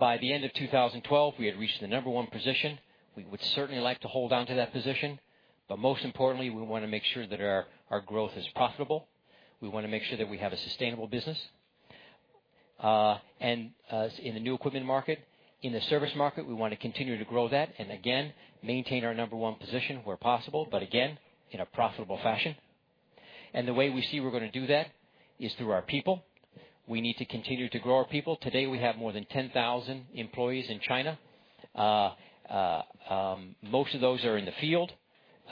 By the end of 2012, we had reached the number 1 position. We would certainly like to hold on to that position. Most importantly, we want to make sure that our growth is profitable. We want to make sure that we have a sustainable business, and in the new equipment market. In the service market, we want to continue to grow that and again, maintain our number 1 position where possible, but again, in a profitable fashion. The way we see we're going to do that is through our people. We need to continue to grow our people. Today, we have more than 10,000 employees in China. Most of those are in the field.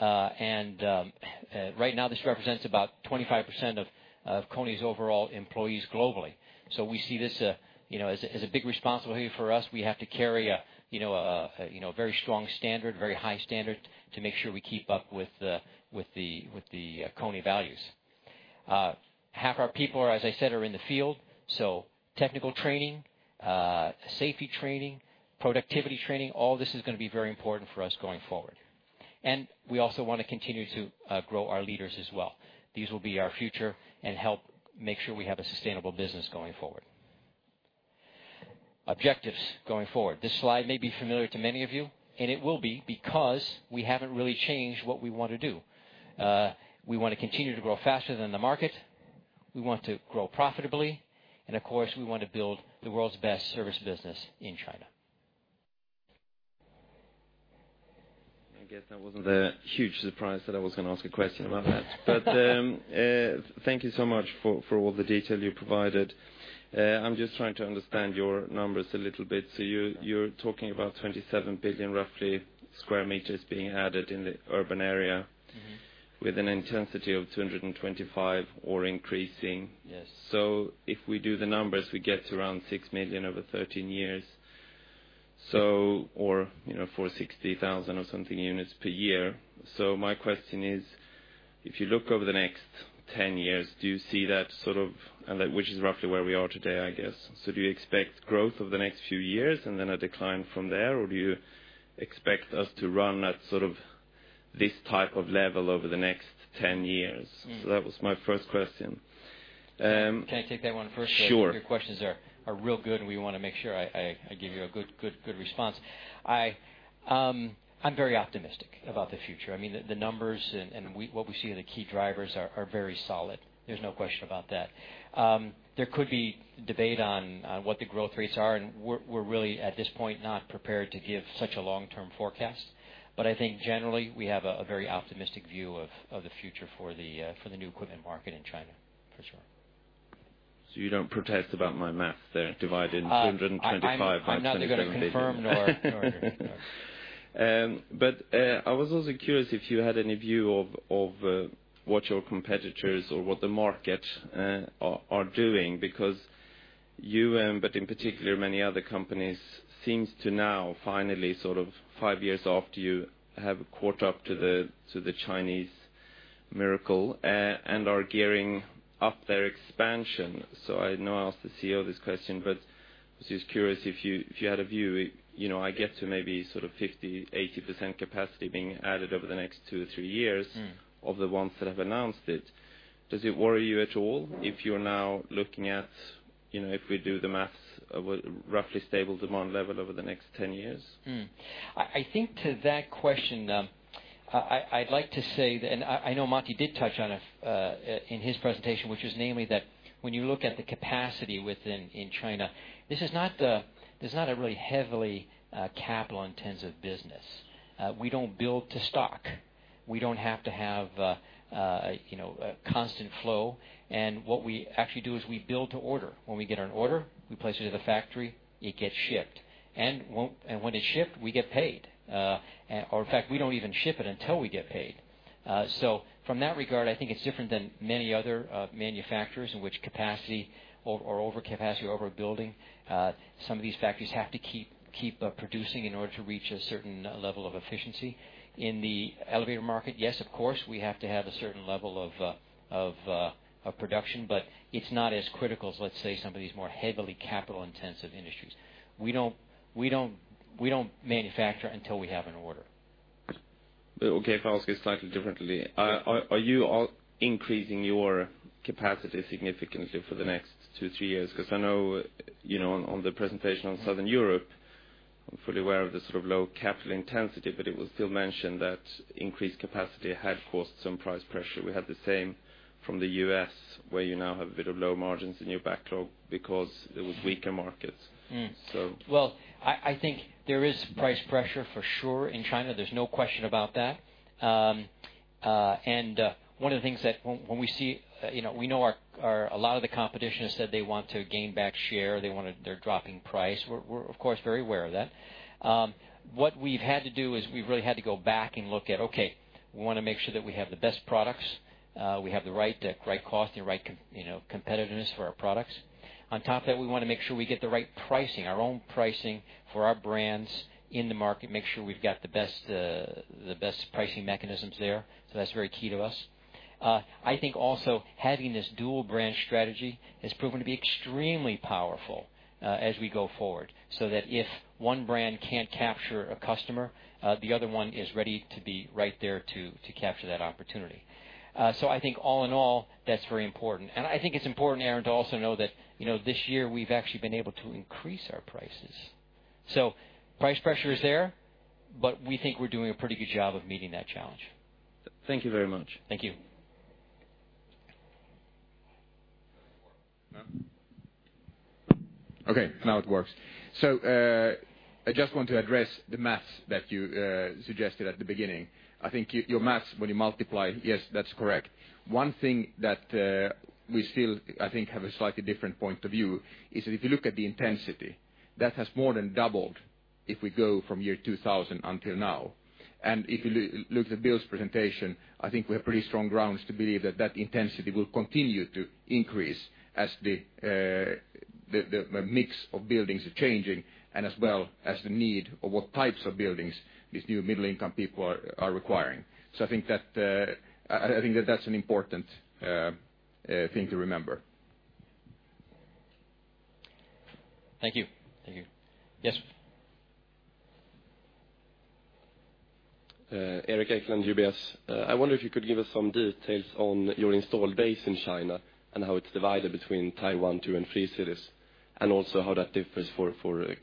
Right now, this represents about 25% of KONE's overall employees globally. We see this as a big responsibility for us. We have to carry a very strong standard, very high standard to make sure we keep up with the KONE values. Half our people are, as I said, are in the field, so technical training, safety training, productivity training, all this is going to be very important for us going forward. We also want to continue to grow our leaders as well. These will be our future and help make sure we have a sustainable business going forward. Objectives going forward. It will be because we haven't really changed what we want to do. We want to continue to grow faster than the market. We want to grow profitably, Of course, we want to build the world's best service business in China. I guess that wasn't a huge surprise that I was going to ask a question about that. Thank you so much for all the detail you provided. I'm just trying to understand your numbers a little bit. You're talking about 27 billion, roughly, sq m being added in the urban area- with an intensity of 225 or increasing. Yes. If we do the numbers, we get to around 6 million over 13 years. 460,000 or something units per year. My question is, if you look over the next 10 years, and that which is roughly where we are today, I guess. Do you expect growth over the next few years and then a decline from there, or do you expect us to run at sort of this type of level over the next 10 years? That was my first question. Can I take that one first? Sure. Your questions are real good, and we want to make sure I give you a good response. I'm very optimistic about the future. The numbers and what we see are the key drivers are very solid. There's no question about that. There could be debate on what the growth rates are, and we're really, at this point, not prepared to give such a long-term forecast. I think generally we have a very optimistic view of the future for the new equipment market in China, for sure. You don't protest about my math there, dividing 225 by 27. I'm not going to confirm nor deny. I was also curious if you had any view of what your competitors or what the market are doing, because you, but in particular many other companies, seems to now finally, 5 years after you have caught up to the Chinese miracle and are gearing up their expansion. I know I asked the CEO this question, but I was just curious if you had a view. I get to maybe 50%-80% capacity being added over the next 2-3 years of the ones that have announced it. Does it worry you at all if you're now looking at, if we do the maths, of a roughly stable demand level over the next 10 years? I think to that question, I'd like to say, and I know Matti did touch on it in his presentation, which is namely that when you look at the capacity in China, this is not a really heavily capital-intensive business. We don't build to stock. We don't have to have a constant flow, and what we actually do is we build to order. When we get an order, we place it at the factory, it gets shipped. When it's shipped, we get paid. Or in fact, we don't even ship it until we get paid. From that regard, I think it's different than many other manufacturers in which capacity or over capacity, overbuilding. Some of these factories have to keep producing in order to reach a certain level of efficiency. In the elevator market, yes, of course, we have to have a certain level of production, but it's not as critical as, let's say, some of these more heavily capital-intensive industries. We don't manufacture until we have an order. Okay. If I ask it slightly differently, are you all increasing your capacity significantly for the next two, three years? I know, on the presentation on Southern Europe, I'm fully aware of the sort of low capital intensity, but it was still mentioned that increased capacity had caused some price pressure. We had the same from the U.S., where you now have a bit of low margins in your backlog because there was weaker markets. Well, I think there is price pressure for sure in China. There's no question about that. One of the things that We know a lot of the competition has said they want to gain back share. They're dropping price. We're of course very aware of that. What we've had to do is we've really had to go back and look at, okay, we want to make sure that we have the best products, we have the right cost and the right competitiveness for our products. On top of that, we want to make sure we get the right pricing, our own pricing for our brands in the market, make sure we've got the best pricing mechanisms there. That's very key to us. I think also having this dual-brand strategy has proven to be extremely powerful as we go forward, so that if one brand can't capture a customer, the other one is ready to be right there to capture that opportunity. I think all in all, that's very important. I think it's important, Arne, to also know that this year we've actually been able to increase our prices. Price pressure is there, but we think we're doing a pretty good job of meeting that challenge. Thank you very much. Thank you. Okay, now it works. I just want to address the math that you suggested at the beginning. I think your math when you multiply, yes, that's correct. One thing that we still, I think, have a slightly different point of view is that if you look at the intensity, that has more than doubled if we go from 2000 until now. If you look at Bill's presentation, I think we have pretty strong grounds to believe that intensity will continue to increase as the mix of buildings are changing and as well as the need of what types of buildings these new middle-income people are requiring. I think that that's an important thing to remember. Thank you. Yes. Eric Eklund, UBS. I wonder if you could give us some details on your installed base in China and how it's divided between tier 1, 2, and 3 cities, and also how that differs for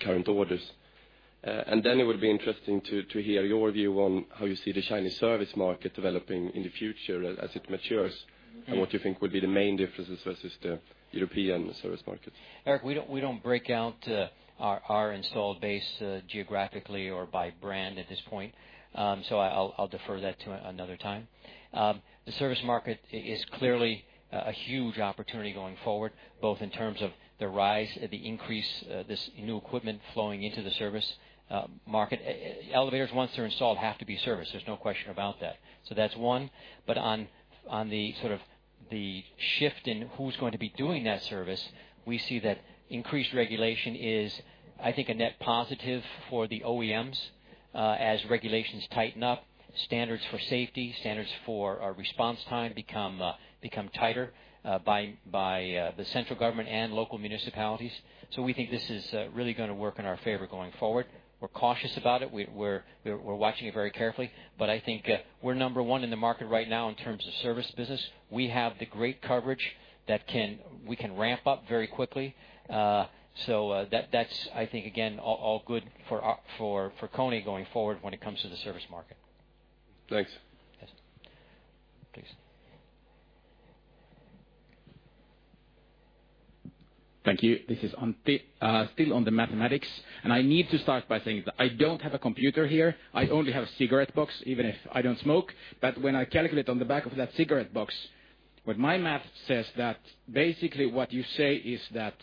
current orders. It would be interesting to hear your view on how you see the Chinese service market developing in the future as it matures, and what you think would be the main differences versus the European service market. Eric, we don't break out our installed base geographically or by brand at this point. I'll defer that to another time. The service market is clearly a huge opportunity going forward, both in terms of the rise, the increase, this new equipment flowing into the service market. Elevators, once they're installed, have to be serviced. There's no question about that. That's one. On the sort of the shift in who's going to be doing that service, we see that increased regulation is, I think, a net positive for the OEMs as regulations tighten up. Standards for safety, standards for our response time become tighter by the central government and local municipalities. We think this is really going to work in our favor going forward. We're cautious about it. We're watching it very carefully, I think we're number one in the market right now in terms of service business. We have the great coverage that we can ramp up very quickly. That's, I think, again, all good for KONE going forward when it comes to the service market. Thanks. Yes. Please. Thank you. This is Antti. Still on the mathematics, I need to start by saying that I don't have a computer here. I only have a cigarette box, even if I don't smoke. When I calculate on the back of that cigarette box, what my math says that basically what you say is that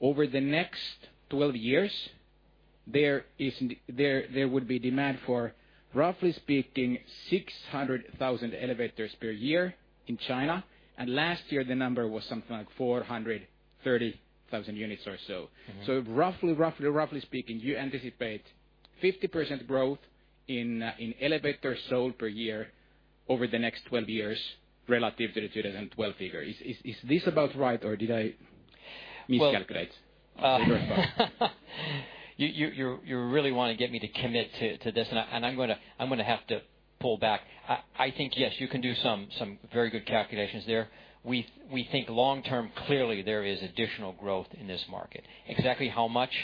over the next 12 years, there would be demand for, roughly speaking, 600,000 elevators per year in China, and last year, the number was something like 430,000 units or so. Roughly speaking, you anticipate 50% growth in elevators sold per year over the next 12 years relative to the 2012 figure. Is this about right, or did I miscalculate? You really want to get me to commit to this. I'm going to have to pull back. I think, yes, you can do some very good calculations there. We think long-term, clearly, there is additional growth in this market. Exactly how much?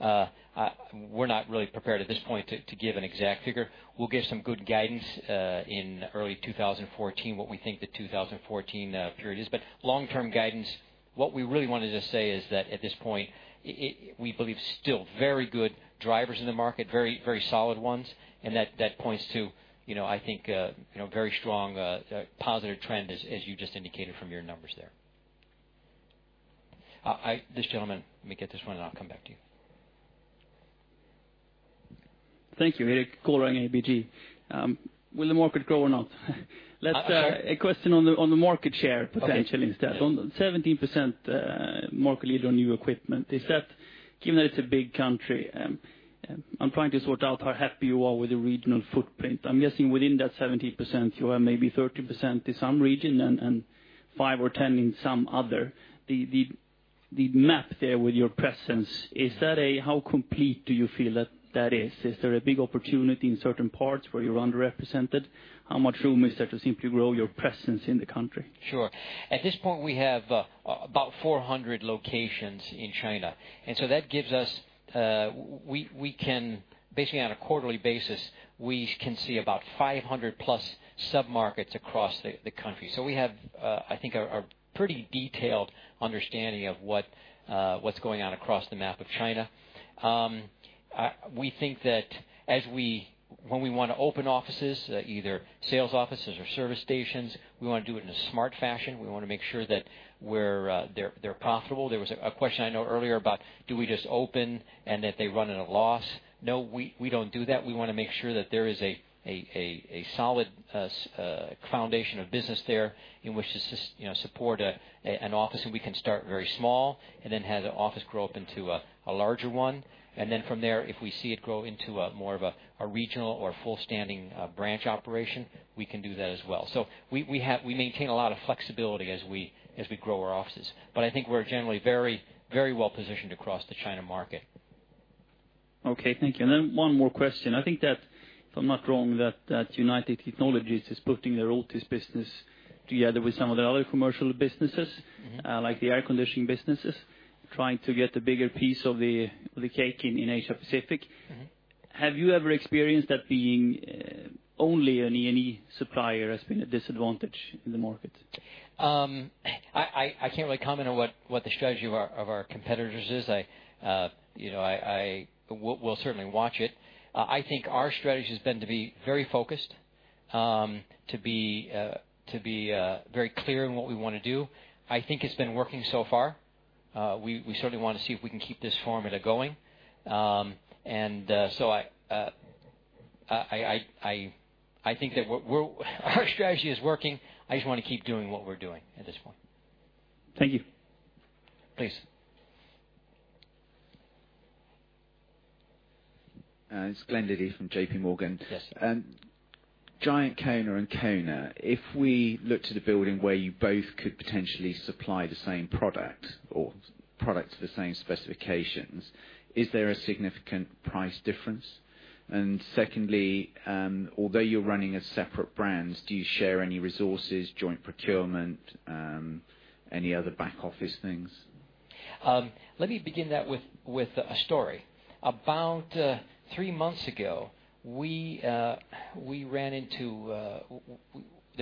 We're not really prepared at this point to give an exact figure. We'll give some good guidance in early 2014, what we think the 2014 period is. Long-term guidance, what we really wanted to say is that at this point, we believe still very good drivers in the market, very solid ones. That points to, I think, a very strong positive trend as you just indicated from your numbers there. This gentleman. Let me get this one, and I'll come back to you. Thank you. Erik Golrang, ABG. Will the market grow or not? A question on the market share potentially instead. On the 17% market leader on new equipment, is that given that it's a big country, I'm trying to sort out how happy you are with the regional footprint. I'm guessing within that 17%, you have maybe 30% in some region and 5% or 10% in some other. The map there with your presence, how complete do you feel that is? Is there a big opportunity in certain parts where you're underrepresented? How much room is there to simply grow your presence in the country? Sure. At this point, we have about 400 locations in China. That gives us, basically on a quarterly basis, we can see about 500-plus sub-markets across the country. We have, I think, a pretty detailed understanding of what's going on across the map of China. We think that when we want to open offices, either sales offices or service stations, we want to do it in a smart fashion. We want to make sure that they're profitable. There was a question I know earlier about do we just open and that they run at a loss. No, we don't do that. We want to make sure that there is a solid foundation of business there in which to support an office, and we can start very small, and then have the office grow up into a larger one. From there, if we see it grow into more of a regional or full-standing branch operation, we can do that as well. We maintain a lot of flexibility as we grow our offices. I think we're generally very well-positioned across the China market. Okay. Thank you. One more question. I think that if I'm not wrong, that United Technologies is putting their Otis business together with some of the other commercial businesses- like the air conditioning businesses, trying to get a bigger piece of the cake in Asia Pacific. Have you ever experienced that being only an E&E supplier has been a disadvantage in the market? I can't really comment on what the strategy of our competitors is. We'll certainly watch it. I think our strategy has been to be very focused, to be very clear on what we want to do. I think it's been working so far. We certainly want to see if we can keep this formula going. I think that our strategy is working. I just want to keep doing what we're doing at this point. Thank you. Please. It's Glen Liddy from JP Morgan. Yes. Giant KONE and KONE. If we look to the building where you both could potentially supply the same product or product to the same specifications, is there a significant price difference? Secondly, although you're running as separate brands, do you share any resources, joint procurement, any other back office things? Let me begin that with a story. About 3 months ago, there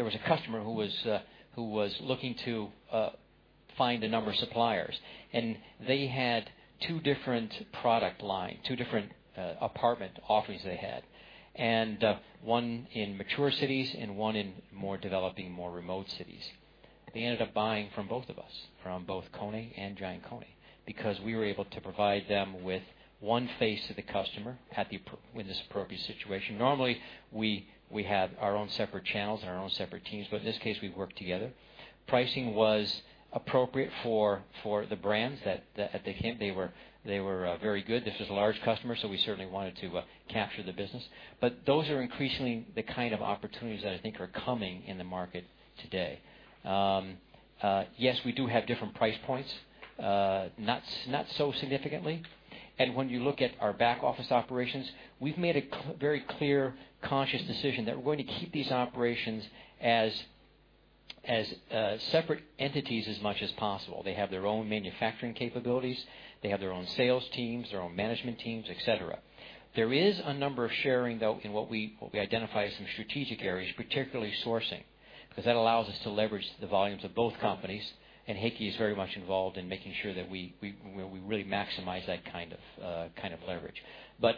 was a customer who was looking to find a number of suppliers, and they had two different product line, two different apartment offerings they had. One in mature cities and one in more developing, more remote cities. They ended up buying from both of us From both KONE and GiantKONE, because we were able to provide them with one face to the customer with this appropriate situation. Normally we have our own separate channels and our own separate teams, but in this case we worked together. Pricing was appropriate for the brands at the hint. They were very good. This was a large customer, so we certainly wanted to capture the business. Those are increasingly the kind of opportunities that I think are coming in the market today. Yes, we do have different price points, not so significantly. When you look at our back office operations, we've made a very clear, conscious decision that we're going to keep these operations as separate entities as much as possible. They have their own manufacturing capabilities. They have their own sales teams, their own management teams, et cetera. There is a number of sharing, though, in what we identify as some strategic areas, particularly sourcing, because that allows us to leverage the volumes of both companies. Heikki is very much involved in making sure that we really maximize that kind of leverage.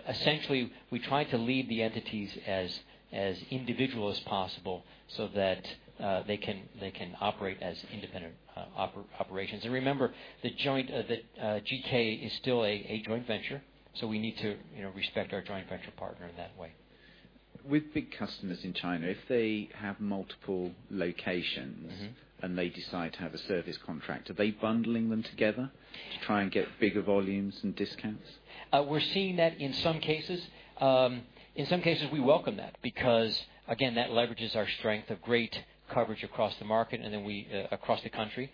Essentially, we try to leave the entities as individual as possible so that they can operate as independent operations. Remember, the GiantKONE is still a joint venture, so we need to respect our joint venture partner in that way. With big customers in China, if they have multiple locations- They decide to have a service contract, are they bundling them together to try and get bigger volumes and discounts? We're seeing that in some cases. In some cases, we welcome that, because again, that leverages our strength of great coverage across the market and then across the country.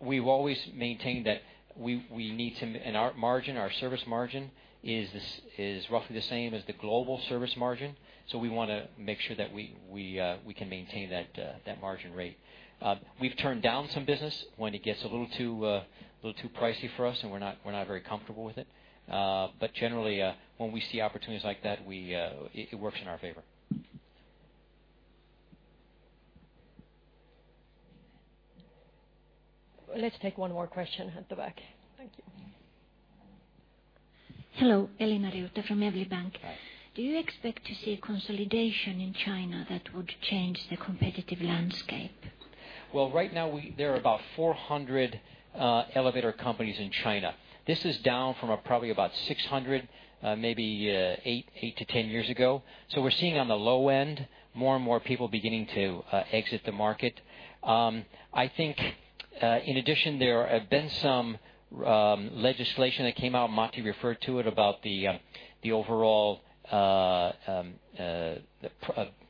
We've always maintained that our margin, our service margin is roughly the same as the global service margin. We want to make sure that we can maintain that margin rate. We've turned down some business when it gets a little too pricy for us and we're not very comfortable with it. Generally, when we see opportunities like that, it works in our favor. Let's take one more question at the back. Thank you. Hello. [Elena Ryota] from Evli Bank. Hi. Do you expect to see consolidation in China that would change the competitive landscape? Right now there are about 400 elevator companies in China. This is down from probably about 600, maybe eight to 10 years ago. We're seeing on the low end, more and more people beginning to exit the market. I think in addition, there have been some legislation that came out, Matti referred to it, about the overall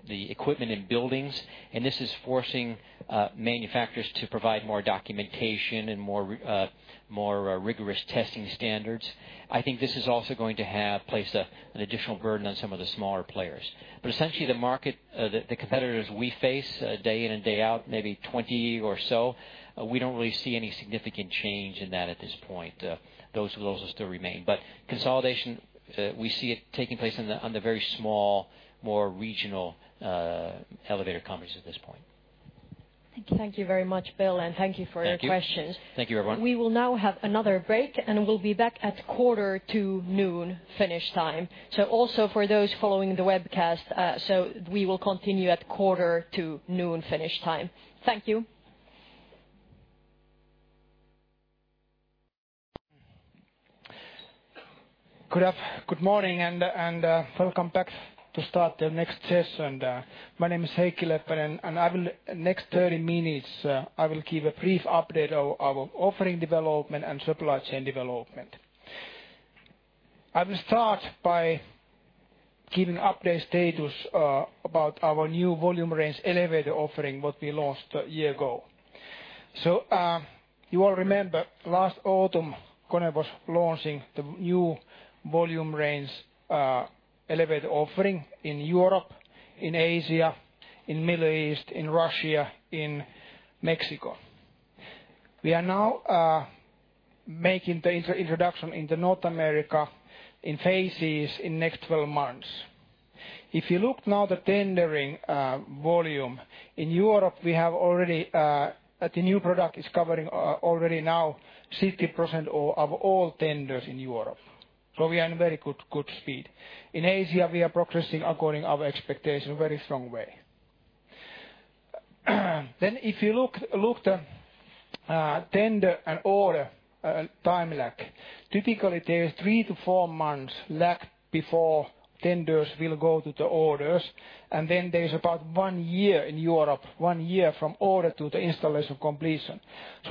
equipment in buildings, and this is forcing manufacturers to provide more documentation and more rigorous testing standards. I think this is also going to place an additional burden on some of the smaller players. Essentially the market, the competitors we face day in and day out, maybe 20 or so, we don't really see any significant change in that at this point. Those will still remain. Consolidation we see it taking place on the very small, more regional elevator companies at this point. Thank you. Thank you very much, Bill, and thank you for your questions. Thank you. Thank you, everyone. We will now have another break, and we will be back at quarter to noon, Finnish time. Also for those following the webcast, we will continue at quarter to noon Finnish time. Thank you. Good morning, and welcome back to start the next session. My name is Heikki Leppänen, next 30 minutes I will give a brief update of our offering development and supply chain development. I will start by giving update status about our new volume range elevator offering, what we launched a year ago. You all remember last autumn, KONE was launching the new volume range elevator offering in Europe, in Asia, in Middle East, in Russia, in Mexico. We are now making the introduction into North America in phases in next 12 months. If you look now the tendering volume, in Europe the new product is covering already now 60% of all tenders in Europe. We are in very good speed. In Asia we are progressing according our expectation, very strong way. If you look the tender and order time lag, typically there is 3 to 4 months lag before tenders will go to the orders, and there is about one year in Europe, one year from order to the installation completion.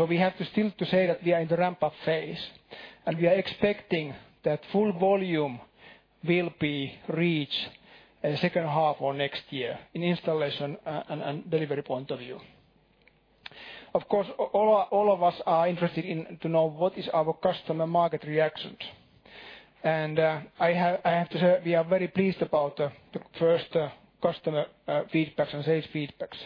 We have to still to say that we are in the ramp-up phase, and we are expecting that full volume will be reached at second half of next year in installation and delivery point of view. All of us are interested to know what is our customer market reactions. I have to say, we are very pleased about the first customer feedback and sales feedbacks.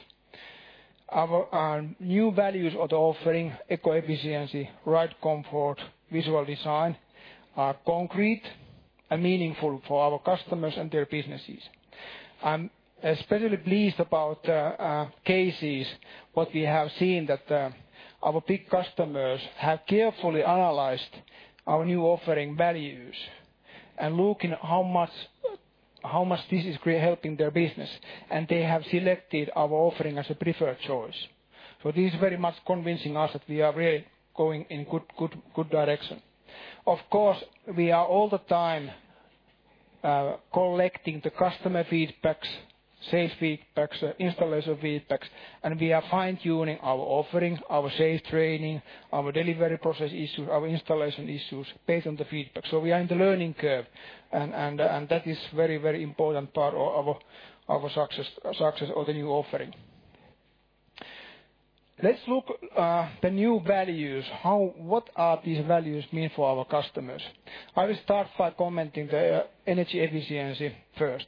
Our new values of the offering, eco-efficiency, ride comfort, visual design are concrete and meaningful for our customers and their businesses. I'm especially pleased about cases what we have seen that our big customers have carefully analyzed our new offering values. Looking how much this is helping their business. And they have selected our offering as a preferred choice. This is very much convincing us that we are really going in good direction. We are all the time collecting the customer feedbacks, sales feedbacks, installation feedbacks, and we are fine-tuning our offerings, our sales training, our delivery process issues, our installation issues based on the feedback. So we are in the learning curve, and that is very important part of our success of the new offering. Let's look the new values, what are these values mean for our customers. I will start by commenting the energy efficiency first.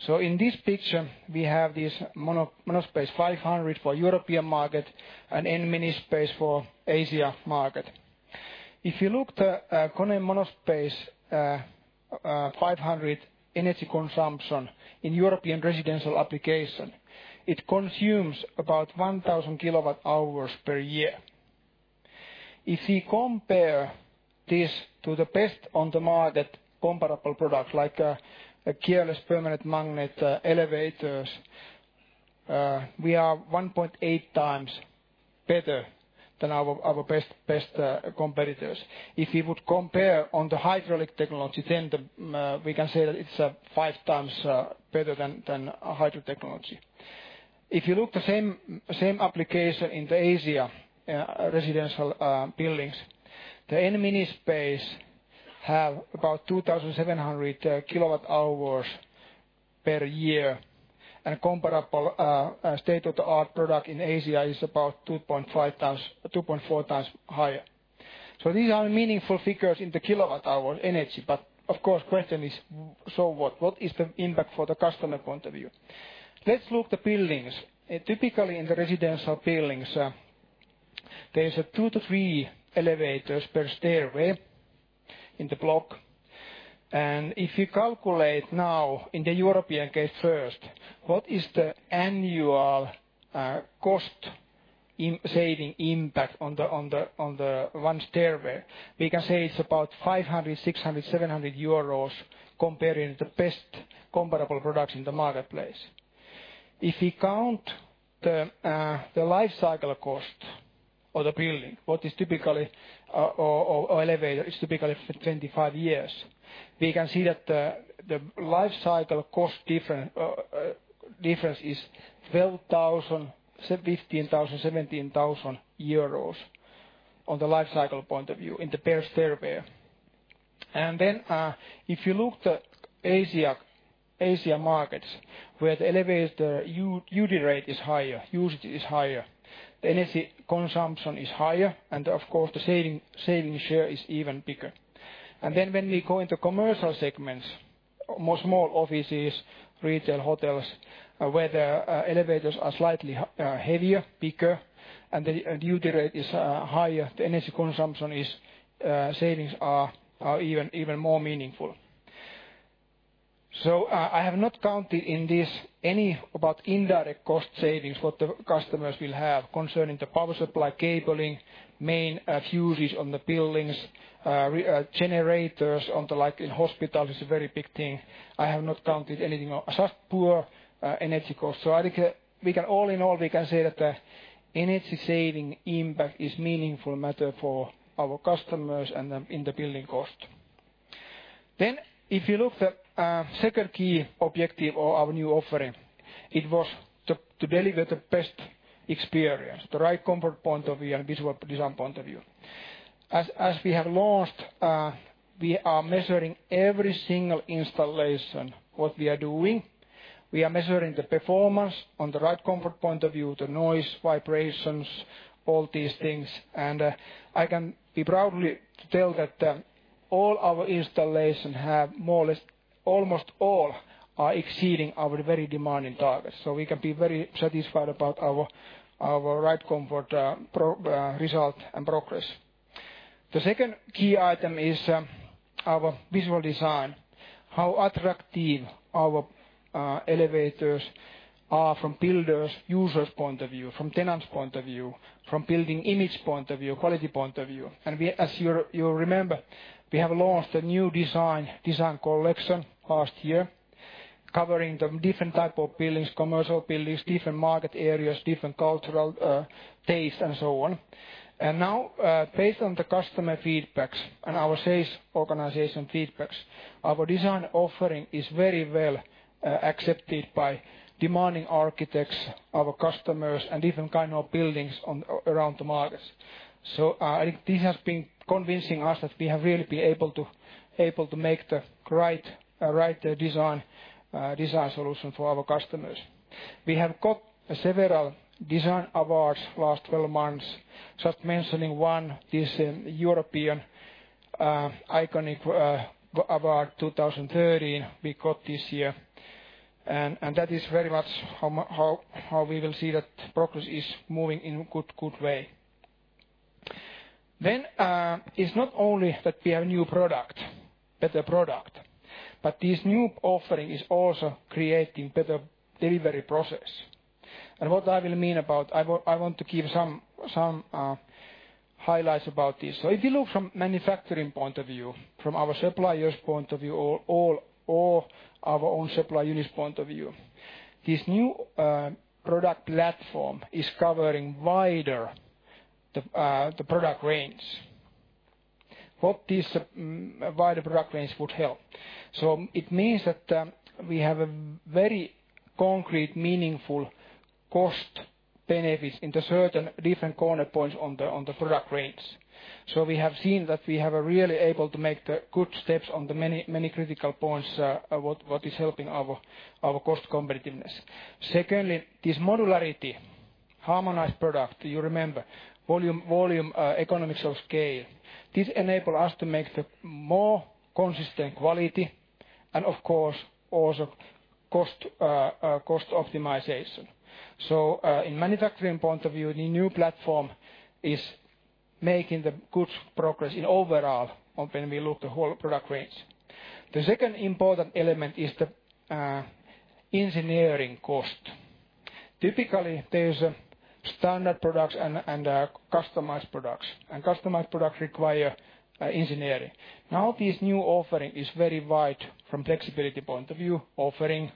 So in this picture, we have this MonoSpace 500 for European market and N MiniSpace for Asia market. If you look the KONE MonoSpace 500 energy consumption in European residential application, it consumes about 1,000 kilowatt hours per year. If you compare this to the best on the market comparable product, like a gearless permanent magnet elevators, we are 1.8 times better than our best competitors. If you would compare on the hydraulic technology, then we can say that it's 5 times better than a hydro technology. If you look the same application in the Asia residential buildings, the N MiniSpace have about 2,700 kilowatt hours per year. And comparable state-of-the-art product in Asia is about 2.4 times higher. So these are meaningful figures in the kilowatt hour energy, but question is, so what? What is the impact for the customer point of view? Let's look the buildings. Typically, in the residential buildings, there is 2 to 3 elevators per stairway in the block. If you calculate now in the European case first, what is the annual cost saving impact on the one stairway? We can say it's about 500, 600, 700 euros comparing the best comparable products in the marketplace. If we count the life cycle cost of the building, or elevator, is typically for 25 years. We can see that the life cycle cost difference is 12,000, 15,000, 17,000 euros on the life cycle point of view in the per stairway. If you look the Asia markets, where the elevator duty rate is higher, usage is higher, the energy consumption is higher, and of course the saving share is even bigger. When we go into commercial segments, more small offices, retail, hotels, where the elevators are slightly heavier, bigger, and the duty rate is higher, the energy consumption savings are even more meaningful. I have not counted in this any about indirect cost savings what the customers will have concerning the power supply cabling, main fuses on the buildings, generators on the hospital is a very big thing. I have not counted anything on such power energy cost. All in all, we can say that the energy saving impact is meaningful matter for our customers and in the building cost. If you look the second key objective of our new offering, it was to deliver the best experience, the ride comfort point of view and visual design point of view. As we have launched, we are measuring every single installation, what we are doing. We are measuring the performance on the ride comfort point of view, the noise, vibrations, all these things. I can be proudly to tell that all our installations have more or less almost all are exceeding our very demanding targets. We can be very satisfied about our ride comfort result and progress. The second key item is our visual design, how attractive our elevators are from builders, users point of view, from tenants point of view, from building image point of view, quality point of view. As you remember, we have launched a new design collection last year covering the different type of buildings, commercial buildings, different market areas, different cultural taste and so on. Now, based on the customer feedbacks and our sales organization feedbacks, our design offering is very well accepted by demanding architects, our customers and different kind of buildings around the markets. I think this has been convincing us that we have really been able to make the right design solution for our customers. We have got several design awards last 12 months. Just mentioning one, this European Iconic Award 2013 we got this year, that is very much how we will see that progress is moving in a good way. It's not only that we have new product, better product, but this new offering is also creating better delivery process. What I will mean about I want to give some highlights about this. If you look from manufacturing point of view, from our suppliers point of view, or our own supply unit's point of view, this new product platform is covering wider the product range. What this wider product range would help? It means that we have a very concrete, meaningful cost benefits into certain different corner points on the product range. We have seen that we are really able to make the good steps on the many critical points, what is helping our cost competitiveness. Secondly, this modularity, harmonized product, you remember volume economics of scale. This enables us to make the more consistent quality and of course also cost optimization. In manufacturing point of view, the new platform is making the good progress in overall when we look the whole product range. The second important element is the engineering cost. Typically, there's standard products and customized products. Customized products require engineering. Now this new offering is very wide from flexibility point of view, offering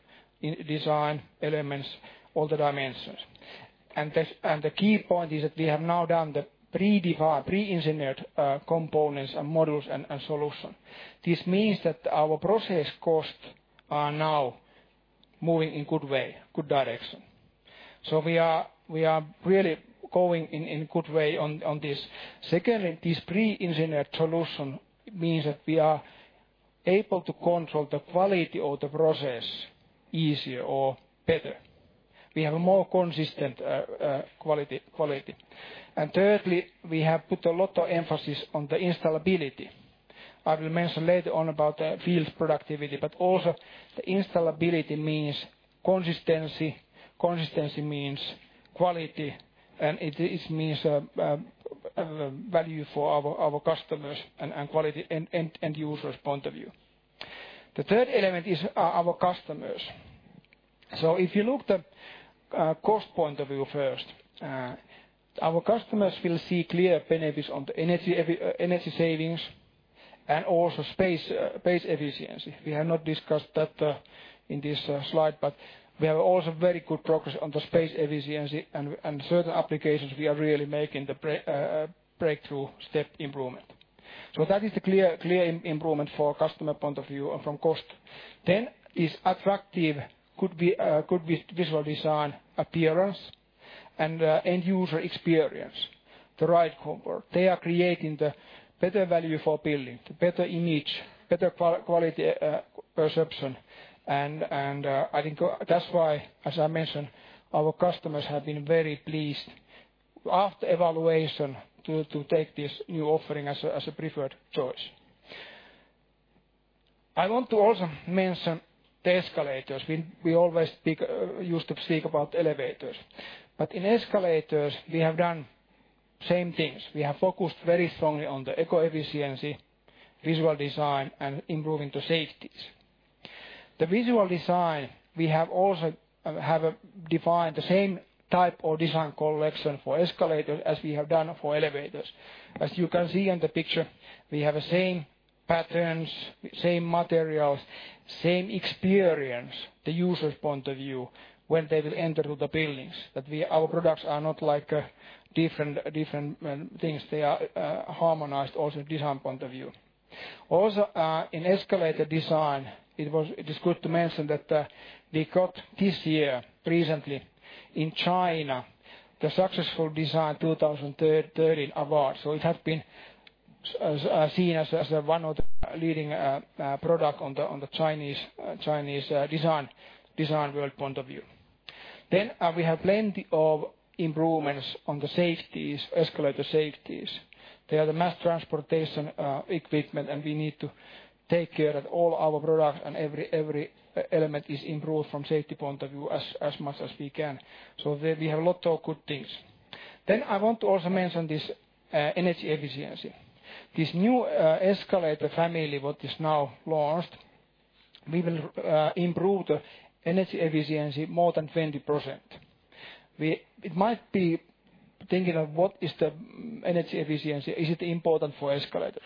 design elements, all the dimensions. The key point is that we have now done the pre-engineered components and modules and solutions. This means that our process costs are now moving in good way, good direction. We are really going in a good way on this. Secondly, this pre-engineered solution means that we are able to control the quality of the process easier or better. We have a more consistent quality. Thirdly, we have put a lot of emphasis on the installability. I will mention later on about the field productivity, but also the installability means consistency. Consistency means quality, and it means value for our customers and quality end users' point of view. The third element is our customers. If you look the cost point of view first, our customers will see clear benefits on the energy savings and also space efficiency. We have not discussed that in this slide, but we have also very good progress on the space efficiency and certain applications we are really making the breakthrough step improvement. That is a clear improvement for customer point of view and from cost. Is attractive, good visual design appearance and end-user experience, the ride comfort. They are creating the better value for building, the better image, better quality perception and I think that's why, as I mentioned, our customers have been very pleased after evaluation to take this new offering as a preferred choice. I want to also mention the escalators. We always used to speak about elevators, in escalators we have done same things. We have focused very strongly on the eco-efficiency, visual design, and improving the safeties. The visual design, we have also defined the same type of design collection for escalators as we have done for elevators. As you can see in the picture, we have a same patterns, same materials, same experience, the user's point of view when they will enter to the buildings. That our products are not like different things. They are harmonized also design point of view. Also, in escalator design it is good to mention that we got this year, recently in China, the Successful Design 2013 Award. It has been seen as one of the leading product on the Chinese design world point of view. We have plenty of improvements on the safeties, escalator safeties. They are the mass transportation equipment and we need to take care that all our products and every element is improved from safety point of view as much as we can. There we have a lot of good things. I want to also mention this energy efficiency. This new escalator family, what is now launched, we will improve the energy efficiency more than 20%. It might be thinking of what is the energy efficiency? Is it important for escalators?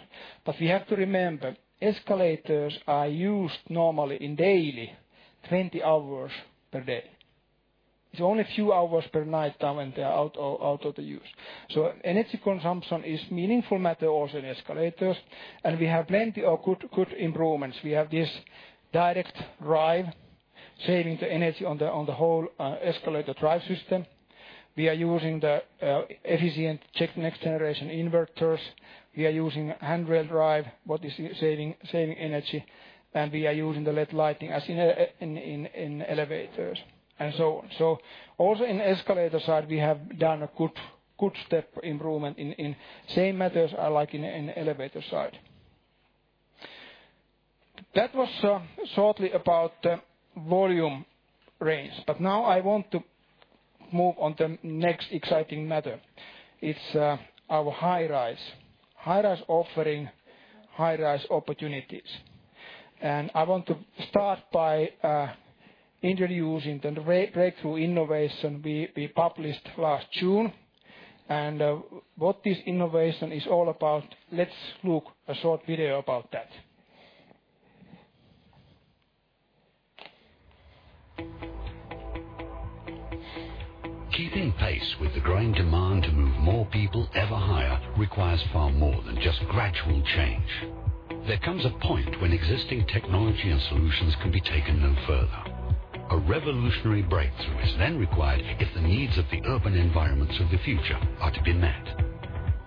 We have to remember, escalators are used normally in daily 20 hours per day. It's only few hours per night time when they are out of the use. Energy consumption is meaningful matter also in escalators and we have plenty of good improvements. We have this direct drive saving the energy on the whole escalator drive system. We are using the efficient tech next generation inverters. We are using handrail drive, what is saving energy, and we are using the LED lighting as in elevators and so on. Also in escalator side, we have done a good step improvement in same matters like in elevator side. That was shortly about volume range. Now I want to move on to next exciting matter. It's our high-rise. High-rise offering, high-rise opportunities. I want to start by introducing the breakthrough innovation we published last June and what this innovation is all about. Let's look a short video about that. Keeping pace with the growing demand to move more people ever higher requires far more than just gradual change. There comes a point when existing technology and solutions can be taken no further. A revolutionary breakthrough is then required if the needs of the urban environments of the future are to be met.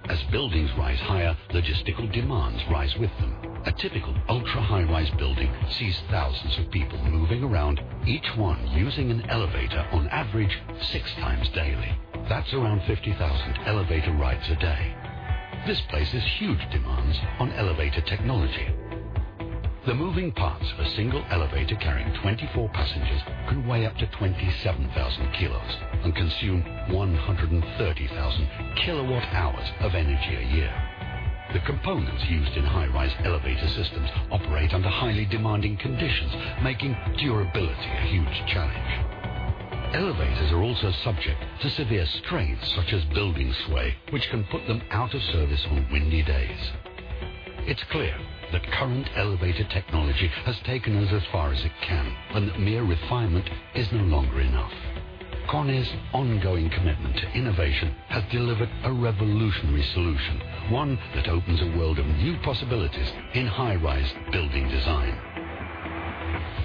As buildings rise higher, logistical demands rise with them. A typical ultra high-rise building sees thousands of people moving around, each one using an elevator on average six times daily. That's around 50,000 elevator rides a day. This places huge demands on elevator technology. The moving parts of a single elevator carrying 24 passengers can weigh up to 27,000 kilos and consume 130,000 kilowatt-hours of energy a year. The components used in high-rise elevator systems operate under highly demanding conditions, making durability a huge challenge. Elevators are also subject to severe strains such as building sway, which can put them out of service on windy days. It's clear that current elevator technology has taken us as far as it can, and that mere refinement is no longer enough. KONE's ongoing commitment to innovation has delivered a revolutionary solution, one that opens a world of new possibilities in high-rise building design.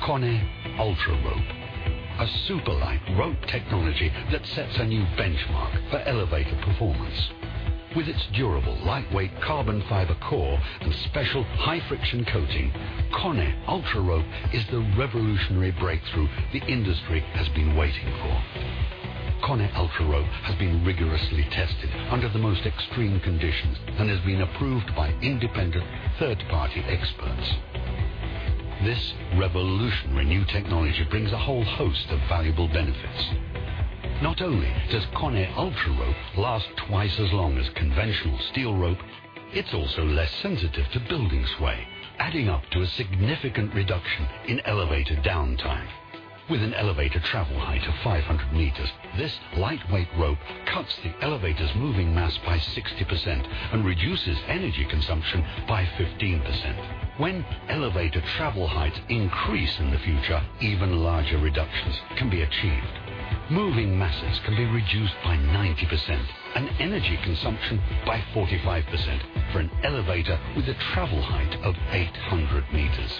KONE UltraRope, a super-light rope technology that sets a new benchmark for elevator performance. With its durable, lightweight carbon fiber core and special high-friction coating, KONE UltraRope is the revolutionary breakthrough the industry has been waiting for. KONE UltraRope has been rigorously tested under the most extreme conditions and has been approved by independent third-party experts. This revolutionary new technology brings a whole host of valuable benefits. Not only does KONE UltraRope last twice as long as conventional steel rope, it's also less sensitive to building sway, adding up to a significant reduction in elevator downtime. With an elevator travel height of 500 meters, this lightweight rope cuts the elevator's moving mass by 60% and reduces energy consumption by 15%. When elevator travel heights increase in the future, even larger reductions can be achieved. Moving masses can be reduced by 90%, and energy consumption by 45% for an elevator with a travel height of 800 meters.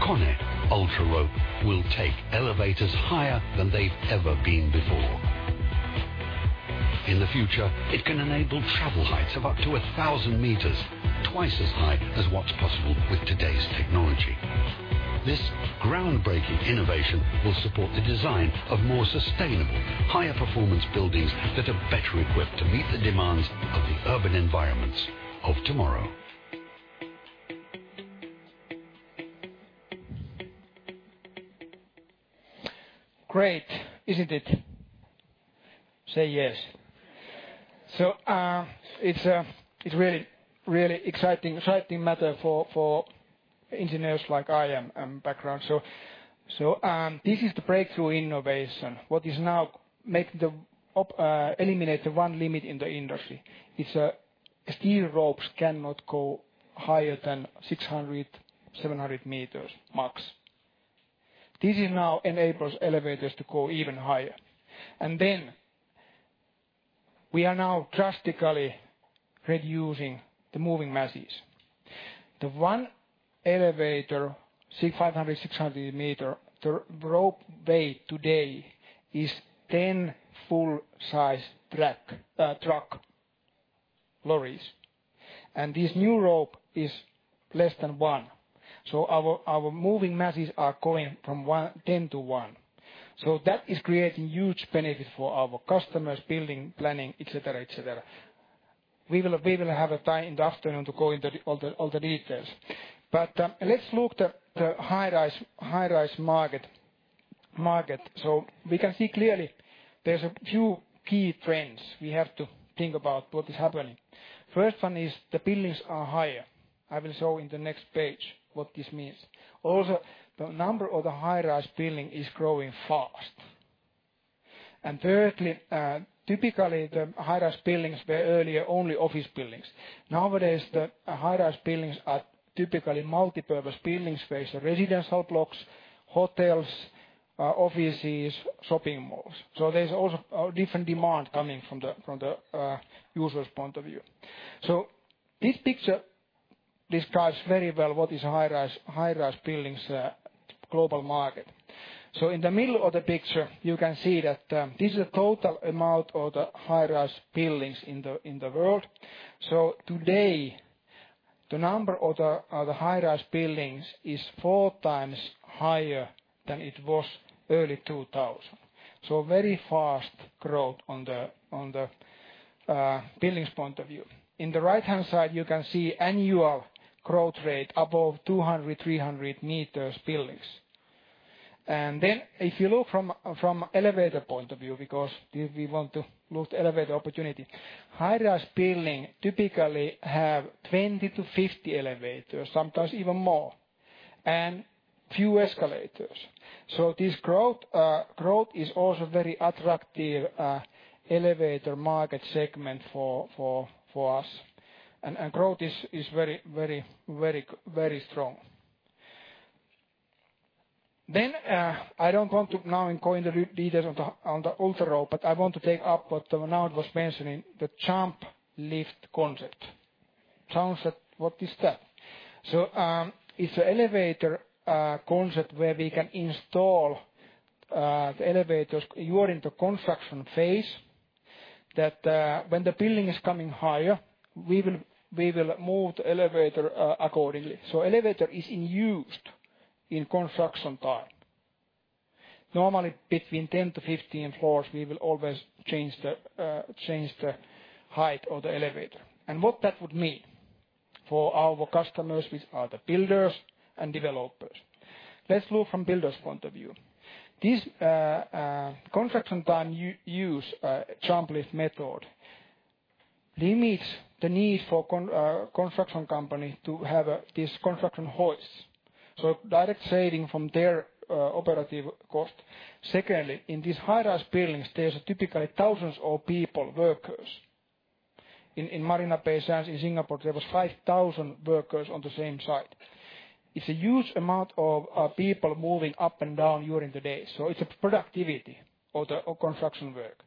KONE UltraRope will take elevators higher than they've ever been before. In the future, it can enable travel heights of up to 1,000 meters, twice as high as what's possible with today's technology. This groundbreaking innovation will support the design of more sustainable, higher-performance buildings that are better equipped to meet the demands of the urban environments of tomorrow. Great, isn't it? Say yes. Yes. It's a really exciting matter for engineers like I am, background. This is the breakthrough innovation, what is now eliminate the one limit in the industry. It's steel ropes cannot go higher than 600, 700 meters max. This now enables elevators to go even higher. We are now drastically reducing the moving masses. The one elevator, 500, 600 meter, the rope weight today is 10 full size truck lorries. This new rope is less than one. Our moving masses are going from 10 to one. That is creating huge benefit for our customers, building, planning, et cetera. We will have a time in the afternoon to go into all the details. Let's look at the high-rise market. We can see clearly there's a few key trends we have to think about what is happening. First one is the buildings are higher. I will show in the next page what this means. Also, the number of the high-rise building is growing fast. Thirdly, typically the high-rise buildings were earlier only office buildings. Nowadays, the high-rise buildings are typically multipurpose buildings, there's residential blocks, hotels, offices, shopping malls. There's also a different demand coming from the user's point of view. This picture describes very well what is high-rise buildings global market. In the middle of the picture, you can see that this is the total amount of the high-rise buildings in the world. Today, the number of the high-rise buildings is four times higher than it was early 2000. Very fast growth on the buildings point of view. In the right-hand side, you can see annual growth rate above 200, 300 meters buildings. If you look from an elevator point of view, because we want to look at elevator opportunity. High-rise building typically have 20 to 50 elevators, sometimes even more, and few escalators. This growth is also very attractive elevator market segment for us. Growth is very strong. I don't want to now go into details on the UltraRope, but I want to take up what Bernard was mentioning, the JumpLift concept. Sounds that, what is that? It's a elevator concept where we can install the elevators during the construction phase, that when the building is coming higher, we will move the elevator accordingly. Elevator is in used in construction time. Normally between 10 to 15 floors, we will always change the height of the elevator. What that would mean for our customers, which are the builders and developers. Let's look from builder's point of view. This construction time use JumpLift method limits the need for construction company to have this construction hoist. Direct saving from their operative cost. Secondly, in these high-rise buildings, there is typically thousands of people, workers. In Marina Bay Sands in Singapore, there was 5,000 workers on the same site. It is a huge amount of people moving up and down during the day. It is a productivity of construction work.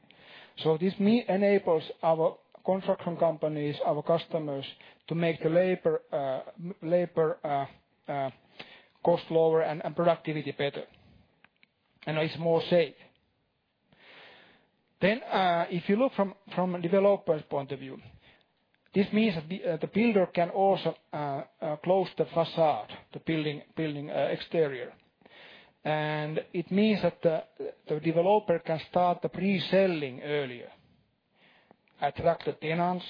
This enables our construction companies, our customers to make the labor cost lower and productivity better. It is more safe. If you look from a developer's point of view, this means that the builder can also close the facade, the building exterior. It means that the developer can start the pre-selling earlier, attract the tenants,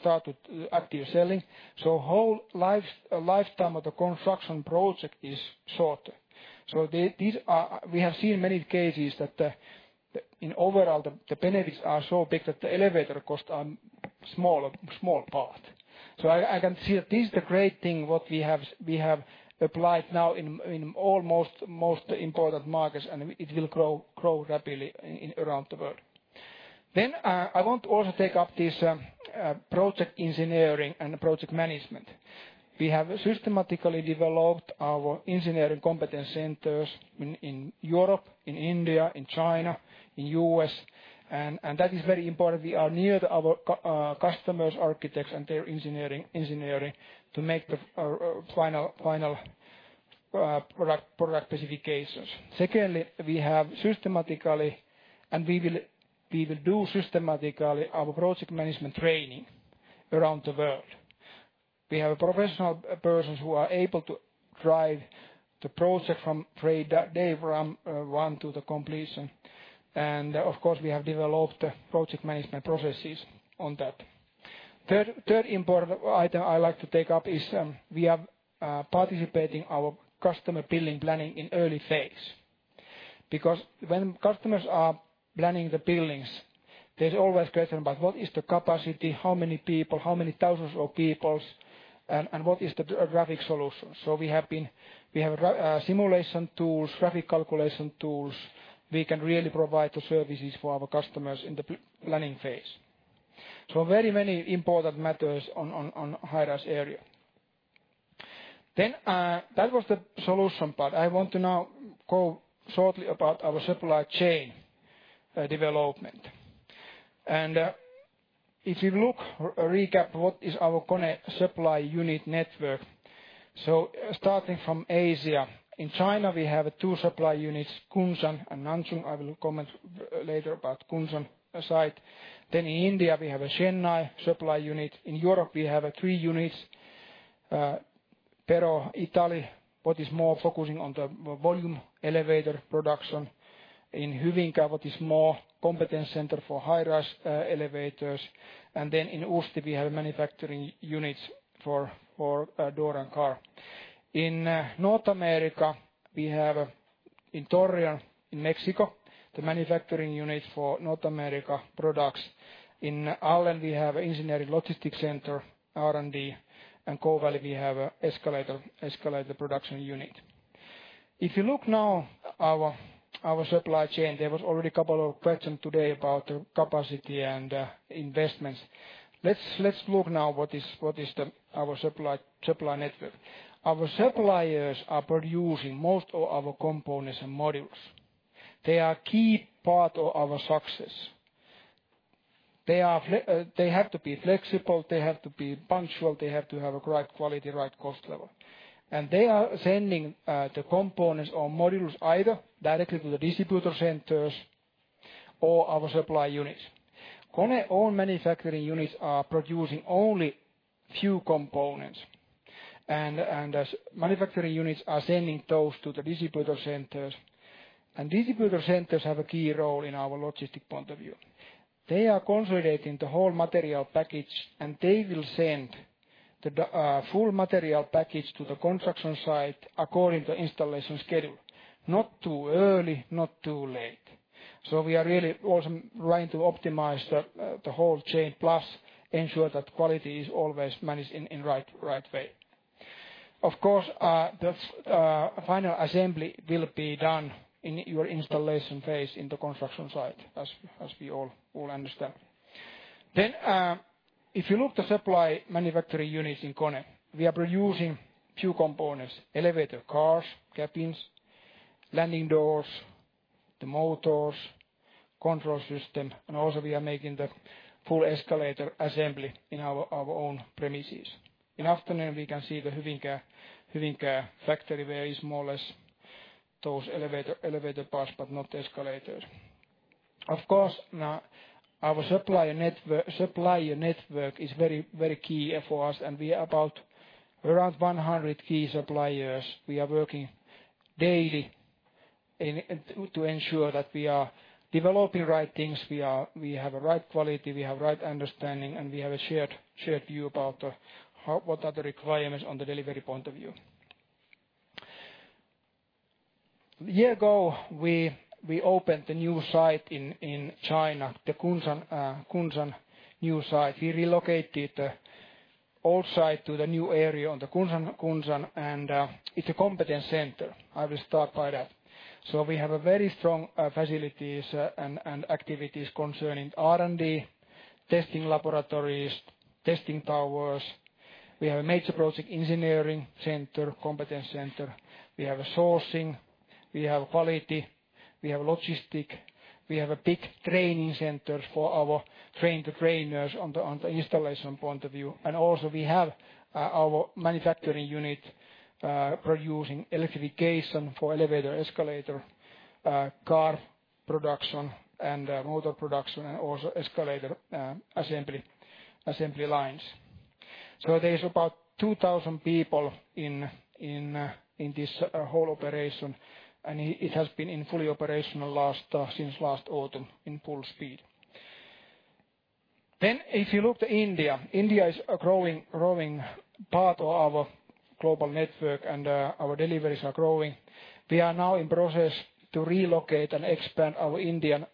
start with active selling. Whole lifetime of the construction project is shorter. We have seen many cases that in overall, the benefits are so big that the elevator costs are small part. I can see that this is the great thing what we have applied now in almost most important markets, and it will grow rapidly around the world. I want to also take up this project engineering and project management. We have systematically developed our engineering competence centers in Europe, in India, in China, in U.S., and that is very important. We are near our customers, architects, and their engineering to make the final product specifications. Secondly, we have systematically, and we will do systematically our project management training around the world. We have professional persons who are able to drive the project from day one to the completion. Of course, we have developed project management processes on that. Third important item I like to take up is, we are participating our customer building planning in early phase. Because when customers are planning the buildings, there is always question about what is the capacity, how many people, how many thousands of people, and what is the traffic solution. We have simulation tools, traffic calculation tools. We can really provide the services for our customers in the planning phase. Very important matters on high-rise area. That was the solution part. I want to now go shortly about our supply chain development. If you look, recap what is our KONE supply unit network. Starting from Asia. In China, we have two supply units, Kunshan and Nanjing. I will comment later about Kunshan site. In India, we have a Chennai supply unit. In Europe, we have three units. Pero, Italy, what is more focusing on the volume elevator production. In Hyvinkää, what is more competence center for high-rise elevators. In Ustka, we have manufacturing units for door and car. In North America, we have in Torreón in Mexico, the manufacturing unit for North America products. In Allen, we have engineering logistics center, R&D, Coal Valley we have a escalator production unit. If you look now our supply chain, there was already a couple of questions today about the capacity and investments. Let's look now what is our supply network. Our suppliers are producing most of our components and modules. They are key part of our success. They have to be flexible, they have to be punctual, they have to have a right quality, right cost level. They are sending the components or modules either directly to the distributor centers or our supply units. KONE's own manufacturing units are producing only a few components. As manufacturing units are sending those to the distributor centers, distributor centers have a key role in our logistics point of view. They are consolidating the whole material package, and they will send the full material package to the construction site according to installation schedule. Not too early, not too late. We are really also trying to optimize the whole chain, plus ensure that quality is always managed in right way. Of course, the final assembly will be done in your installation phase in the construction site, as we all understand. If you look at the supply manufacturing units in KONE, we are producing a few components, elevator cars, cabins, landing doors, the motors, control system, and also we are making the full escalator assembly in our own premises. In the afternoon, we can see the Hyvinkää factory where are more or less those elevator cars, but not escalators. Now our supplier network is very key for us and we are about 100 key suppliers. We are working daily to ensure that we are developing the right things, we have the right quality, we have the right understanding, and we have a shared view about what are the requirements from the delivery point of view. A year ago, we opened a new site in China, the Kunshan new site. We relocated the old site to the new area in Kunshan, and it's a competence center. I will start by that. We have very strong facilities and activities concerning R&D, testing laboratories, testing towers. We have a major project engineering center, competence center. We have sourcing, we have quality, we have logistics. We have a big training center for our train-the-trainers from the installation point of view. Also we have our manufacturing unit producing electrification for elevator, escalator car production and motor production, and also escalator assembly lines. There are about 2,000 people in this whole operation, and it has been fully operational since last autumn in full speed. If you look at India is a growing part of our global network and our deliveries are growing. We are now in process to relocate and expand our Indian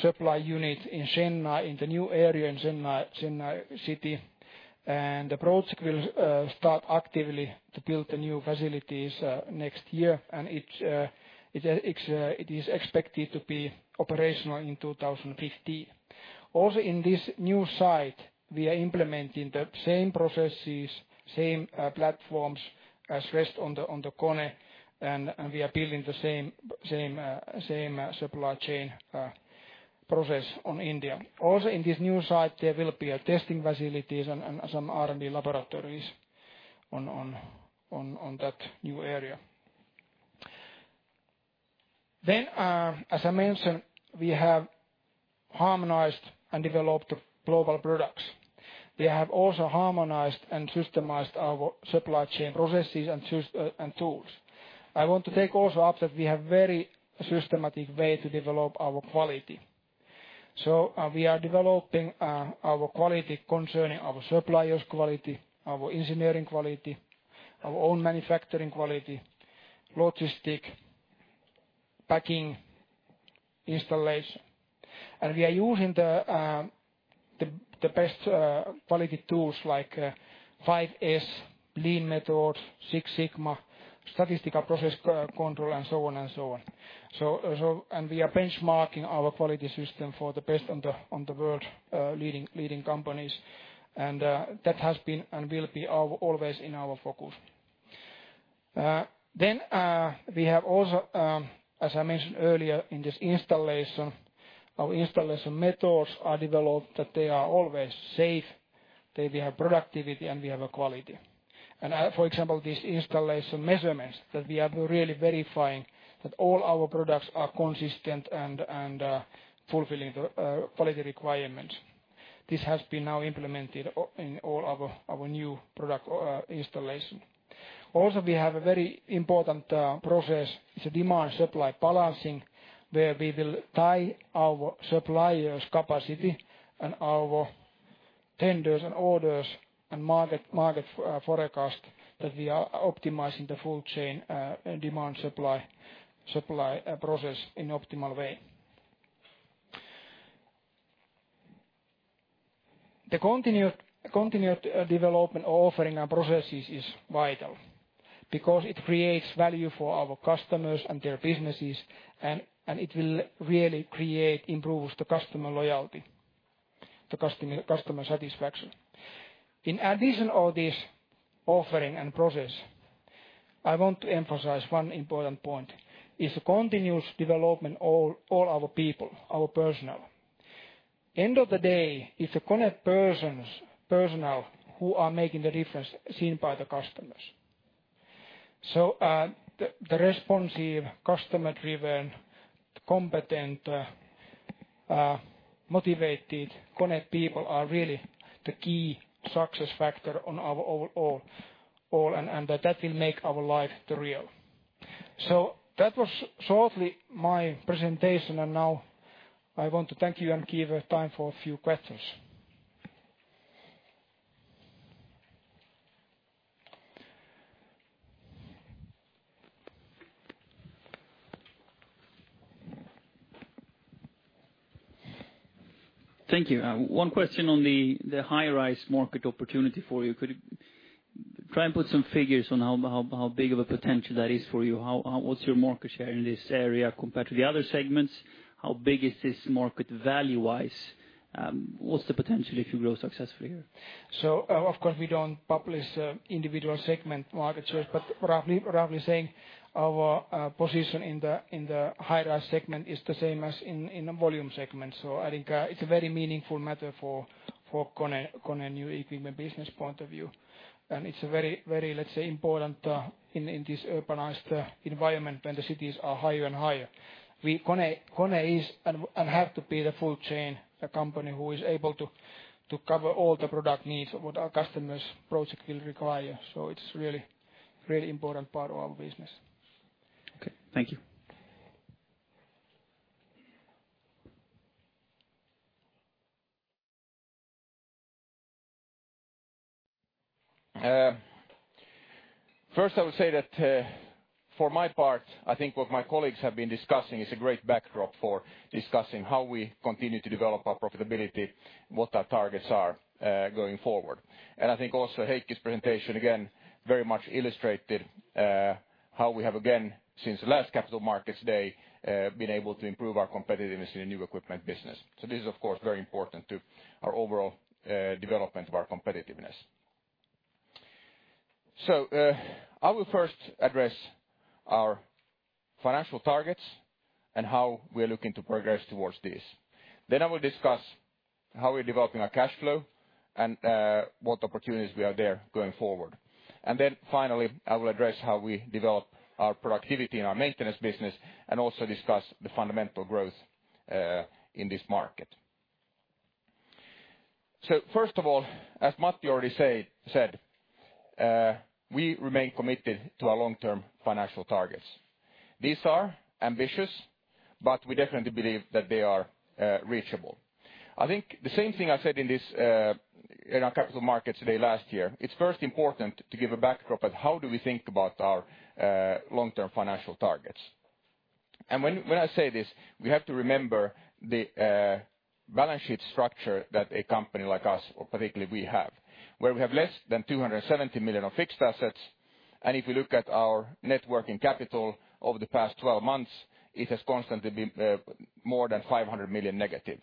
supply unit in Chennai, in the new area in Chennai city. The project will start actively to build the new facilities next year, and it is expected to be operational in 2015. Also in this new site, we are implementing the same processes, same platforms as the rest of KONE, and we are building the same supply chain process in India. Also in this new site, there will be testing facilities and some R&D laboratories in that new area. As I mentioned, we have harmonized and developed global products. We have also harmonized and systemized our supply chain processes and tools. I want to also take up that we have very systematic way to develop our quality. We are developing our quality concerning our suppliers' quality, our engineering quality, our own manufacturing quality, logistics, packing, installation. We are using the best quality tools like 5S, Lean methods, Six Sigma, statistical process control, and so on. We are benchmarking our quality system for the best of the world's leading companies. That has been and will be always in our focus. We have also as I mentioned earlier in this installation, our installation methods are developed that they are always safe, that we have productivity, and we have a quality. For example, these installation measurements that we are really verifying that all our products are consistent and fulfilling the quality requirement. This has been now implemented in all our new product installation. We have a very important process, it's a demand-supply balancing, where we will tie our suppliers' capacity and our tenders and orders and market forecast that we are optimizing the full chain demand supply process in optimal way. The continued development offering and processes is vital because it creates value for our customers and their businesses, and it will really create, improves the customer loyalty, the customer satisfaction. In addition of this offering and process, I want to emphasize one important point, is the continuous development all our people, our personnel. End of the day, it's the KONE personnel who are making the difference seen by the customers. The responsive, customer-driven, competent motivated KONE people are really the key success factor on our overall, and that will make our life real. That was shortly my presentation, and now I want to thank you and give time for a few questions. Thank you. One question on the high-rise market opportunity for you. Could you try and put some figures on how big of a potential that is for you? What's your market share in this area compared to the other segments? How big is this market value-wise? What's the potential if you grow successfully here? Of course, we don't publish individual segment market shares, but roughly saying, our position in the high-rise segment is the same as in a volume segment. I think it's a very meaningful matter for KONE New Equipment Business point of view. It's very, let's say, important in this urbanized environment when the cities are higher and higher. KONE is and have to be the full chain, the company who is able to cover all the product needs of what our customer's project will require. It's really important part of our business. Okay. Thank you. First, I would say that for my part, I think what my colleagues have been discussing is a great backdrop for discussing how we continue to develop our profitability, what our targets are going forward. I think also Heikki's presentation, again, very much illustrated how we have, again, since the last Capital Markets Day, been able to improve our competitiveness in the new equipment business. This is, of course, very important to our overall development of our competitiveness. I will first address our financial targets and how we are looking to progress towards this. I will discuss how we're developing our cash flow and what opportunities we have there going forward. Finally, I will address how we develop our productivity in our maintenance business and also discuss the fundamental growth in this market. First of all, as Matti already said, we remain committed to our long-term financial targets. These are ambitious, but we definitely believe that they are reachable. I think the same thing I said in our Capital Markets Day last year, it's first important to give a backdrop of how do we think about our long-term financial targets. When I say this, we have to remember the balance sheet structure that a company like us, or particularly we have, where we have less than 270 million of fixed assets. If we look at our net working capital over the past 12 months, it has constantly been more than 500 million negative.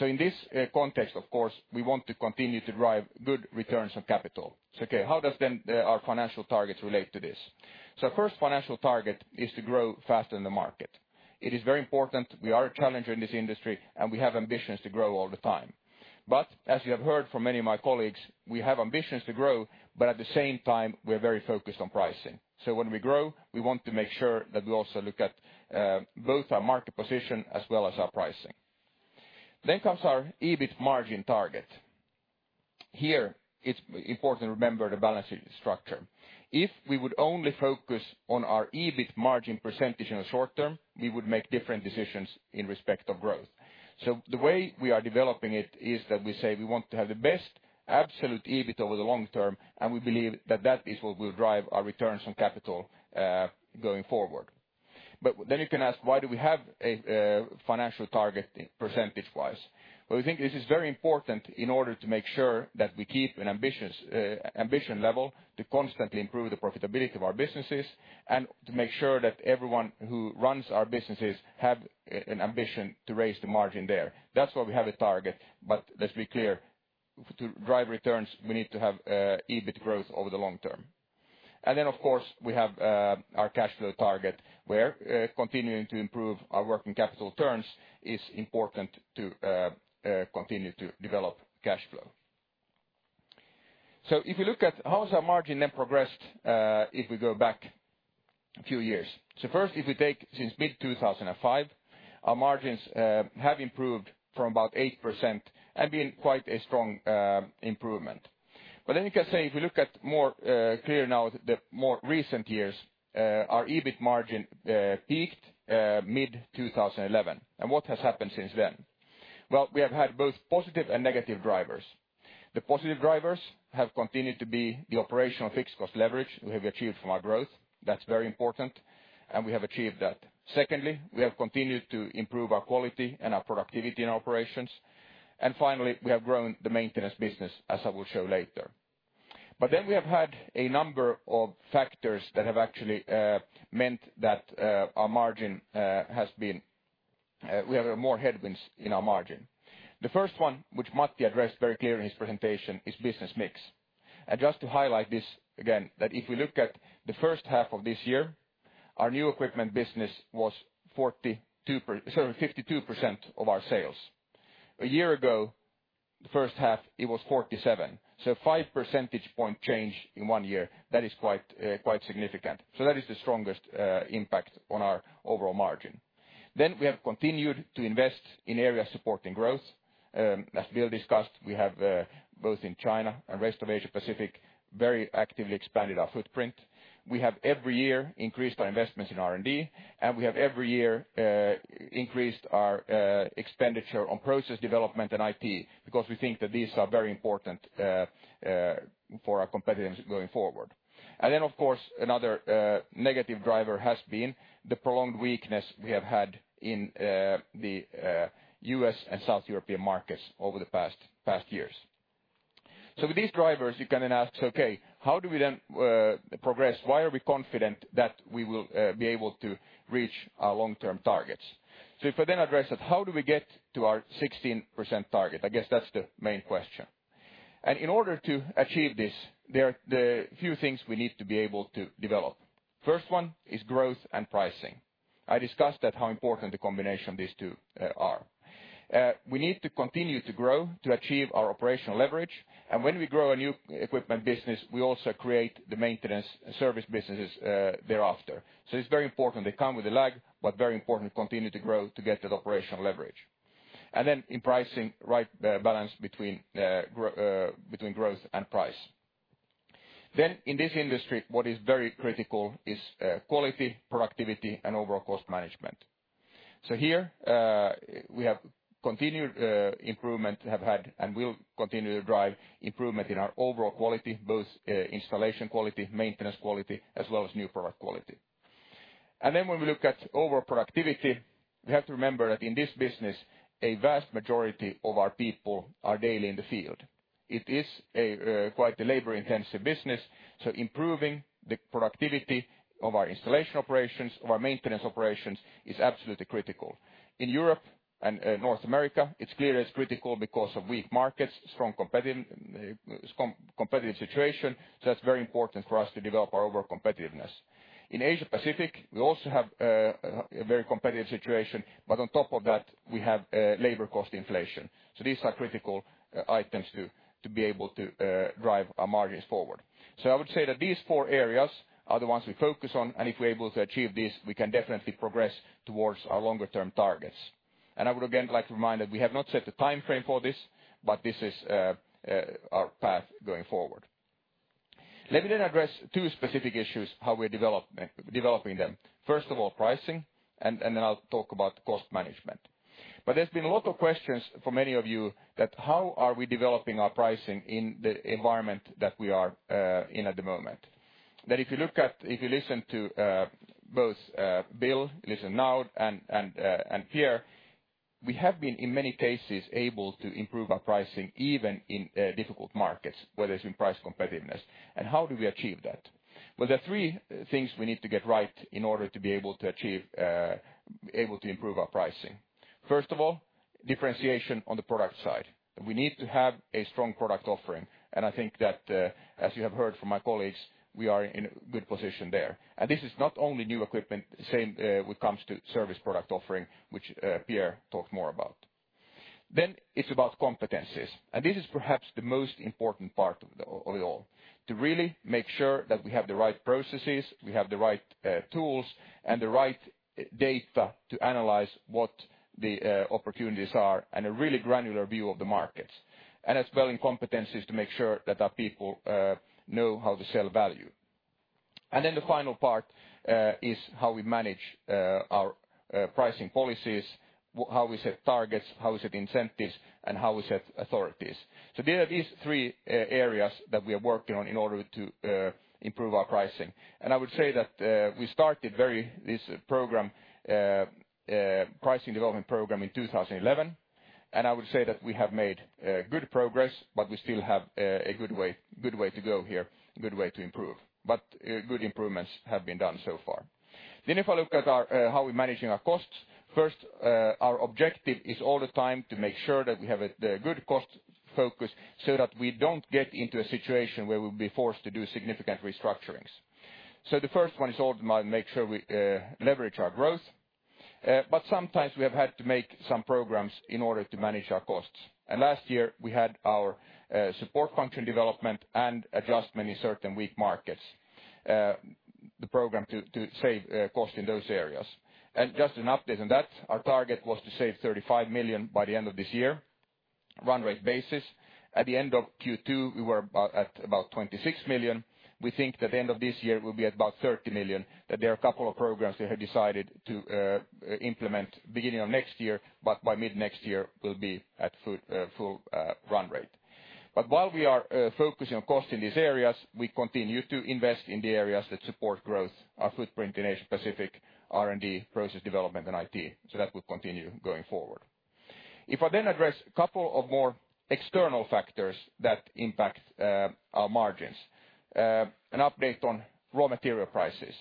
In this context, of course, we want to continue to drive good returns on capital. Okay, how does then our financial targets relate to this? First financial target is to grow faster than the market. It is very important. We are a challenger in this industry, and we have ambitions to grow all the time. As you have heard from many of my colleagues, we have ambitions to grow, but at the same time, we're very focused on pricing. When we grow, we want to make sure that we also look at both our market position as well as our pricing. Comes our EBIT margin target. Here, it's important to remember the balance sheet structure. If we would only focus on our EBIT margin percentage in the short term, we would make different decisions in respect of growth. The way we are developing it is that we say we want to have the best absolute EBIT over the long term, and we believe that that is what will drive our returns on capital, going forward. You can ask, why do we have a financial target percentage-wise? We think this is very important in order to make sure that we keep an ambition level to constantly improve the profitability of our businesses and to make sure that everyone who runs our businesses have an ambition to raise the margin there. That's why we have a target, but let's be clear. To drive returns, we need to have EBIT growth over the long term. Of course, we have our cash flow target, where continuing to improve our working capital terms is important to continue to develop cash flow. If you look at how has our margin then progressed if we go back a few years. First, if we take since mid-2005, our margins have improved from about 8% and been quite a strong improvement. You can say, if we look at more clear now, the more recent years, our EBIT margin peaked mid-2011. What has happened since then? We have had both positive and negative drivers. The positive drivers have continued to be the operational fixed cost leverage we have achieved from our growth. That's very important, and we have achieved that. Secondly, we have continued to improve our quality and our productivity in our operations. Finally, we have grown the maintenance business, as I will show later. We have had a number of factors that have actually meant that we have more headwinds in our margin. The first one, which Matti addressed very clearly in his presentation, is business mix. Just to highlight this again, that if we look at the first half of this year, our new equipment business was 52% of our sales. A year ago The first half, it was 47%. Five percentage point change in one year. That is quite significant. That is the strongest impact on our overall margin. We have continued to invest in areas supporting growth. As Bill discussed, we have, both in China and rest of Asia Pacific, very actively expanded our footprint. We have every year increased our investments in R&D, and we have every year increased our expenditure on process development and IT, because we think that these are very important for our competitiveness going forward. Of course, another negative driver has been the prolonged weakness we have had in the U.S. and South European markets over the past years. With these drivers, you can then ask, "Okay, how do we then progress? Why are we confident that we will be able to reach our long-term targets?" If I then address that, how do we get to our 16% target? I guess that's the main question. In order to achieve this, there are a few things we need to be able to develop. First one is growth and pricing. I discussed that, how important the combination of these two are. We need to continue to grow to achieve our operational leverage. When we grow a new equipment business, we also create the maintenance service businesses thereafter. It's very important. They come with a lag, very important to continue to grow to get that operational leverage. In pricing, right balance between growth and price. In this industry, what is very critical is quality, productivity, and overall cost management. Here, we have continued improvement, have had, and will continue to drive improvement in our overall quality, both installation quality, maintenance quality, as well as new product quality. When we look at overall productivity, we have to remember that in this business, a vast majority of our people are daily in the field. It is quite a labor-intensive business, improving the productivity of our installation operations, of our maintenance operations is absolutely critical. In Europe and North America, it's clear it's critical because of weak markets, strong competitive situation. That's very important for us to develop our overall competitiveness. In Asia Pacific, we also have a very competitive situation, but on top of that, we have labor cost inflation. These are critical items to be able to drive our margins forward. I would say that these four areas are the ones we focus on, and if we're able to achieve this, we can definitely progress towards our longer-term targets. I would again like to remind that we have not set a timeframe for this, but this is our path going forward. Let me then address two specific issues, how we're developing them. First of all, pricing, and then I'll talk about cost management. There's been a lot of questions for many of you that how are we developing our pricing in the environment that we are in at the moment. That if you listen to both Bill, listen to Noud and Pierre, we have been, in many cases, able to improve our pricing, even in difficult markets, whether it's in price competitiveness. How do we achieve that? Well, there are three things we need to get right in order to be able to improve our pricing. First of all, differentiation on the product side. We need to have a strong product offering. I think that, as you have heard from my colleagues, we are in a good position there. This is not only new equipment, same when it comes to service product offering, which Pierre talked more about. It's about competencies. This is perhaps the most important part of it all. To really make sure that we have the right processes, we have the right tools, and the right data to analyze what the opportunities are, and a really granular view of the markets. That's building competencies to make sure that our people know how to sell value. The final part is how we manage our pricing policies, how we set targets, how we set incentives, and how we set authorities. There are these three areas that we are working on in order to improve our pricing. I would say that we started this pricing development program in 2011. I would say that we have made good progress, but we still have a good way to go here, good way to improve. Good improvements have been done so far. If I look at how we're managing our costs. Our objective is all the time to make sure that we have a good cost focus so that we don't get into a situation where we'll be forced to do significant restructurings. The first one is all to make sure we leverage our growth. Sometimes we have had to make some programs in order to manage our costs. Last year, we had our support function development and adjustment in certain weak markets, the program to save cost in those areas. Just an update on that, our target was to save 35 million by the end of this year, run rate basis. At the end of Q2, we were at about 26 million. We think that the end of this year, we'll be at about 30 million, that there are a couple of programs we have decided to implement beginning of next year, but by mid-next year, we'll be at full run rate. While we are focusing on cost in these areas, we continue to invest in the areas that support growth, our footprint in Asia Pacific, R&D, process development, and IT. That will continue going forward. If I address a couple of more external factors that impact our margins. An update on raw material prices.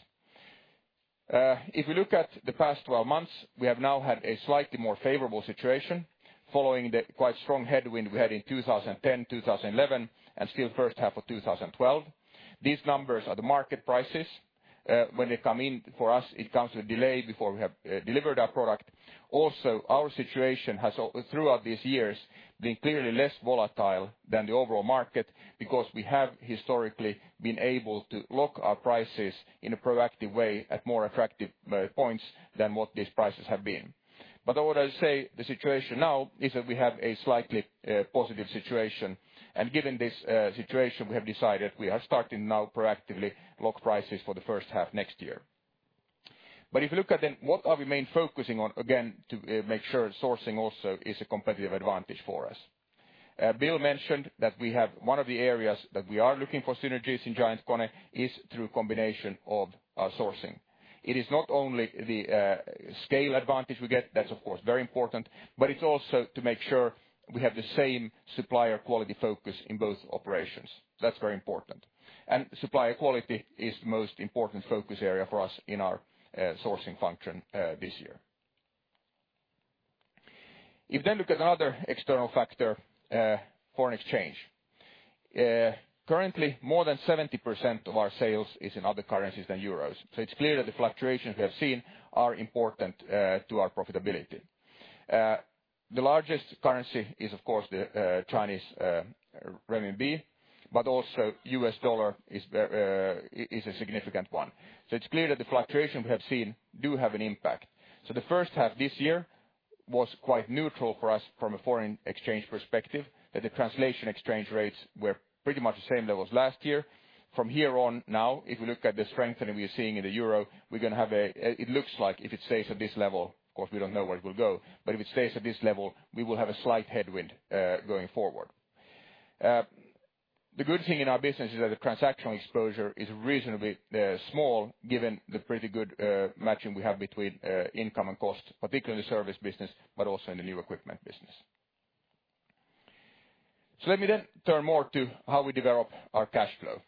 If we look at the past 12 months, we have now had a slightly more favorable situation following the quite strong headwind we had in 2010, 2011, and still first half of 2012. These numbers are the market prices. When they come in for us, it comes with a delay before we have delivered our product. Also, our situation has, throughout these years, been clearly less volatile than the overall market, because we have historically been able to lock our prices in a proactive way at more attractive points than what these prices have been. What I would say the situation now is that we have a slightly positive situation. Given this situation, we have decided we are starting now proactively lock prices for the first half next year. If you look at what are we main focusing on, again, to make sure sourcing also is a competitive advantage for us. Bill mentioned that we have one of the areas that we are looking for synergies in Giant KONE is through a combination of our sourcing. It is not only the scale advantage we get, that's of course very important, but it's also to make sure we have the same supplier quality focus in both operations. That's very important. Supplier quality is the most important focus area for us in our sourcing function this year. If you look at another external factor, foreign exchange. Currently, more than 70% of our sales is in other currencies than EUR. It's clear that the fluctuations we have seen are important to our profitability. The largest currency is, of course, the Chinese renminbi, but also US dollar is a significant one. It's clear that the fluctuation we have seen do have an impact. The first half this year was quite neutral for us from a foreign exchange perspective, that the translation exchange rates were pretty much the same level as last year. From here on now, if we look at the strengthening we are seeing in the euro, it looks like if it stays at this level, of course, we don't know where it will go, but if it stays at this level, we will have a slight headwind going forward. The good thing in our business is that the transactional exposure is reasonably small given the pretty good matching we have between income and cost, particularly service business, but also in the new equipment business. Let me then turn more to how we develop our cash flow.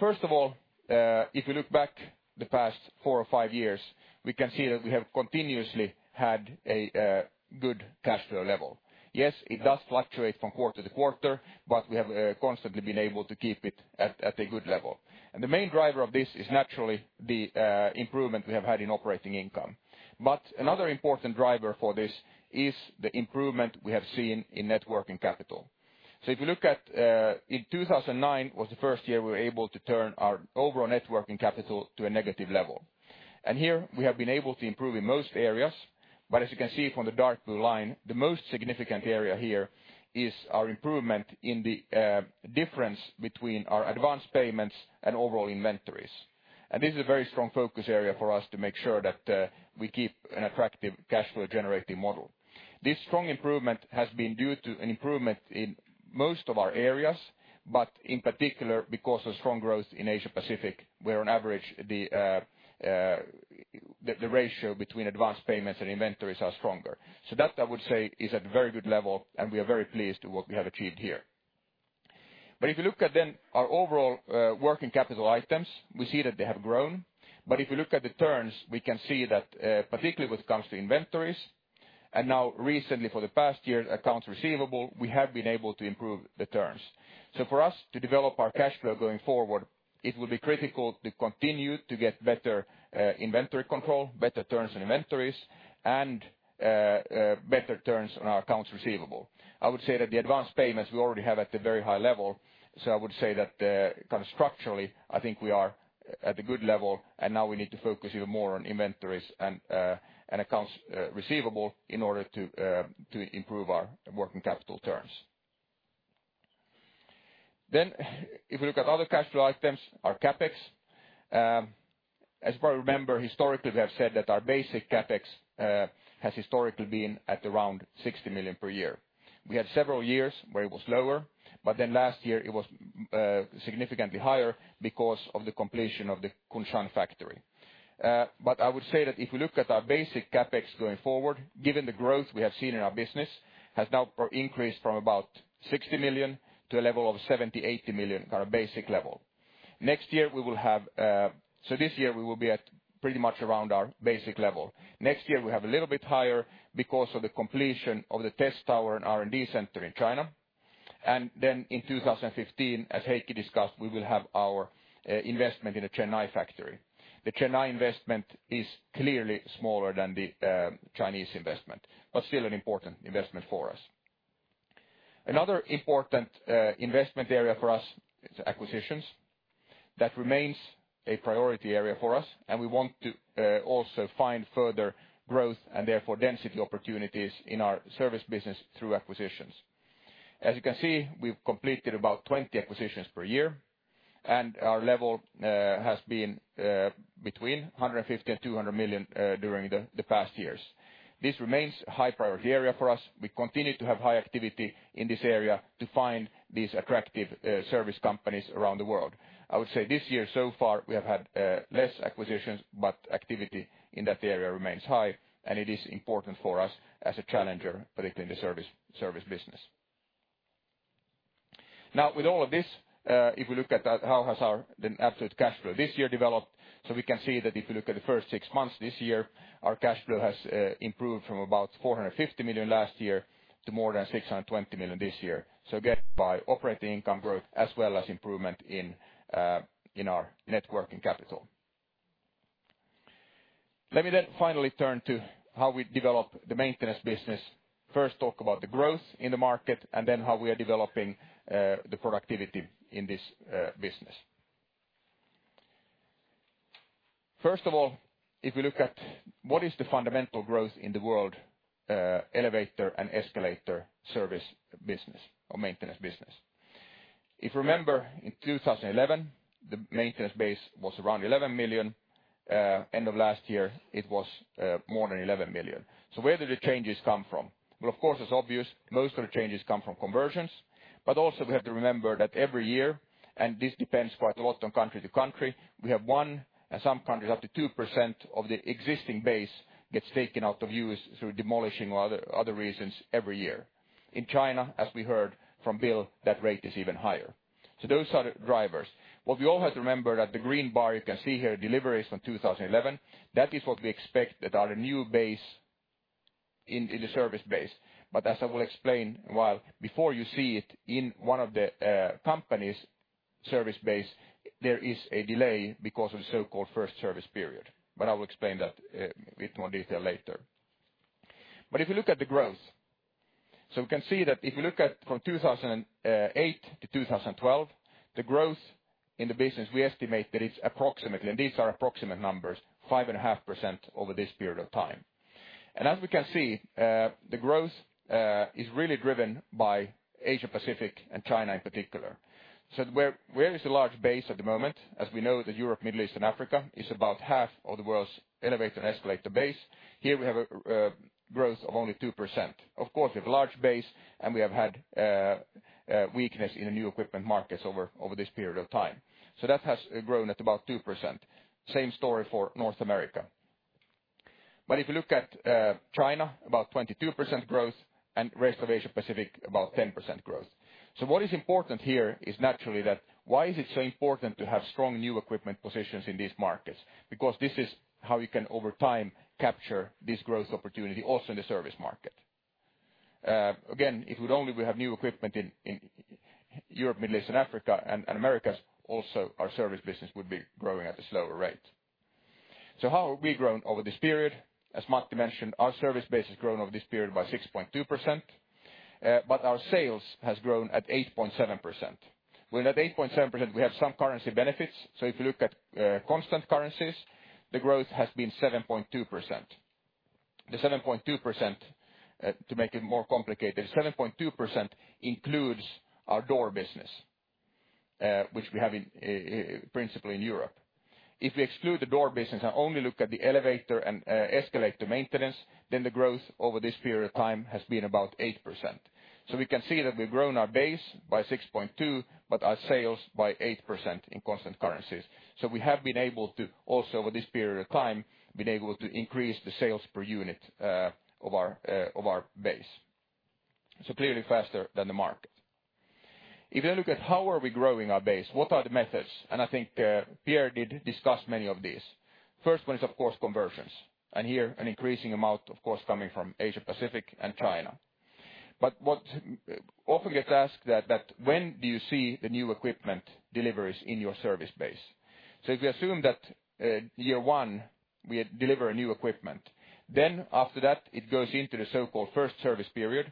First of all, if you look back the past four or five years, we can see that we have continuously had a good cash flow level. Yes, it does fluctuate from quarter to quarter, but we have constantly been able to keep it at a good level. The main driver of this is naturally the improvement we have had in operating income. Another important driver for this is the improvement we have seen in net working capital. If you look at in 2009 was the first year we were able to turn our overall net working capital to a negative level. Here we have been able to improve in most areas, but as you can see from the dark blue line, the most significant area here is our improvement in the difference between our advanced payments and overall inventories. This is a very strong focus area for us to make sure that we keep an attractive cash flow generating model. This strong improvement has been due to an improvement in most of our areas, but in particular because of strong growth in Asia Pacific, where on average the ratio between advanced payments and inventories are stronger. That I would say is at a very good level and we are very pleased with what we have achieved here. If you look at then our overall working capital items, we see that they have grown. If you look at the turns, we can see that particularly when it comes to inventories, and now recently for the past year, accounts receivable, we have been able to improve the turns. For us to develop our cash flow going forward, it will be critical to continue to get better inventory control, better turns in inventories, and better turns on our accounts receivable. I would say that the advanced payments we already have at a very high level. I would say that kind of structurally, I think we are at a good level and now we need to focus even more on inventories and accounts receivable in order to improve our working capital turns. If we look at other cash flow items, our CapEx. As you probably remember, historically, we have said that our basic CapEx has historically been at around 60 million per year. We had several years where it was lower, but last year it was significantly higher because of the completion of the Kunshan factory. I would say that if you look at our basic CapEx going forward, given the growth we have seen in our business, has now increased from about 60 million to a level of 70 million-80 million kind of basic level. This year we will be at pretty much around our basic level. Next year we have a little bit higher because of the completion of the test tower and R&D center in China. In 2015, as Heikki discussed, we will have our investment in the Chennai factory. The Chennai investment is clearly smaller than the Chinese investment, but still an important investment for us. Another important investment area for us is acquisitions. That remains a priority area for us, and we want to also find further growth and therefore density opportunities in our service business through acquisitions. As you can see, we've completed about 20 acquisitions per year, and our level has been between 150 million and 200 million during the past years. This remains a high priority area for us. We continue to have high activity in this area to find these attractive service companies around the world. I would say this year so far, we have had less acquisitions, but activity in that area remains high, and it is important for us as a challenger, particularly in the service business. With all of this, if we look at how has our absolute cash flow this year developed, we can see that if you look at the first six months this year, our cash flow has improved from about 450 million last year to more than 620 million this year. Again, by operating income growth as well as improvement in our net working capital. Let me finally turn to how we develop the maintenance business. First, talk about the growth in the market and then how we are developing the productivity in this business. First of all, if we look at what is the fundamental growth in the world elevator and escalator service business or maintenance business. If you remember, in 2011, the maintenance base was around 11 million. End of last year, it was more than 11 million. Where did the changes come from? Well, of course, it's obvious most of the changes come from conversions, but also we have to remember that every year, and this depends quite a lot on country to country, we have 1%, and some countries up to 2% of the existing base gets taken out of use through demolishing or other reasons every year. In China, as we heard from Bill, that rate is even higher. Those are the drivers. What we all have to remember that the green bar you can see here, deliveries from 2011, that is what we expect that our new base in the service base. As I will explain, before you see it in one of the company's service base, there is a delay because of the so-called first service period. I will explain that with more detail later. If you look at the growth. We can see that if you look at from 2008 to 2012, the growth in the business, we estimate that it's approximately, and these are approximate numbers, 5.5% over this period of time. As we can see, the growth is really driven by Asia-Pacific and China in particular. Where is the large base at the moment? We know that Europe, Middle East, and Africa is about half of the world's elevator and escalator base. Here we have a growth of only 2%. We have a large base, and we have had weakness in the new equipment markets over this period of time. That has grown at about 2%. Same story for North America. If you look at China, about 22% growth and rest of Asia-Pacific, about 10% growth. What is important here is naturally that why is it so important to have strong new equipment positions in these markets? Because this is how you can, over time, capture this growth opportunity also in the service market. Again, if would only we have new equipment in Europe, Middle East and Africa and Americas, also our service business would be growing at a slower rate. How have we grown over this period? As Matti mentioned, our service base has grown over this period by 6.2%, but our sales has grown at 8.7%. Within that 8.7%, we have some currency benefits. If you look at constant currencies, the growth has been 7.2%. To make it more complicated, 7.2% includes our door business, which we have principally in Europe. If we exclude the door business and only look at the elevator and escalator maintenance, the growth over this period of time has been about 8%. We can see that we've grown our base by 6.2%, but our sales by 8% in constant currencies. We have been able to also over this period of time, been able to increase the sales per unit of our base. Clearly faster than the market. If you look at how are we growing our base, what are the methods? I think Pierre did discuss many of these. First one is, of course, conversions. Here an increasing amount, of course, coming from Asia-Pacific and China. What often gets asked that when do you see the new equipment deliveries in your service base? If we assume that year one, we deliver a new equipment. After that, it goes into the so-called first service period,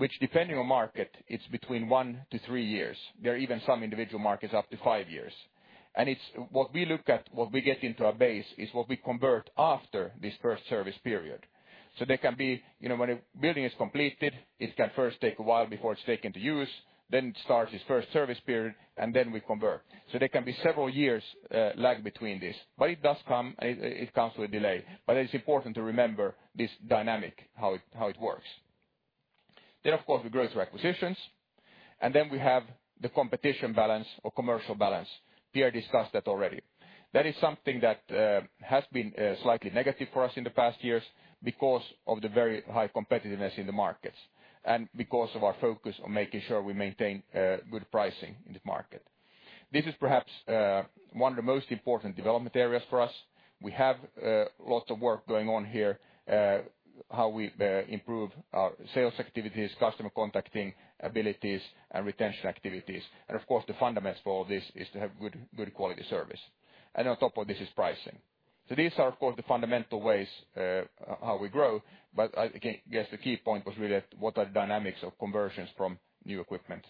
which depending on market, it's between one to three years. There are even some individual markets up to five years. What we look at, what we get into our base is what we convert after this first service period. They can be, when a building is completed, it can first take a while before it's taken to use, then starts its first service period, and then we convert. There can be several years lag between this, but it comes with delay. It is important to remember this dynamic, how it works. Of course, we growth through acquisitions, and then we have the competition balance or commercial balance. Pierre discussed that already. That is something that has been slightly negative for us in the past years because of the very high competitiveness in the markets, and because of our focus on making sure we maintain good pricing in the market. This is perhaps one of the most important development areas for us. We have lots of work going on here, how we improve our sales activities, customer contacting abilities, and retention activities. Of course, the fundamentals for all this is to have good quality service. On top of this is pricing. These are, of course, the fundamental ways how we grow, but I guess the key point was really what are the dynamics of conversions from new equipment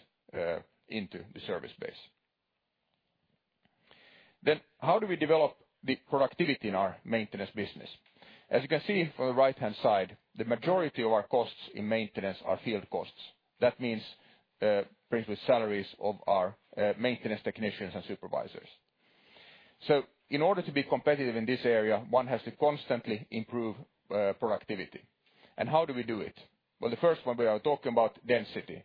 into the service base. How do we develop the productivity in our maintenance business? As you can see from the right-hand side, the majority of our costs in maintenance are field costs. That means principally salaries of our maintenance technicians and supervisors. In order to be competitive in this area, one has to constantly improve productivity. How do we do it? The first one, we are talking about density.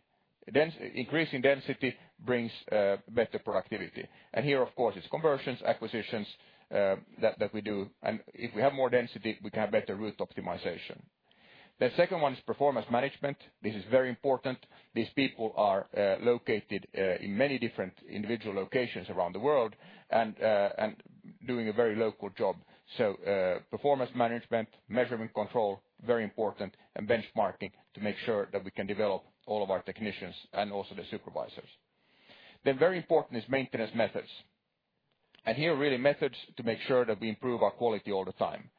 Increasing density brings better productivity. Here, of course, it is conversions, acquisitions that we do. If we have more density, we can have better route optimization. The second one is performance management. This is very important. These people are located in many different individual locations around the world and doing a very local job. Performance management, measurement control, very important, and benchmarking to make sure that we can develop all of our technicians and also the supervisors. Very important is maintenance methods. Here really methods to make sure that we improve our quality all the time.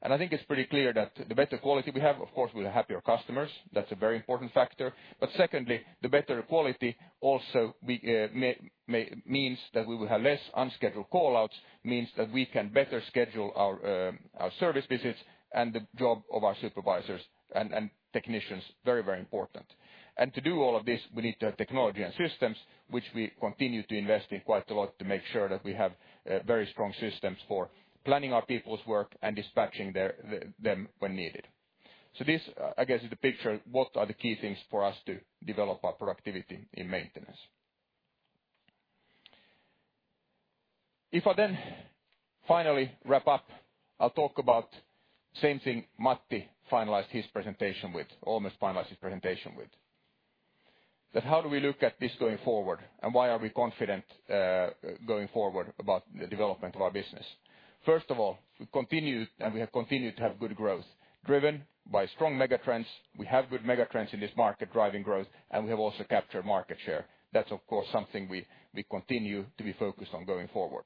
I think it is pretty clear that the better quality we have, of course, we will have happier customers. That is a very important factor. Secondly, the better quality also means that we will have less unscheduled call-outs, means that we can better schedule our service visits and the job of our supervisors and technicians, very important. To do all of this, we need to have technology and systems, which we continue to invest in quite a lot to make sure that we have very strong systems for planning our people's work and dispatching them when needed. This, I guess is the picture, what are the key things for us to develop our productivity in maintenance. If I finally wrap up, I will talk about same thing Matti finalized his presentation with, almost finalized his presentation with. How do we look at this going forward, and why are we confident going forward about the development of our business? First of all, we have continued to have good growth driven by strong megatrends. We have good megatrends in this market driving growth, and we have also captured market share. That is of course, something we continue to be focused on going forward.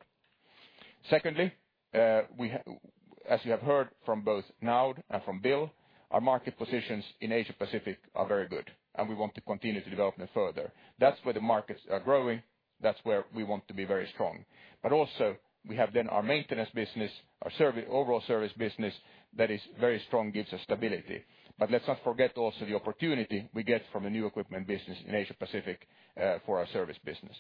Secondly, as you have heard from both Noud and from Bill, our market positions in Asia Pacific are very good, and we want to continue to develop them further. That is where the markets are growing, that is where we want to be very strong. Also we have our maintenance business, our overall service business that is very strong, gives us stability. Let us not forget also the opportunity we get from the new equipment business in Asia Pacific, for our service business.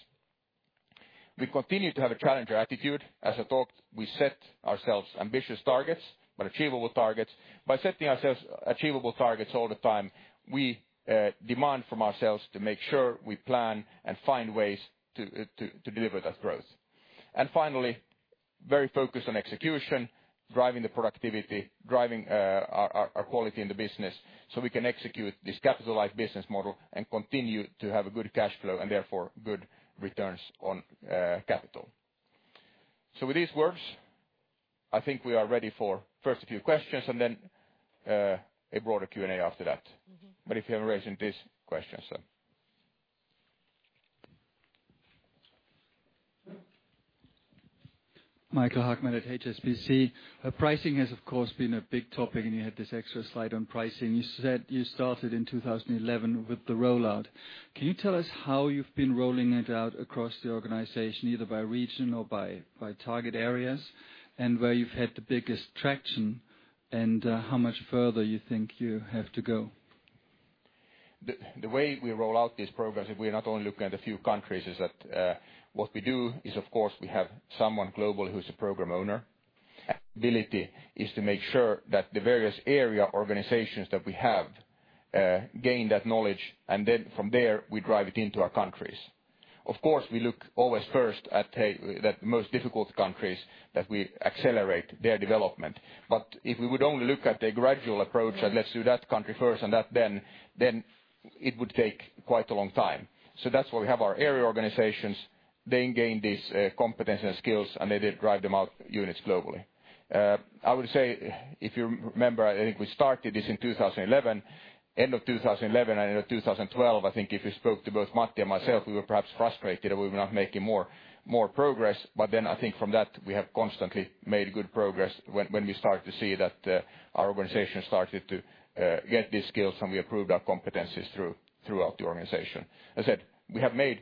We continue to have a challenger attitude. As I talked, we set ourselves ambitious targets, but achievable targets. By setting ourselves achievable targets all the time, we demand from ourselves to make sure we plan and find ways to deliver that growth. Finally, very focused on execution, driving the productivity, driving our quality in the business, so we can execute this capital-light business model and continue to have a good cash flow and therefore good returns on capital. With these words, I think we are ready for first a few questions and then a broader Q&A after that. If you have any questions please, questions then. Michael Hagmann at HSBC. Pricing has of course, been a big topic, you had this extra slide on pricing. You said you started in 2011 with the rollout. Can you tell us how you've been rolling it out across the organization, either by region or by target areas? Where you've had the biggest traction, and how much further you think you have to go? The way we roll out these programs, if we are not only looking at a few countries, is that what we do is of course, we have someone global who's a program owner. Ability is to make sure that the various area organizations that we have gain that knowledge, then from there, we drive it into our countries. Of course, we look always first at the most difficult countries that we accelerate their development. If we would only look at the gradual approach and let's do that country first and that then it would take quite a long time. That's why we have our area organizations, they gain this competence and skills, and they then drive them out units globally. I would say, if you remember, I think we started this in 2011, end of 2011 and end of 2012, I think if you spoke to both Matti and myself, we were perhaps frustrated that we were not making more progress. I think from that, we have constantly made good progress when we start to see that our organization started to get these skills, and we improved our competencies throughout the organization. I said we have made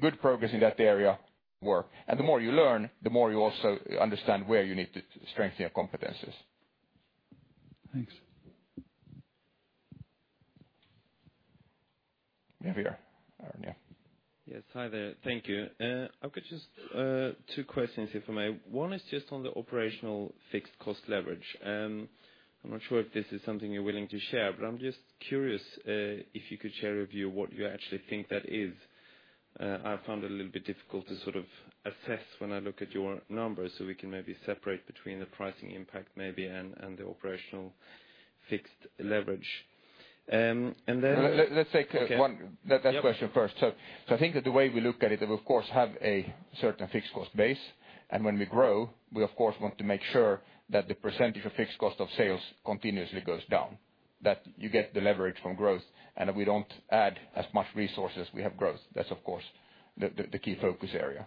good progress in that area more. The more you learn, the more you also understand where you need to strengthen your competencies. Thanks. We have here, Arne. Yes. Hi there. Thank you. I've got just two questions if I may. One is just on the operational fixed cost leverage. I am not sure if this is something you are willing to share, but I am just curious if you could share with you what you actually think that is. I found it a little bit difficult to sort of assess when I look at your numbers so we can maybe separate between the pricing impact maybe and the operational fixed leverage. Let's take that question first. I think that the way we look at it, we of course, have a certain fixed cost base, and when we grow, we of course, want to make sure that the percentage of fixed cost of sales continuously goes down, that you get the leverage from growth, and that we do not add as much resources, we have growth. That's of course, the key focus area.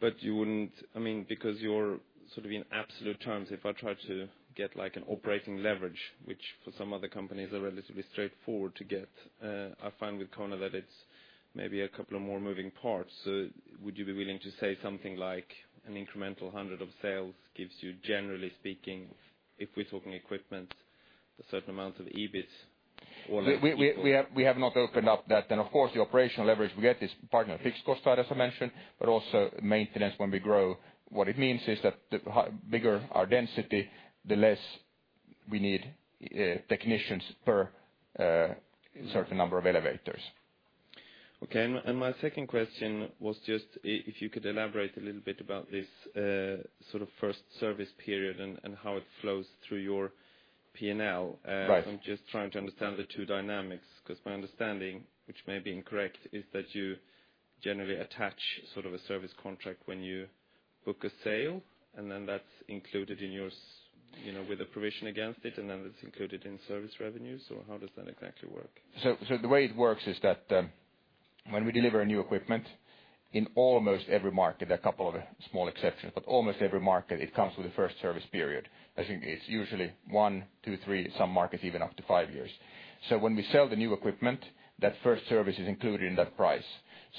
because you're sort of in absolute terms, if I try to get like an operating leverage, which for some other companies are relatively straightforward to get, I find with KONE that it's maybe a couple of more moving parts. Would you be willing to say something like an incremental 100 of sales gives you, generally speaking, if we're talking equipment, a certain amount of EBIT? We have not opened up that. Of course, the operational leverage we get is part of fixed cost side as I mentioned, but also maintenance when we grow. What it means is that the bigger our density, the less we need technicians per certain number of elevators. Okay. My second question was just if you could elaborate a little bit about this sort of first service period and how it flows through your P&L. Right. I'm just trying to understand the two dynamics because my understanding, which may be incorrect, is that you generally attach sort of a service contract when you book a sale, that's included with a provision against it, that's included in service revenues, or how does that exactly work? The way it works is that when we deliver new equipment, in almost every market, a couple of small exceptions, but almost every market, it comes with a first service period. I think it's usually one, two, three, some markets even up to five years. When we sell the new equipment, that first service is included in that price.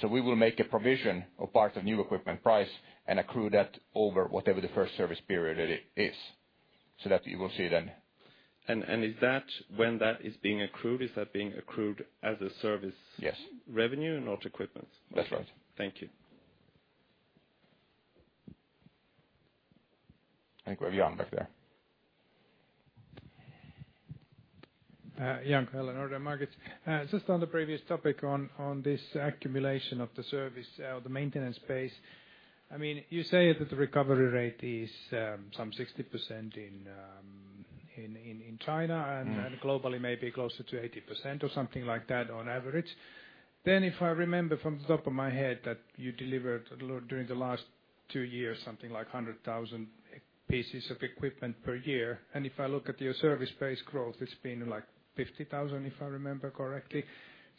We will make a provision of part of new equipment price and accrue that over whatever the first service period is, that you will see then. Is that when that is being accrued, is that being accrued as a service Yes revenue and not equipment? That's right. Thank you. I think we have Jan back there. Jan Kellen, Nordea Markets. On the previous topic on this accumulation of the service, the maintenance base. You say that the recovery rate is some 60% in China and globally, maybe closer to 80% or something like that on average. If I remember from the top of my head that you delivered a little during the last two years, something like 100,000 pieces of equipment per year. If I look at your service base growth, it's been like 50,000, if I remember correctly.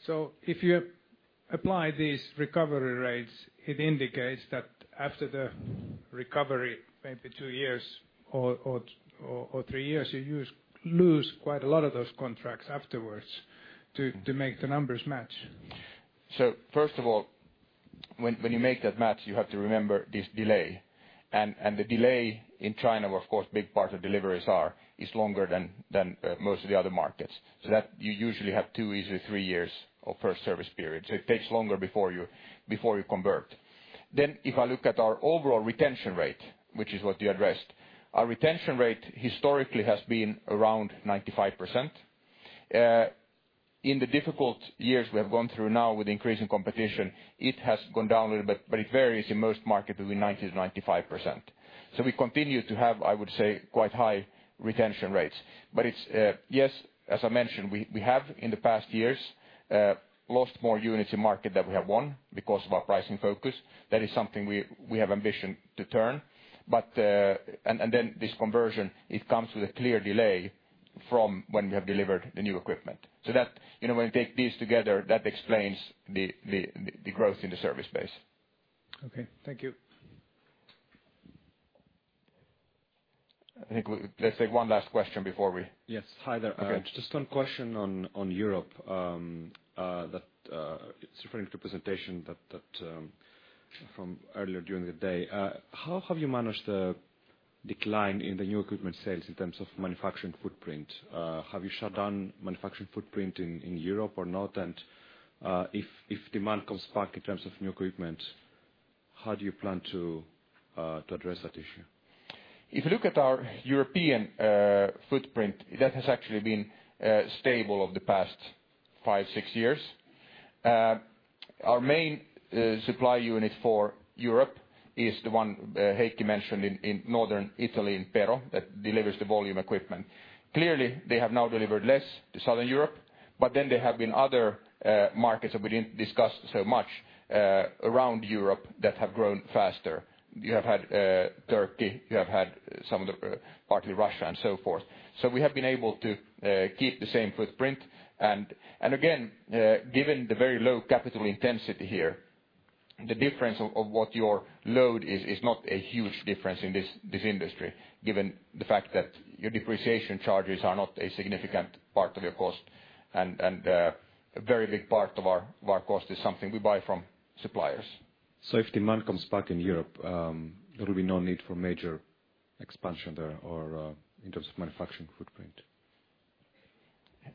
If you apply these recovery rates, it indicates that after the recovery, maybe two years or three years, you lose quite a lot of those contracts afterwards to make the numbers match. First of all, when you make that match, you have to remember this delay. The delay in China, where of course, big part of deliveries are, is longer than most of the other markets. That you usually have two, easily three years of first service period. It takes longer before you convert. If I look at our overall retention rate, which is what you addressed, our retention rate historically has been around 95%. In the difficult years we have gone through now with increasing competition, it has gone down a little bit, but it varies in most markets between 90%-95%. We continue to have, I would say, quite high retention rates. Yes, as I mentioned, we have in the past years, lost more units in market than we have won because of our pricing focus. That is something we have ambition to turn. This conversion, it comes with a clear delay from when we have delivered the new equipment. When you take these together, that explains the growth in the service base. Okay. Thank you. I think let's take one last question before we- Yes. Hi there. Okay. Just one question on Europe, that it's referring to presentation that from earlier during the day. How have you managed the decline in the new equipment sales in terms of manufacturing footprint? Have you shut down manufacturing footprint in Europe or not? If demand comes back in terms of new equipment, how do you plan to address that issue? If you look at our European footprint, that has actually been stable over the past five, six years. Our main supply unit for Europe is the one Heikki mentioned in Northern Italy in Pero that delivers the volume equipment. Clearly, they have now delivered less to Southern Europe, but then there have been other markets that we didn't discuss so much around Europe that have grown faster. You have had Turkey, you have had partly Russia and so forth. We have been able to keep the same footprint and, again, given the very low capital intensity here, the difference of what your load is not a huge difference in this industry, given the fact that your depreciation charges are not a significant part of your cost. A very big part of our cost is something we buy from suppliers. If demand comes back in Europe, there will be no need for major expansion there or, in terms of manufacturing footprint.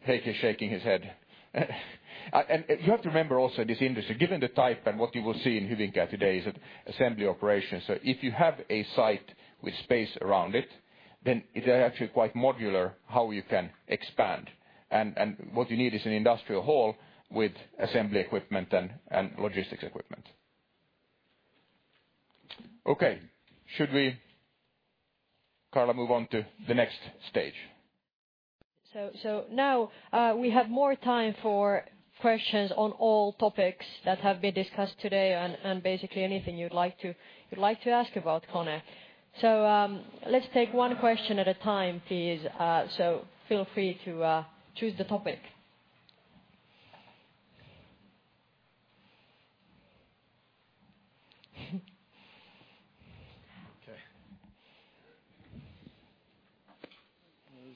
Heikki is shaking his head. You have to remember also this industry, given the type and what you will see in Hyvinkää today is assembly operations. If you have a site with space around it, then it is actually quite modular how you can expand. What you need is an industrial hall with assembly equipment and logistics equipment. Okay. Should we, Karla, move on to the next stage? Now, we have more time for questions on all topics that have been discussed today and basically anything you'd like to ask about KONE. Let's take one question at a time, please. Feel free to choose the topic.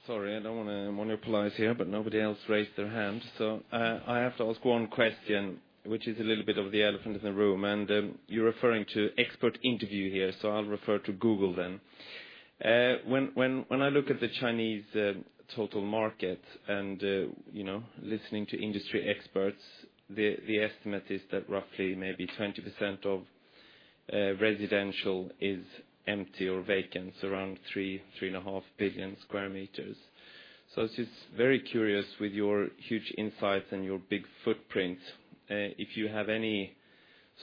Okay. Sorry, I don't want to monopolize here. Nobody else raised their hands. I have to ask one question, which is a little bit of the elephant in the room. You're referring to expert interview here. I'll refer to Google then. When I look at the Chinese total market and listening to industry experts, the estimate is that roughly maybe 20% of residential is empty or vacant, around 3.5 billion square meters. It is very curious with your huge insights and your big footprint, if you have any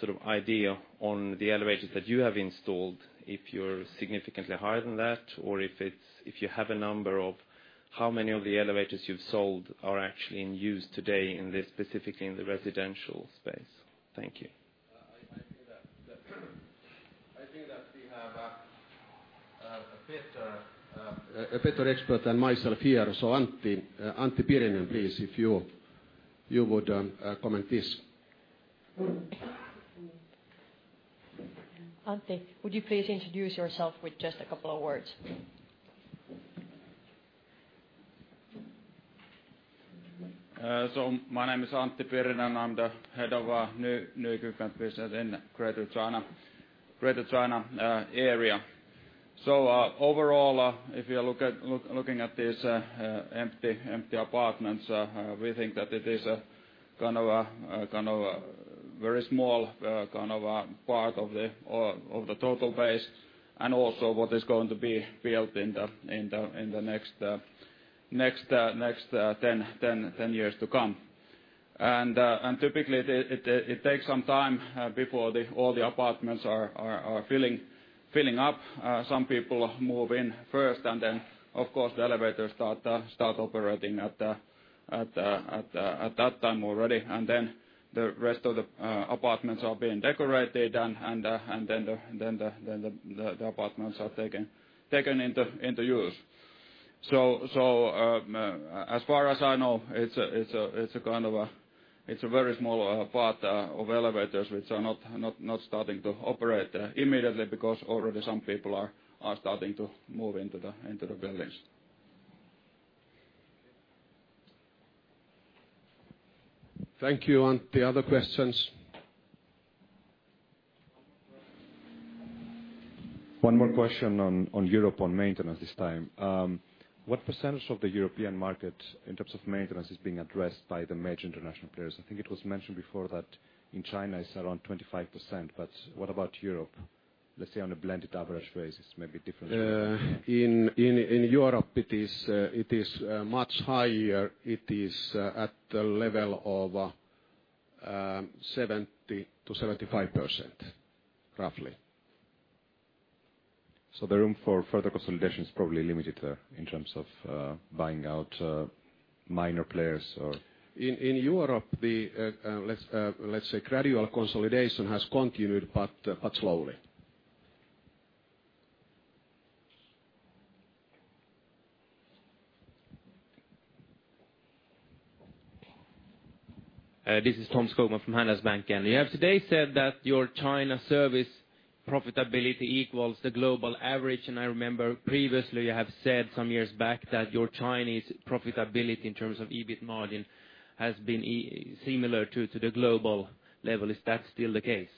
sort of idea on the elevators that you have installed, if you're significantly higher than that or if you have a number of how many of the elevators you've sold are actually in use today in this, specifically in the residential space. Thank you. I think that we have a better expert than myself here. Antti Pirinen, please, if you would comment this. Antti, would you please introduce yourself with just a couple of words? My name is Antti Pirinen, I'm the Head of New Equipment Business in Greater China area. Overall, if you're looking at these empty apartments, we think that it is a very small part of the total base, also what is going to be built in the next 10 years to come. Typically, it takes some time before all the apartments are filling up. Some people move in first. Of course, the elevators start operating at that time already. The rest of the apartments are being decorated. The apartments are taken into use. As far as I know, it's a very small part of elevators which are not starting to operate immediately, because already some people are starting to move into the buildings. Thank you, Antti. Other questions? One more question on Europe, on maintenance this time. What percentage of the European market in terms of maintenance is being addressed by the major international players? I think it was mentioned before that in China it's around 25%. What about Europe? Let's say on a blended average basis. In Europe it is much higher. It is at the level of 70%-75%, roughly. The room for further consolidation is probably limited there in terms of buying out minor players. In Europe, let's say gradual consolidation has continued, slowly. This is Tom Skogman from Handelsbanken. You have today said that your China service profitability equals the global average. I remember previously you have said some years back that your Chinese profitability in terms of EBIT margin has been similar to the global level. Is that still the case?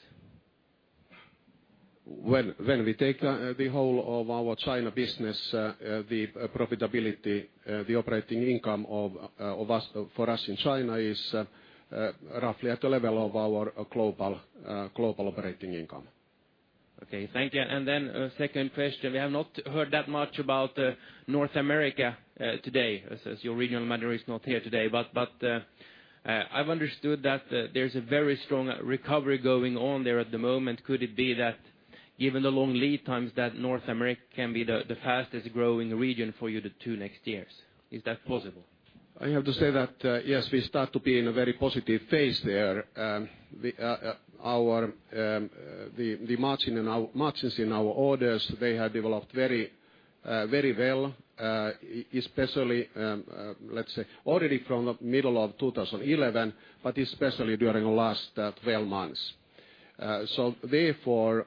When we take the whole of our China business the profitability the operating income for us in China is roughly at the level of our global operating income. Okay. Thank you. Second question. We have not heard that much about North America today as your regional manager is not here today, but I've understood that there's a very strong recovery going on there at the moment. Could it be that given the long lead times that North America can be the fastest growing region for you the two next years? Is that possible? I have to say that yes, we start to be in a very positive phase there. The margins in our orders, they have developed very well especially let's say already from the middle of 2011, but especially during the last 12 months. Therefore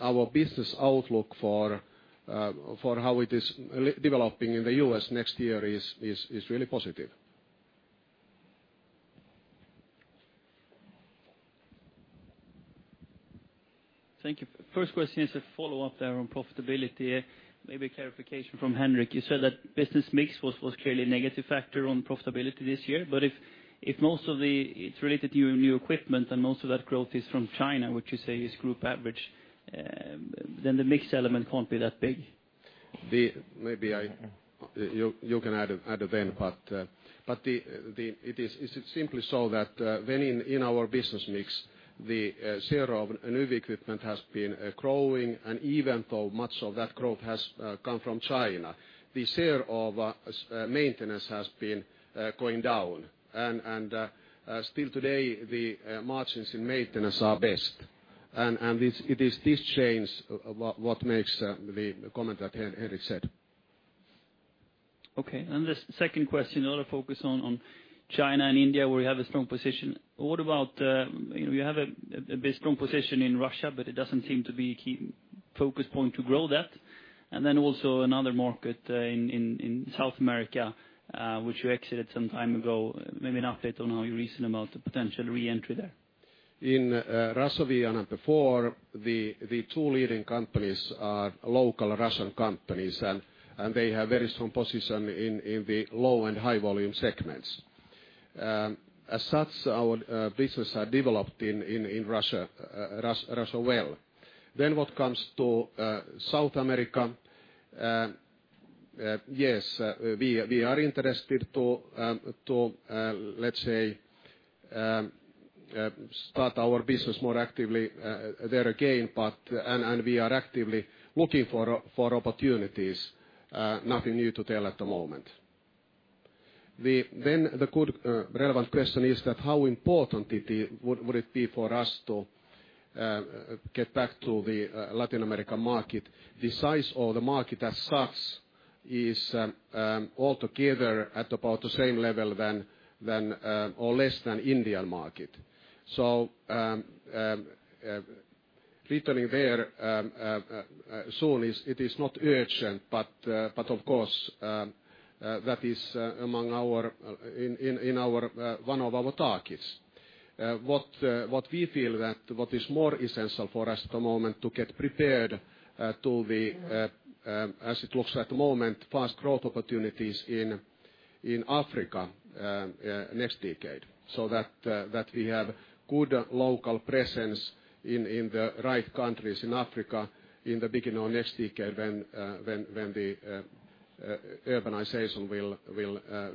our business outlook for how it is developing in the U.S. next year is really positive. Thank you. First question is a follow-up there on profitability, maybe a clarification from Henrik. You said that business mix was clearly a negative factor on profitability this year, if most of it's related to your new equipment and most of that growth is from China, which you say is group average then the mix element can't be that big. Maybe you can add then, it is simply so that when in our business mix the share of new equipment has been growing and even though much of that growth has come from China, the share of maintenance has been going down and still today the margins in maintenance are best. It is this change what makes the comment that Henrik said. Okay. The second question, another focus on China and India where you have a strong position. You have a strong position in Russia it doesn't seem to be a key focus point to grow that. Then also another market in South America which you exited some time ago, maybe an update on how you reason about the potential re-entry there. In Russia before the two leading companies are local Russian companies and they have very strong position in the low and high volume segments. As such, our business had developed in Russia well. What comes to South America yes, we are interested to let's say start our business more actively there again and we are actively looking for opportunities. Nothing new to tell at the moment. The good relevant question is that how important would it be for us to get back to the Latin American market? The size of the market as such is altogether at about the same level or less than India market. Returning there soon, it is not urgent, but of course, that is among in one of our targets. What we feel that what is more essential for us at the moment to get prepared to the, as it looks at the moment, fast growth opportunities in Africa next decade, so that we have good local presence in the right countries in Africa in the beginning of next decade when the urbanization will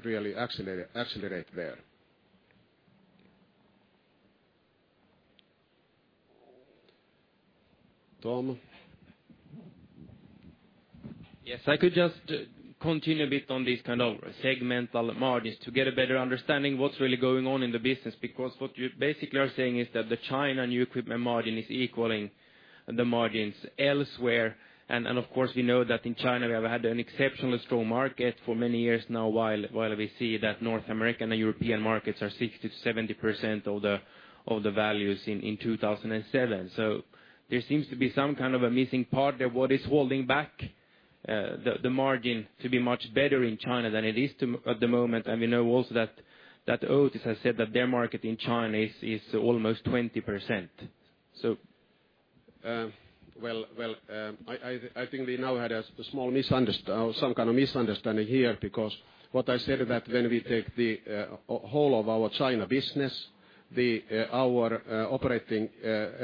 really accelerate there. Tom? Yes, I could just continue a bit on these kind of segmental margins to get a better understanding what's really going on in the business, because what you basically are saying is that the China new equipment margin is equaling the margins elsewhere. Of course, we know that in China, we have had an exceptionally strong market for many years now while we see that North American and European markets are 60%-70% of the values in 2007. There seems to be some kind of a missing part there. What is holding back the margin to be much better in China than it is at the moment? We know also that Otis has said that their market in China is almost 20%. Well, I think we now had some kind of misunderstanding here, because what I said that when we take the whole of our China business, our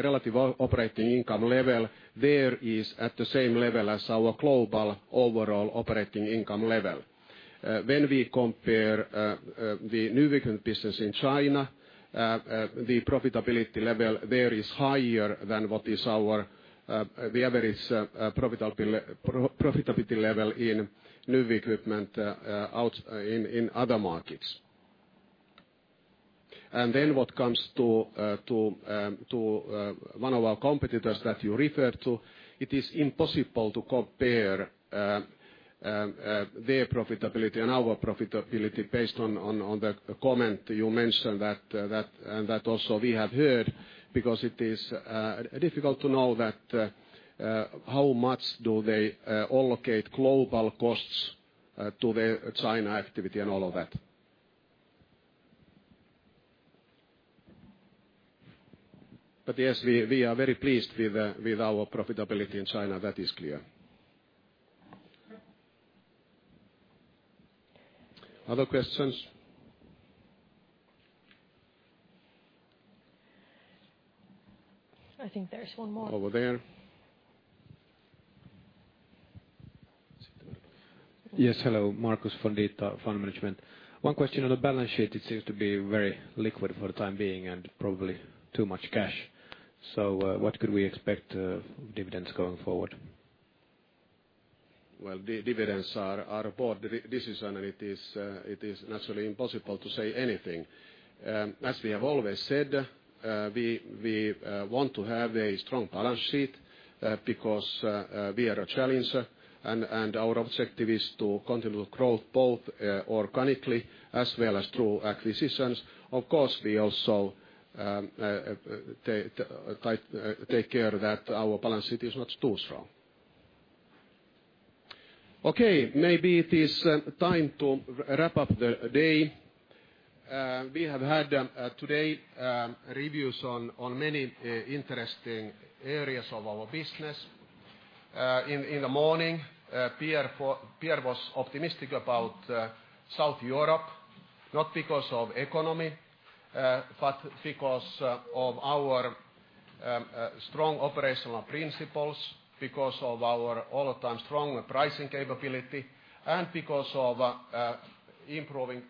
relative operating income level there is at the same level as our global overall operating income level. When we compare the new equipment business in China, the profitability level there is higher than what is our the average profitability level in new equipment in other markets. What comes to one of our competitors that you referred to, it is impossible to compare their profitability and our profitability based on that comment you mentioned and that also we have heard, because it is difficult to know that how much do they allocate global costs to their China activity and all of that. Yes, we are very pleased with our profitability in China. That is clear. Other questions? I think there's one more. Over there. Yes. Hello. Marcus from Danske Fund Management. One question on the balance sheet. It seems to be very liquid for the time being and probably too much cash. What could we expect dividends going forward? Well, dividends are a board decision. It is naturally impossible to say anything. As we have always said, we want to have a strong balance sheet because we are a challenger. Our objective is to continue growth both organically as well as through acquisitions. Of course, we also take care that our balance sheet is not too strong. Okay, maybe it is time to wrap up the day. We have had today reviews on many interesting areas of our business. In the morning, Pierre was optimistic about South Europe, not because of economy, but because of our strong operational principles, because of our all the time strong pricing capability, because of improving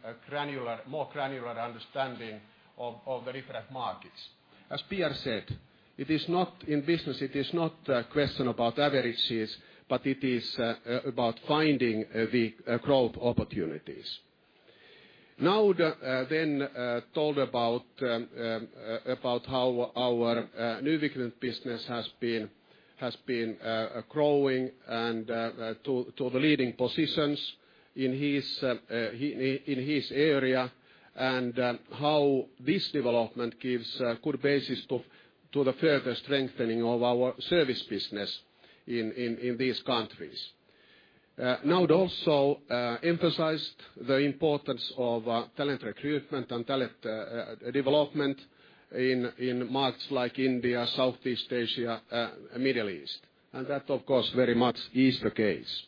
more granular understanding of the different markets. As Pierre said, in business, it is not a question about averages, it is about finding the growth opportunities. Noud then told about how our new equipment business has been growing and to the leading positions in his area and how this development gives a good basis to the further strengthening of our service business in these countries. It also emphasized the importance of talent recruitment and talent development in markets like India, Southeast Asia, Middle East. That of course, very much is the case.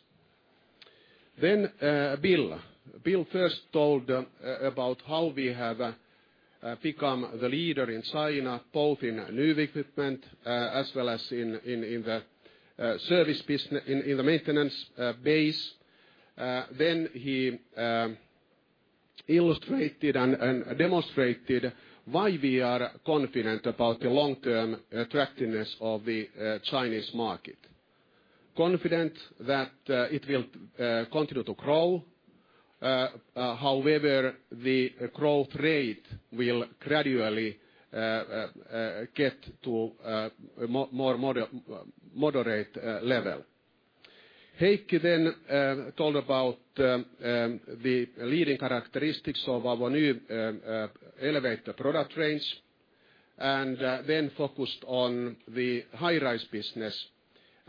Then Bill. Bill first told about how we have become the leader in China, both in new equipment as well as in the service business in the maintenance base. He illustrated and demonstrated why we are confident about the long-term attractiveness of the Chinese market. Confident that it will continue to grow. However, the growth rate will gradually get to a more moderate level. Heikki then told about the leading characteristics of our new elevator product range, and then focused on the high-rise business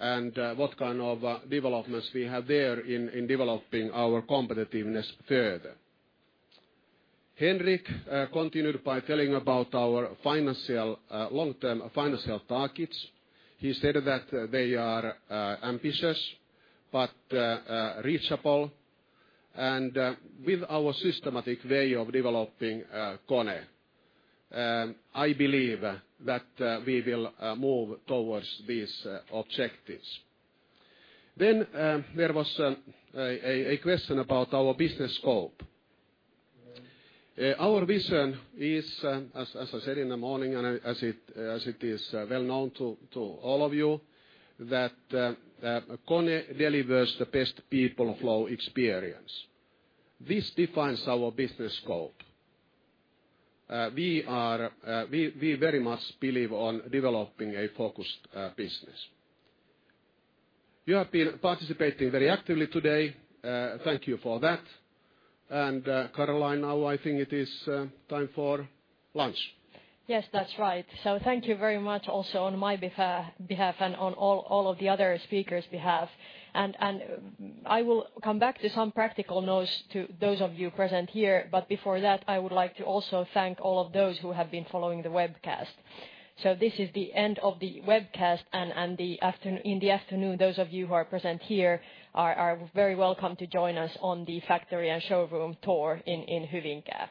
and what kind of developments we have there in developing our competitiveness further. Henrik continued by telling about our long-term financial targets. He said that they are ambitious but reachable. With our systematic way of developing KONE, I believe that we will move towards these objectives. There was a question about our business scope. Our vision is, as I said in the morning, as it is well known to all of you, that KONE delivers the best people flow experience. This defines our business scope. We very much believe on developing a focused business. You have been participating very actively today. Thank you for that. Karla, now I think it is time for lunch. Yes, that's right. Thank you very much also on my behalf and on all of the other speakers' behalf. I will come back to some practical notes to those of you present here. Before that, I would like to also thank all of those who have been following the webcast. This is the end of the webcast, and in the afternoon, those of you who are present here are very welcome to join us on the factory and showroom tour in Hyvinkää.